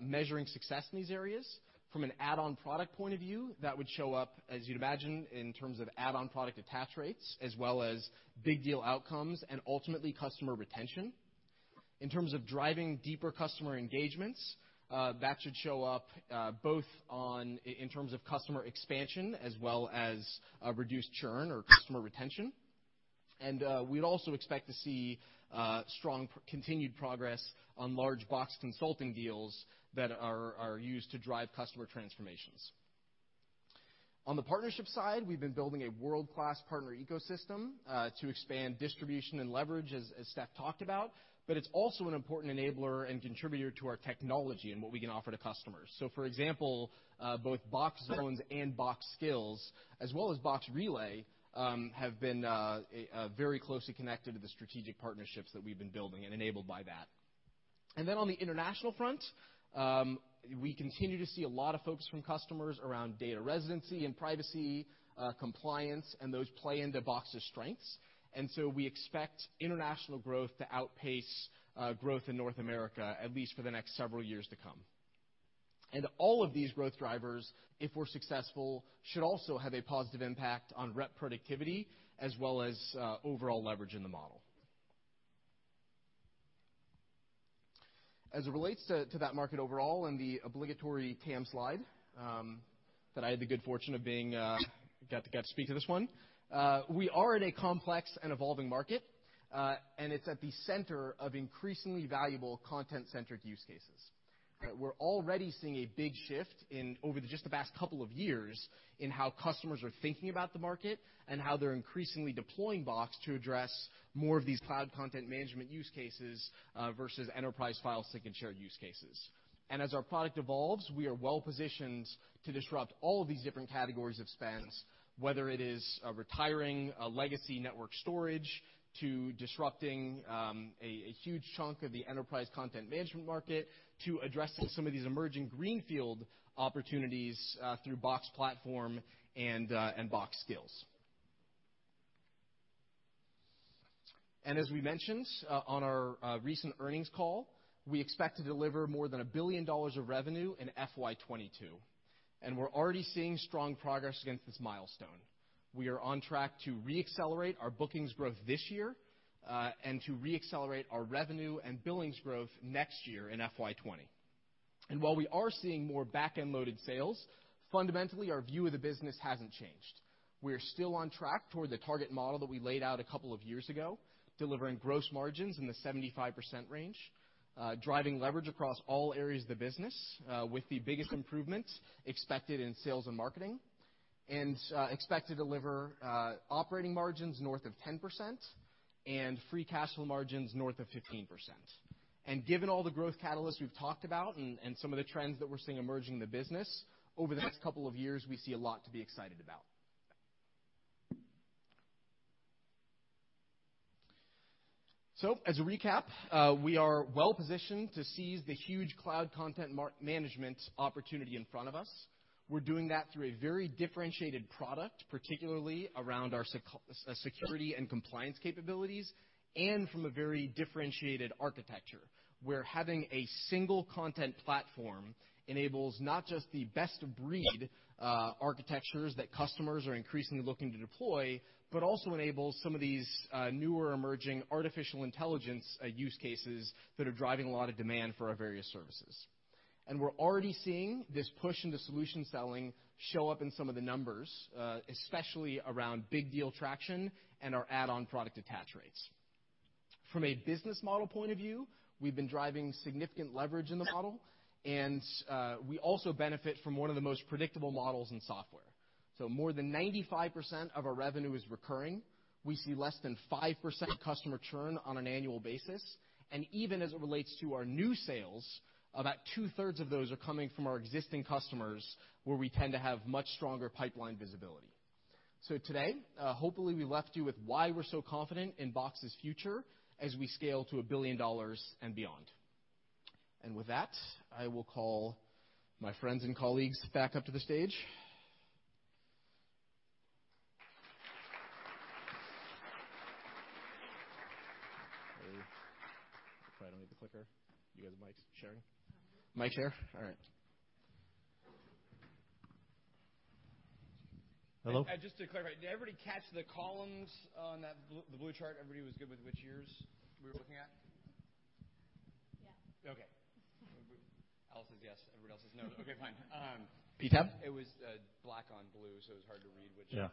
Speaker 12: measuring success in these areas, from an add-on product point of view, that would show up, as you'd imagine, in terms of add-on product attach rates, as well as big deal outcomes and ultimately customer retention. In terms of driving deeper customer engagements, that should show up both in terms of customer expansion as well as reduced churn or customer retention. We'd also expect to see strong continued progress on large Box Consulting deals that are used to drive customer transformations. On the partnership side, we've been building a world-class partner ecosystem to expand distribution and leverage, as Steph talked about. It's also an important enabler and contributor to our technology and what we can offer to customers. For example, both Box Zones and Box Skills, as well as Box Relay, have been very closely connected to the strategic partnerships that we've been building and enabled by that. Then on the international front, we continue to see a lot of focus from customers around data residency and privacy, compliance, and those play into Box's strengths. We expect international growth to outpace growth in North America, at least for the next several years to come. All of these growth drivers, if we're successful, should also have a positive impact on rep productivity, as well as overall leverage in the model. As it relates to that market overall and the obligatory TAM slide, that I had the good fortune of got to speak to this one. We are in a complex and evolving market, and it's at the center of increasingly valuable content-centric use cases. We're already seeing a big shift in over just the past couple of years, in how customers are thinking about the market, and how they're increasingly deploying Box to address more of these cloud content management use cases, versus enterprise file sync and share use cases. As our product evolves, we are well-positioned to disrupt all of these different categories of spends, whether it is retiring a legacy network storage, to disrupting a huge chunk of the enterprise content management market, to addressing some of these emerging greenfield opportunities through Box Platform and Box Skills. As we mentioned on our recent earnings call, we expect to deliver more than $1 billion of revenue in FY 2022, and we are already seeing strong progress against this milestone. We are on track to re-accelerate our bookings growth this year, and to re-accelerate our revenue and billings growth next year in FY 2020. While we are seeing more back-end loaded sales, fundamentally, our view of the business hasn't changed. We are still on track toward the target model that we laid out a couple of years ago, delivering gross margins in the 75% range, driving leverage across all areas of the business, with the biggest improvements expected in sales and marketing. We expect to deliver operating margins north of 10% and free cash flow margins north of 15%. Given all the growth catalysts we've talked about and some of the trends that we are seeing emerging in the business, over the next couple of years, we see a lot to be excited about. As a recap, we are well-positioned to seize the huge cloud content management opportunity in front of us. We're doing that through a very differentiated product, particularly around our security and compliance capabilities, and from a very differentiated architecture, where having a single content platform enables not just the best-of-breed architectures that customers are increasingly looking to deploy, but also enables some of these newer emerging artificial intelligence use cases that are driving a lot of demand for our various services. We're already seeing this push into solution selling show up in some of the numbers, especially around big deal traction and our add-on product attach rates. From a business model point of view, we've been driving significant leverage in the model, and we also benefit from one of the most predictable models in software. More than 95% of our revenue is recurring. We see less than 5% customer churn on an annual basis, and even as it relates to our new sales, about two-thirds of those are coming from our existing customers, where we tend to have much stronger pipeline visibility. Today, hopefully, we left you with why we're so confident in Box's future as we scale to $1 billion and beyond. With that, I will call my friends and colleagues back up to the stage. I probably don't need the clicker. You guys mic sharing? Mic share? All right. Hello? Just to clarify, did everybody catch the columns on the blue chart? Everybody was good with which years we were looking at?
Speaker 13: Yeah.
Speaker 12: Okay. Ella says yes, everybody else says no. Okay, fine. pie chart? It was black on blue, so it was hard to read, which. Yeah.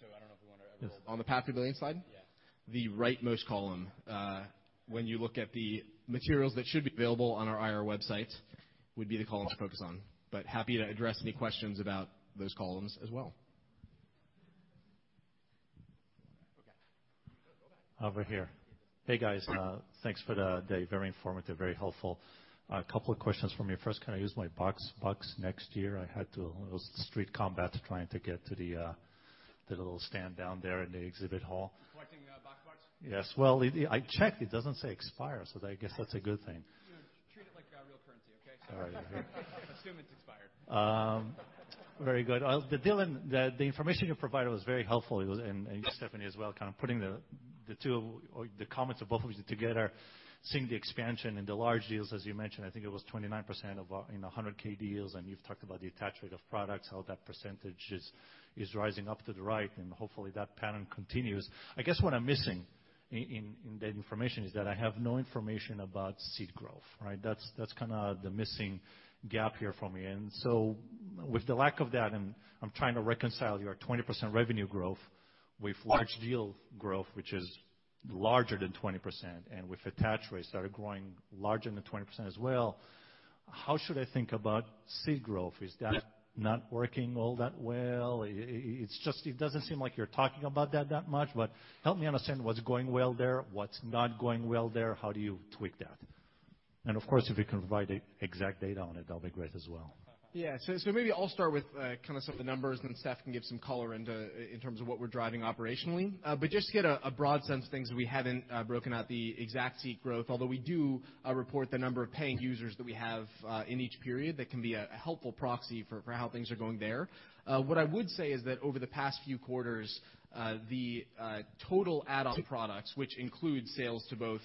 Speaker 12: I don't know if we want to roll. On the path to billion slide? Yeah. The rightmost column. When you look at the materials that should be available on our IR website, would be the column to focus on. Happy to address any questions about those columns as well. Okay. Go back.
Speaker 7: Over here. Hey, guys. Thanks for the day. Very informative, very helpful. A couple of questions from me. First, can I use my Box bucks next year? I had a little street combat trying to get to the little stand down there in the exhibit hall.
Speaker 12: Collecting Box bucks?
Speaker 7: Yes. Well, I checked, it doesn't say expire, so I guess that's a good thing.
Speaker 12: Treat it like real currency, okay?
Speaker 7: All right.
Speaker 12: Assume it's expired.
Speaker 7: Very good. Dylan, the information you provided was very helpful, and you, Stephanie, as well, kind of putting the two or the comments of both of you together, seeing the expansion in the large deals, as you mentioned, I think it was 29% in 100K deals, and you've talked about the attach rate of products, how that percentage is rising up to the right, and hopefully, that pattern continues. I guess what I'm missing. In that information is that I have no information about seat growth, right? That's the missing gap here for me. With the lack of that, I'm trying to reconcile your 20% revenue growth with large deal growth, which is larger than 20%, and with attach rates that are growing larger than 20% as well. How should I think about seat growth? Is that not working all that well? It doesn't seem like you're talking about that much, but help me understand what's going well there, what's not going well there, how do you tweak that? Of course, if you can provide exact data on it, that'll be great as well.
Speaker 12: Yeah. Maybe I'll start with kind of some of the numbers, then Steph can give some color into, in terms of what we're driving operationally. Just to get a broad sense of things, we haven't broken out the exact seat growth, although we do report the number of paying users that we have in each period. That can be a helpful proxy for how things are going there. What I would say is that over the past few quarters, the total add-on products, which include sales to both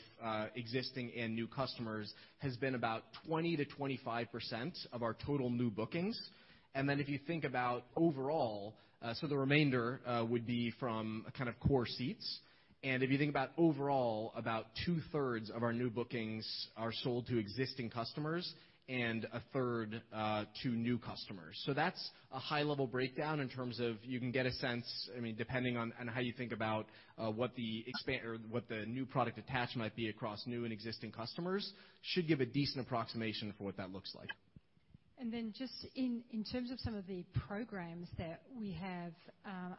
Speaker 12: existing and new customers, has been about 20%-25% of our total new bookings. If you think about overall, the remainder would be from kind of core seats. If you think about overall, about two-thirds of our new bookings are sold to existing customers and a third to new customers.
Speaker 2: That's a high-level breakdown in terms of, you can get a sense, depending on how you think about what the new product attach might be across new and existing customers, should give a decent approximation for what that looks like.
Speaker 11: Just in terms of some of the programs that we have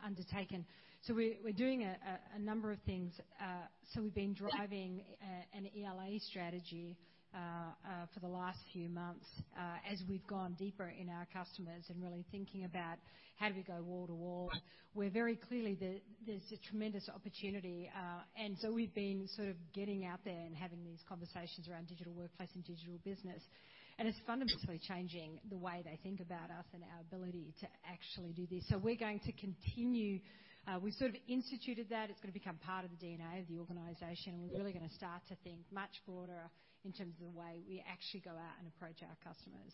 Speaker 11: undertaken, we're doing a number of things. We've been driving an ELA strategy, for the last few months, as we've gone deeper in our customers and really thinking about how do we go wall to wall, where very clearly there's a tremendous opportunity. We've been sort of getting out there and having these conversations around digital workplace and digital business, and it's fundamentally changing the way they think about us and our ability to actually do this. We're going to continue, we've sort of instituted that, it's going to become part of the DNA of the organization, and we're really going to start to think much broader in terms of the way we actually go out and approach our customers.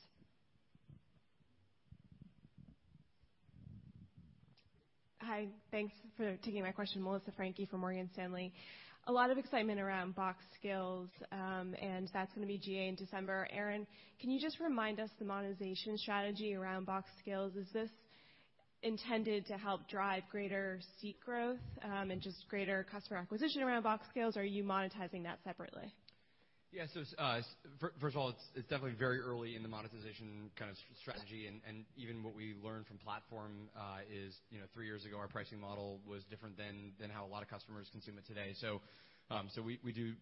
Speaker 14: Hi, thanks for taking my question, Melissa Franchi from Morgan Stanley. A lot of excitement around Box Skills, that's going to be GA in December. Aaron, can you just remind us the monetization strategy around Box Skills? Is this intended to help drive greater seat growth, and just greater customer acquisition around Box Skills, or are you monetizing that separately?
Speaker 2: First of all, it's definitely very early in the monetization kind of strategy, and even what we learned from platform, is three years ago, our pricing model was different than how a lot of customers consume it today. We do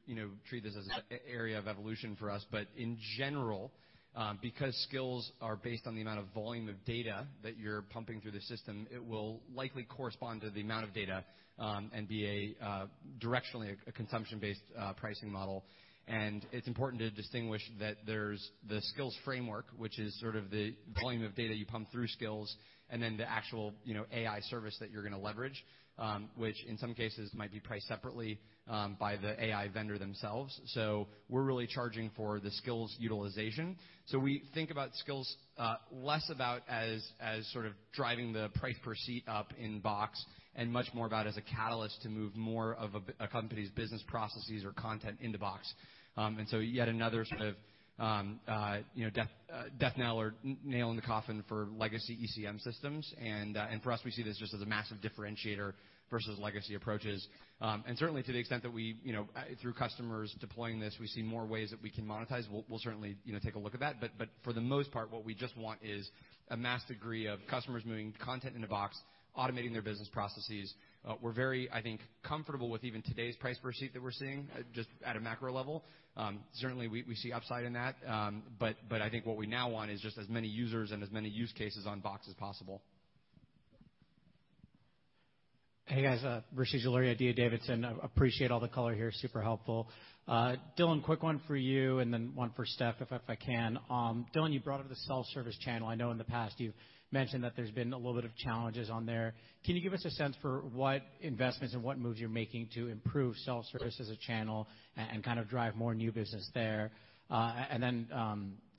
Speaker 2: treat this as an area of evolution for us. In general, because skills are based on the amount of volume of data that you're pumping through the system, it will likely correspond to the amount of data, and be directionally a consumption-based pricing model. It's important to distinguish that there's the skills framework, which is sort of the volume of data you pump through skills, and then the actual AI service that you're going to leverage, which in some cases might be priced separately by the AI vendor themselves. We're really charging for the skills utilization. We think about skills, less about as sort of driving the price per seat up in Box and much more about as a catalyst to move more of a company's business processes or content into Box. Yet another sort of death knell or nail in the coffin for legacy ECM systems. For us, we see this just as a massive differentiator versus legacy approaches. Certainly to the extent that we, through customers deploying this, we see more ways that we can monetize, we'll certainly take a look at that. For the most part, what we just want is a mass degree of customers moving content into Box, automating their business processes. We're very, I think, comfortable with even today's price per seat that we're seeing, just at a macro level. Certainly, we see upside in that. I think what we now want is just as many users and as many use cases on Box as possible.
Speaker 15: Hey, guys. Rishi Jaluria, D.A. Davidson. I appreciate all the color here, super helpful. Dylan, quick one for you, and then one for Steph, if I can. Dylan, you brought up the self-service channel. I know in the past you've mentioned that there's been a little bit of challenges on there. Can you give us a sense for what investments and what moves you're making to improve self-service as a channel and kind of drive more new business there?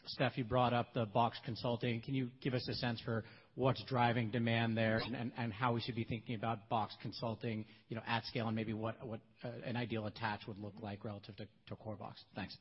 Speaker 15: Steph, you brought up the Box Consulting. Can you give us a sense for what's driving demand there and how we should be thinking about Box Consulting at scale, and maybe what an ideal attach would look like relative to core Box? Thanks.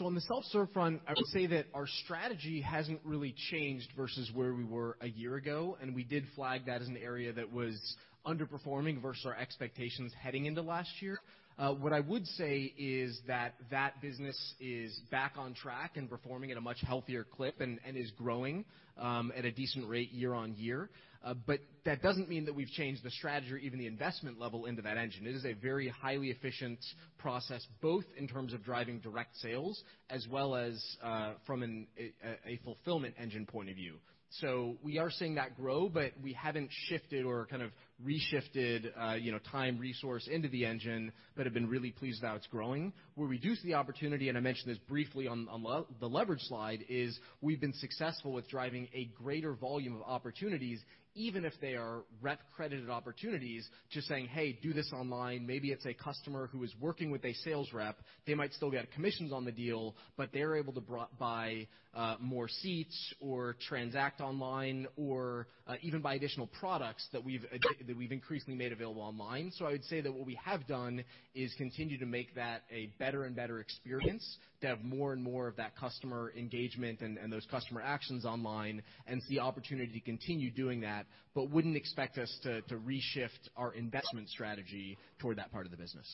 Speaker 12: On the self-serve front, I would say that our strategy hasn't really changed versus where we were a year ago, and we did flag that as an area that was underperforming versus our expectations heading into last year. What I would say is that that business is back on track and performing at a much healthier clip and is growing at a decent rate year on year. That doesn't mean that we've changed the strategy or even the investment level into that engine. It is a very highly efficient process, both in terms of driving direct sales as well as from a fulfillment engine point of view. We are seeing that grow, but we haven't shifted or kind of reshifted time, resource into the engine, but have been really pleased with how it's growing. Where we do see the opportunity, and I mentioned this briefly on the leverage slide, is we've been successful with driving a greater volume of opportunities, even if they are rep credited opportunities, just saying, "Hey, do this online." Maybe it's a customer who is working with a sales rep. They might still get commissions on the deal, but they're able to buy more seats or transact online or even buy additional products that we've increasingly made available online. I would say that what we have done is continue to make that a better and better experience, to have more and more of that customer engagement and those customer actions online, and see opportunity to continue doing that, but wouldn't expect us to reshift our investment strategy toward that part of the business.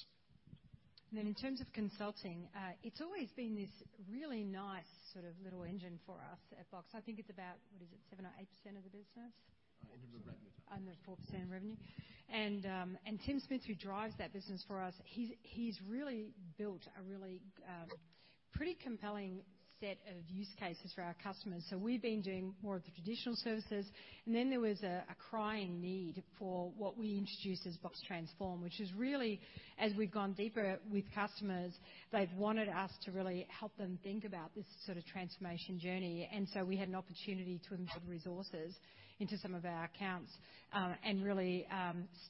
Speaker 11: In terms of consulting, it's always been this really nice sort of little engine for us at Box. I think it's about, what is it? seven or eight percent of the business?
Speaker 3: Under the revenue.
Speaker 11: Under 4% of revenue. Tim Shaughnessy, who drives that business for us, he's really built a really pretty compelling set of use cases for our customers. We've been doing more of the traditional services, then there was a crying need for what we introduced as Box Transform, which is really, as we've gone deeper with customers, they've wanted us to really help them think about this sort of transformation journey. We had an opportunity to embed resources into some of our accounts, and really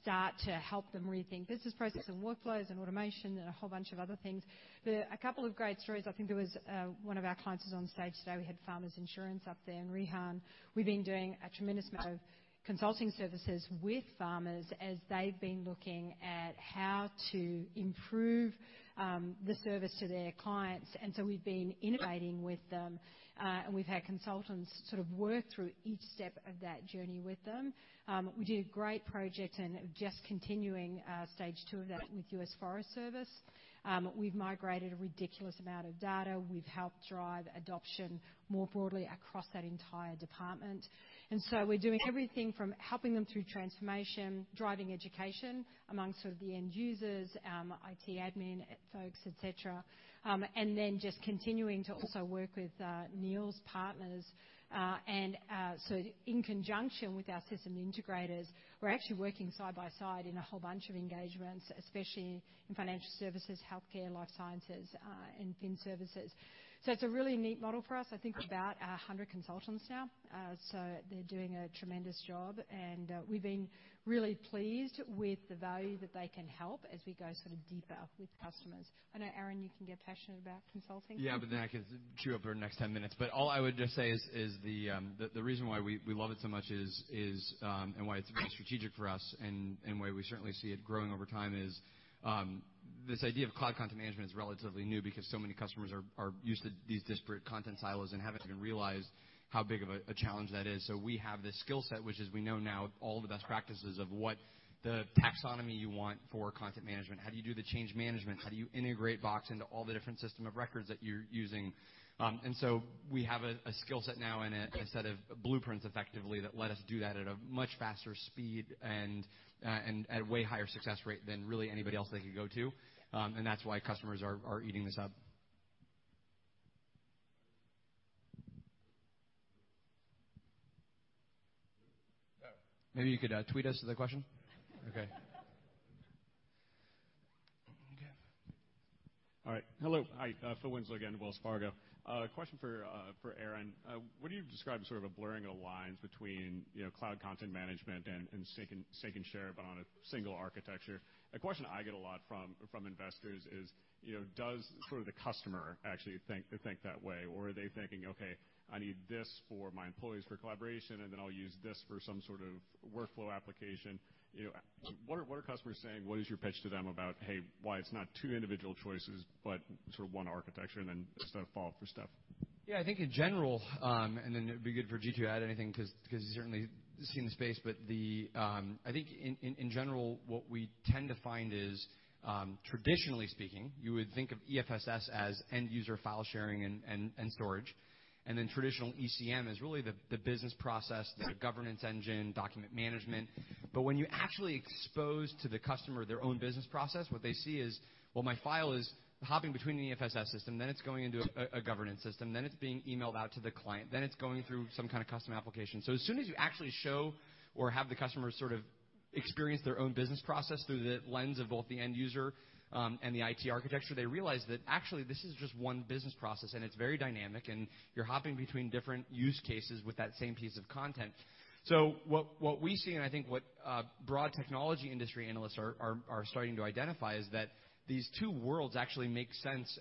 Speaker 11: start to help them rethink business processes and workflows and automation and a whole bunch of other things. A couple of great stories, I think there was one of our clients who was on stage today. We had Farmers Insurance up there and Rehan. We've been doing a tremendous amount of consulting services with Farmers as they've been looking at how to improve the service to their clients. We've been innovating with them, and we've had consultants sort of work through each step of that journey with them. We did a great project and just continuing stage 2 of that with U.S. Forest Service. We've migrated a ridiculous amount of data. We've helped drive adoption more broadly across that entire department. We're doing everything from helping them through transformation, driving education among sort of the end users, IT admin folks, et cetera. Just continuing to also work with Niall's partners. In conjunction with our systems integrators, we're actually working side by side in a whole bunch of engagements, especially in financial services, healthcare, life sciences, and fin services. It's a really neat model for us. I think we're about 100 consultants now. They're doing a tremendous job. We've been really pleased with the value that they can help as we go sort of deeper with customers. I know, Aaron, you can get passionate about consulting.
Speaker 2: I could chew up our next 10 minutes. All I would just say is the reason why we love it so much is, and why it's very strategic for us and why we certainly see it growing over time is, this idea of cloud content management is relatively new because so many customers are used to these disparate content silos and haven't even realized how big of a challenge that is. We have this skill set, which as we know now, all the best practices of what the taxonomy you want for content management. How do you do the change management? How do you integrate Box into all the different system of records that you're using? We have a skill set now and a set of blueprints effectively that let us do that at a much faster speed and at a way higher success rate than really anybody else they could go to. That's why customers are eating this up. Maybe you could tweet us the question? Okay.
Speaker 8: All right. Hello. Hi. Phil Winslow again, Wells Fargo. A question for Aaron. When you describe sort of a blurring of the lines between cloud content management and sync and share, but on a single architecture, a question I get a lot from investors is, does sort of the customer actually think that way? Or are they thinking, "Okay, I need this for my employees for collaboration, and then I'll use this for some sort of workflow application." What are customers saying? What is your pitch to them about, hey, why it's not two individual choices, but sort of one architecture? Just a follow-up for Steph.
Speaker 2: I think in general, it'd be good for Jeetu to add anything because he's certainly seen the space. I think in general what we tend to find is, traditionally speaking, you would think of EFSS as end user file sharing and storage. Traditional ECM is really the business process, the governance engine, document management. When you actually expose to the customer their own business process, what they see is, well, my file is hopping between an EFSS system, then it's going into a governance system, then it's being emailed out to the client, then it's going through some kind of custom application. As soon as you actually show or have the customer sort of experience their own business process through the lens of both the end user and the IT architecture, they realize that actually this is just one business process and it's very dynamic, and you're hopping between different use cases with that same piece of content. What we see, and I think what broad technology industry analysts are starting to identify is that these two worlds actually make sense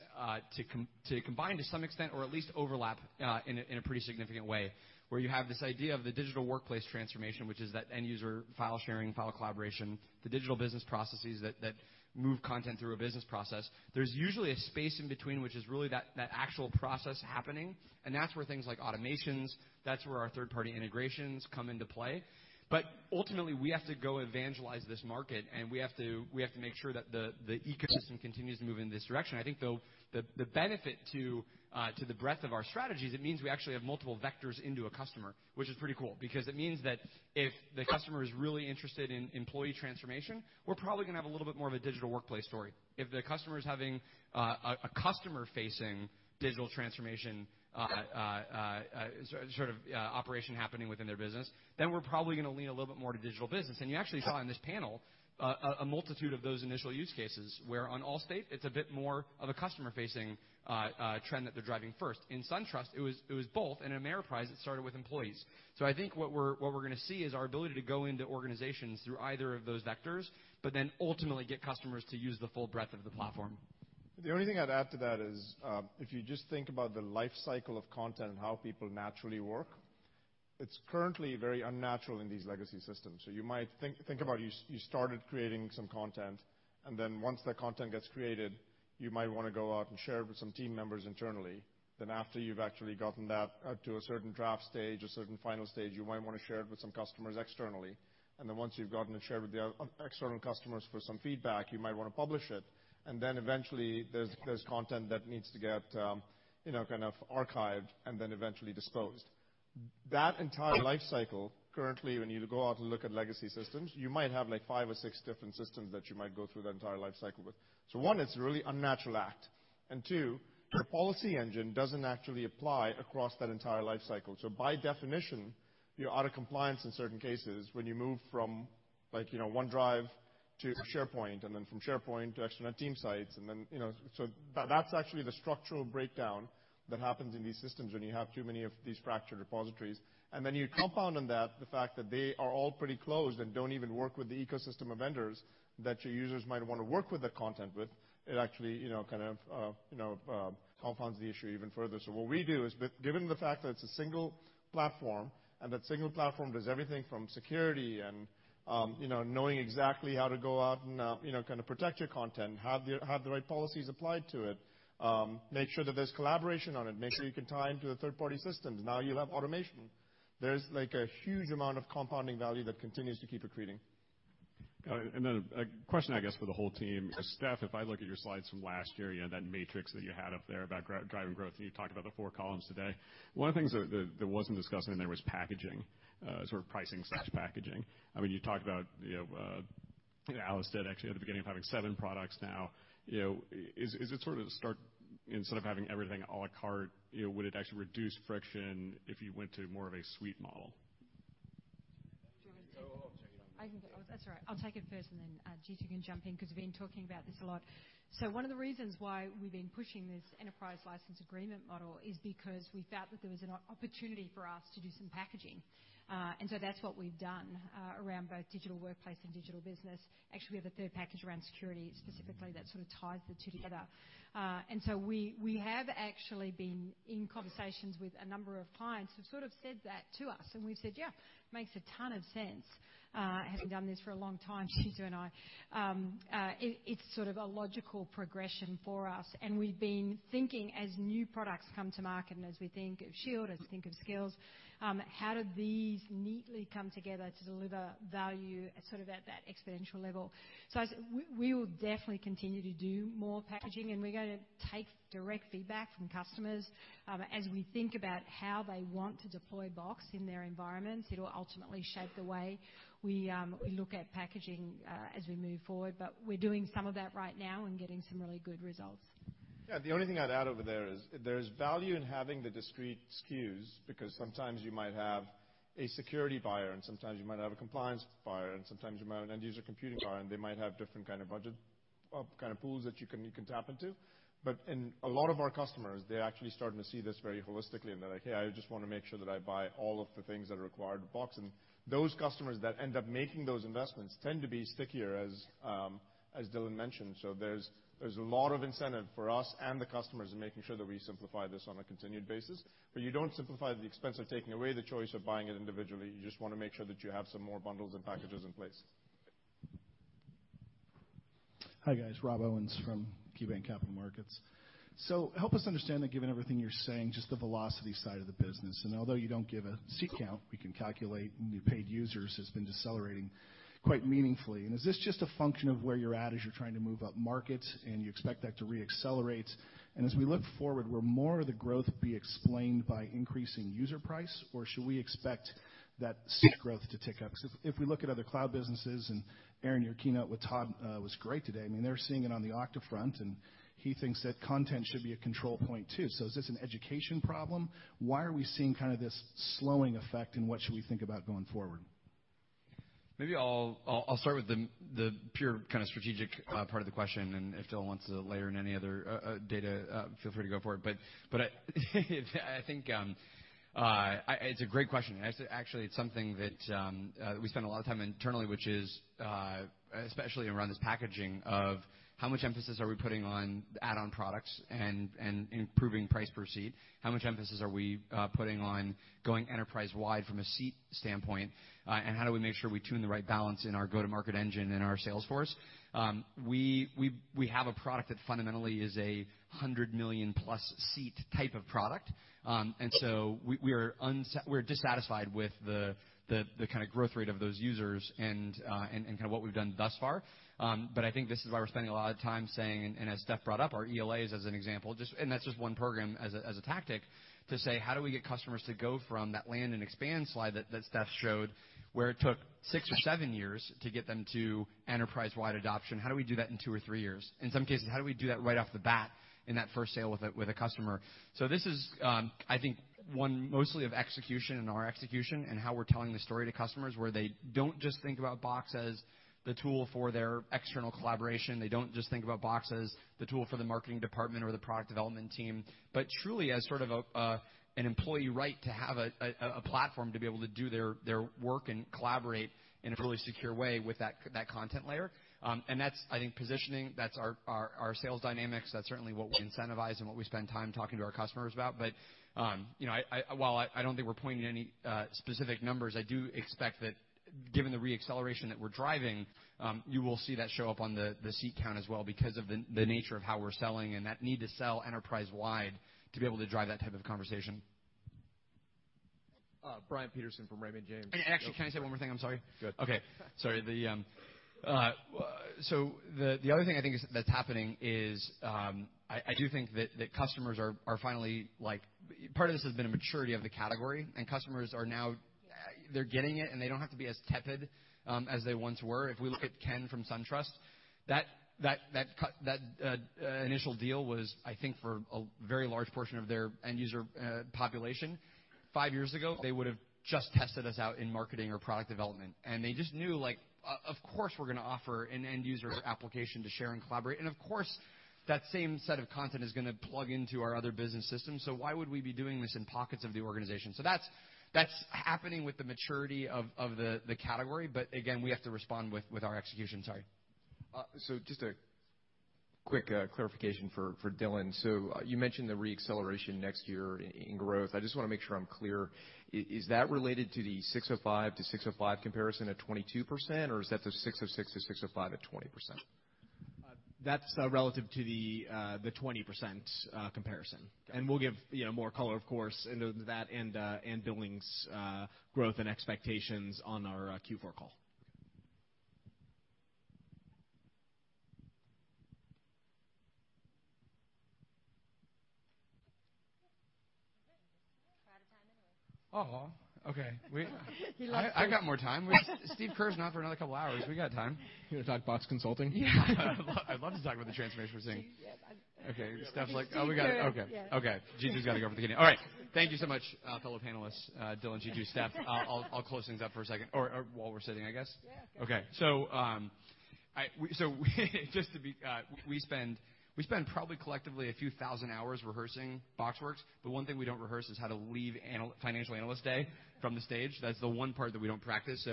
Speaker 2: to combine to some extent or at least overlap in a pretty significant way. Where you have this idea of the digital workplace transformation, which is that end user file sharing, file collaboration, the digital business processes that move content through a business process. There's usually a space in between, which is really that actual process happening, and that's where things like automations, that's where our third-party integrations come into play. Ultimately, we have to go evangelize this market, and we have to make sure that the ecosystem continues to move in this direction. I think, though, the benefit to the breadth of our strategy is it means we actually have multiple vectors into a customer, which is pretty cool because it means that if the customer is really interested in employee transformation, we're probably going to have a little bit more of a digital workplace story. If the customer is having a customer-facing digital transformation sort of operation happening within their business, then we're probably going to lean a little bit more to digital business. You actually saw in this panel a multitude of those initial use cases, where on Allstate it's a bit more of a customer-facing trend that they're driving first. In SunTrust, it was both, and in Ameriprise, it started with employees. I think what we're going to see is our ability to go into organizations through either of those vectors, but then ultimately get customers to use the full breadth of the platform.
Speaker 3: The only thing I'd add to that is, if you just think about the life cycle of content and how people naturally work. It's currently very unnatural in these legacy systems. You might think about you started creating some content, and then once that content gets created, you might want to go out and share it with some team members internally. After you've actually gotten that to a certain draft stage, a certain final stage, you might want to share it with some customers externally. Once you've gotten it shared with the external customers for some feedback, you might want to publish it. Eventually, there's content that needs to get archived and then eventually disposed. That entire life cycle, currently, when you go out and look at legacy systems, you might have five or six different systems that you might go through that entire life cycle with. One, it's a really unnatural act, and two, your policy engine doesn't actually apply across that entire life cycle. By definition, you're out of compliance in certain cases, when you move from OneDrive to SharePoint, and then from SharePoint to external team sites. That's actually the structural breakdown that happens in these systems when you have too many of these fractured repositories. You compound on that the fact that they are all pretty closed and don't even work with the ecosystem of vendors that your users might want to work with the content with. It actually compounds the issue even further. What we do is, given the fact that it's a single platform, and that single platform does everything from security and knowing exactly how to go out and protect your content, have the right policies applied to it, make sure that there's collaboration on it, make sure you can tie into the third-party systems. Now you have automation. There's a huge amount of compounding value that continues to keep accreting.
Speaker 8: Got it. A question I guess for the whole team. Steph, if I look at your slides from last year, you had that matrix that you had up there about driving growth, and you talked about the four columns today. One of the things that wasn't discussed in there was packaging, sort of pricing slash packaging. You talked about, Alice did actually at the beginning, of having seven products now. Instead of having everything à la carte, would it actually reduce friction if you went to more of a suite model?
Speaker 11: Do you want me to take it?
Speaker 3: Oh, I'll take it.
Speaker 11: That's all right. I'll take it first and then Jeetu can jump in, because we've been talking about this a lot. One of the reasons why we've been pushing this enterprise license agreement model is because we felt that there was an opportunity for us to do some packaging. That's what we've done, around both digital workplace and digital business. Actually, we have a third package around security specifically that sort of ties the two together. We have actually been in conversations with a number of clients who've said that to us, and we've said, "Yeah, makes a ton of sense." Having done this for a long time, Jeetu and I, it's sort of a logical progression for us, and we've been thinking as new products come to market and as we think of Shield, as we think of Skills, how do these neatly come together to deliver value at that exponential level? We will definitely continue to do more packaging, and we're going to take direct feedback from customers. As we think about how they want to deploy Box in their environments, it'll ultimately shape the way we look at packaging as we move forward. We're doing some of that right now and getting some really good results.
Speaker 3: Yeah. The only thing I'd add over there is, there is value in having the discrete SKUs, because sometimes you might have a security buyer and sometimes you might have a compliance buyer, and sometimes you might have an end user computing buyer, and they might have different kind of budget pools that you can tap into. In a lot of our customers, they're actually starting to see this very holistically, and they're like, "Hey, I just want to make sure that I buy all of the things that are required with Box." Those customers that end up making those investments tend to be stickier, as Dylan mentioned. There's a lot of incentive for us and the customers in making sure that we simplify this on a continued basis. You don't simplify at the expense of taking away the choice of buying it individually. You just want to make sure that you have some more bundles and packages in place.
Speaker 16: Hi, guys. Rob Owens from KeyBanc Capital Markets. Help us understand that given everything you're saying, just the velocity side of the business, and although you don't give a seat count, we can calculate new paid users has been decelerating quite meaningfully. Is this just a function of where you're at as you're trying to move up markets and you expect that to re-accelerate? As we look forward, will more of the growth be explained by increasing user price, or should we expect that seat growth to tick up? If we look at other cloud businesses, and Aaron, your keynote with Todd was great today. They're seeing it on the Okta front, and he thinks that content should be a control point, too. Is this an education problem? Why are we seeing this slowing effect, and what should we think about going forward?
Speaker 2: Maybe I'll start with the pure strategic part of the question. If Dylan wants to layer in any other data, feel free to go for it. I think it's a great question. Actually, it's something that we spend a lot of time internally, especially around this packaging of how much emphasis are we putting on add-on products and improving price per seat? How much emphasis are we putting on going enterprise-wide from a seat standpoint? How do we make sure we tune the right balance in our go-to-market engine and our sales force? We have a product that fundamentally is a 100 million-plus seat type of product. We're dissatisfied with the growth rate of those users and what we've done thus far. I think this is why we're spending a lot of time saying, as Steph brought up, our ELAs as an example. That's just one program as a tactic to say, how do we get customers to go from that land and expand slide that Steph showed, where it took six or seven years to get them to enterprise-wide adoption? How do we do that in two or three years? In some cases, how do we do that right off the bat in that first sale with a customer? This is, I think, one mostly of execution and our execution and how we're telling the story to customers where they don't just think about Box as the tool for their external collaboration. They don't just think about Box as the tool for the marketing department or the product development team, but truly as sort of an employee right to have a platform to be able to do their work and collaborate in a fully secure way with that content layer. That's, I think, positioning. That's our sales dynamics. That's certainly what we incentivize and what we spend time talking to our customers about. While I don't think we're pointing to any specific numbers, I do expect that Given the re-acceleration that we're driving, you will see that show up on the seat count as well because of the nature of how we're selling and that need to sell enterprise-wide to be able to drive that type of conversation.
Speaker 17: Brian Peterson from Raymond James.
Speaker 2: Actually, can I say one more thing? I'm sorry. Go ahead. Okay. Sorry. The other thing I think that's happening is, I do think that customers are finally. Part of this has been a maturity of the category, and customers are now getting it, and they don't have to be as tepid as they once were. If we look at Ken from SunTrust, that initial deal was, I think, for a very large portion of their end-user population. Five years ago, they would've just tested us out in marketing or product development. They just knew, of course, we're going to offer an end-user application to share and collaborate. Of course, that same set of content is going to plug into our other business systems, so why would we be doing this in pockets of the organization? That's happening with the maturity of the category. Again, we have to respond with our execution. Sorry.
Speaker 17: Just a quick clarification for Dylan. You mentioned the re-acceleration next year in growth. I just want to make sure I'm clear. Is that related to the ASC 605 to ASC 605 comparison at 22%, or is that the ASC 606 to ASC 605 at 20%?
Speaker 12: That's relative to the 20% comparison. We'll give more color, of course, into that and billings growth and expectations on our Q4 call.
Speaker 3: We're out of time anyway.
Speaker 2: Oh, okay.
Speaker 3: He lost it.
Speaker 2: I got more time. Steve Kerr's not for another couple of hours. We got time.
Speaker 12: You want to talk Box Consulting?
Speaker 2: I'd love to talk about the transformation we're seeing.
Speaker 3: G2, yes. Okay. Steph's like, oh, we got it. G2. Okay. Yes. Okay. Jeetu's Got to go for the keynote. All right. Thank you so much, fellow panelists, Dylan, Jeetu, Steph. I'll close things up for a second. While we're sitting, I guess. Yeah. Okay. We spend probably collectively a few thousand hours rehearsing BoxWorks, but one thing we don't rehearse is how to leave Financial Analyst Day from the stage. That's the one part that we don't practice,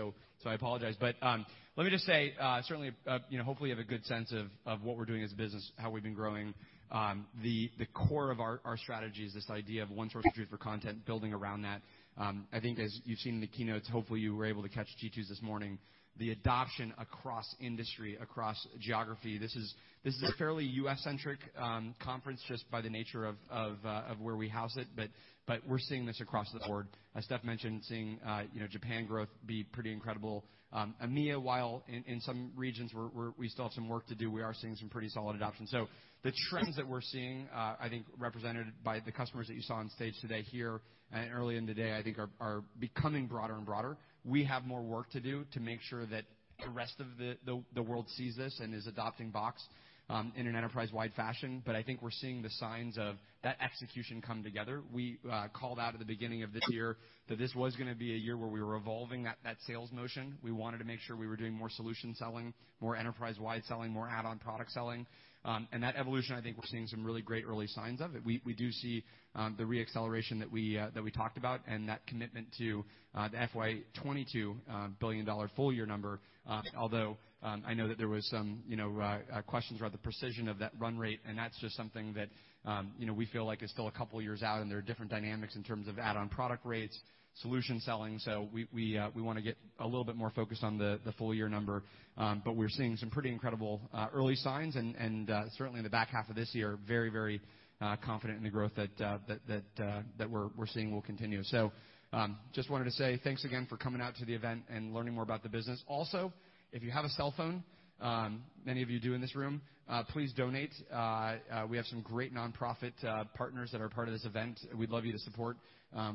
Speaker 3: I apologize. Let me just say, certainly, hopefully, you have a good sense of what we're doing as a business, how we've been growing. The core of our strategy is this idea of one source of truth for content, building around that. I think as you've seen in the keynotes, hopefully, you were able to catch Jeetu's this morning, the adoption across industry, across geography. This is a fairly U.S.-centric conference just by the nature of where we house it, we're seeing this across the board. As Steph mentioned, seeing Japan growth be pretty incredible.
Speaker 2: EMEA, while in some regions we still have some work to do, we are seeing some pretty solid adoption. The trends that we're seeing, I think represented by the customers that you saw on stage today here early in the day, I think are becoming broader and broader. We have more work to do to make sure that the rest of the world sees this and is adopting Box in an enterprise-wide fashion. I think we're seeing the signs of that execution come together. We called out at the beginning of this year that this was going to be a year where we were evolving that sales motion. We wanted to make sure we were doing more solution selling, more enterprise-wide selling, more add-on product selling. That evolution, I think we're seeing some really great early signs of it. We do see the re-acceleration that we talked about and that commitment to the FY 2022 billion-dollar full-year number. Although, I know that there was some questions about the precision of that run rate, that's just something that we feel like is still a couple of years out, there are different dynamics in terms of add-on product rates, solution selling. We want to get a little bit more focused on the full-year number. We're seeing some pretty incredible early signs and, certainly in the back half of this year, very confident in the growth that we're seeing will continue. Just wanted to say thanks again for coming out to the event and learning more about the business. Also, if you have a cell phone, many of you do in this room, please donate. We have some great nonprofit partners that are part of this event. We'd love you to support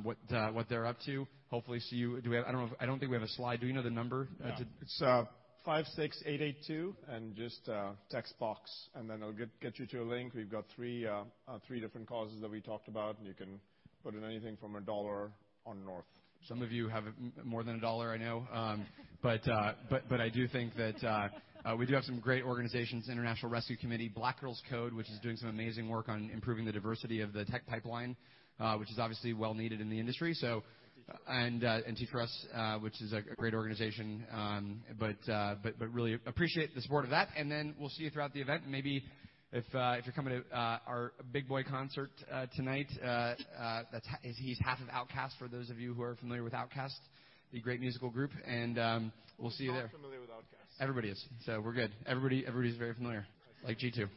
Speaker 2: what they're up to. Hopefully, see you. I don't think we have a slide. Do we know the number?
Speaker 12: No. It's 56882, and just text Box, and then it'll get you to a link. We've got three different causes that we talked about, and you can put in anything from $1 on north.
Speaker 2: Some of you have more than $1, I know. I do think that we do have some great organizations, International Rescue Committee, Black Girls CODE, which is doing some amazing work on improving the diversity of the tech pipeline, which is obviously well needed in the industry, so. SIs, which is a great organization. Really appreciate the support of that, and then we'll see you throughout the event. Maybe if you're coming to our Big Boi concert tonight, he's half of OutKast, for those of you who are familiar with OutKast, the great musical group, and we'll see you there.
Speaker 3: Who's not familiar with OutKast?
Speaker 2: Everybody is, so we're good. Everybody's very familiar, like G2.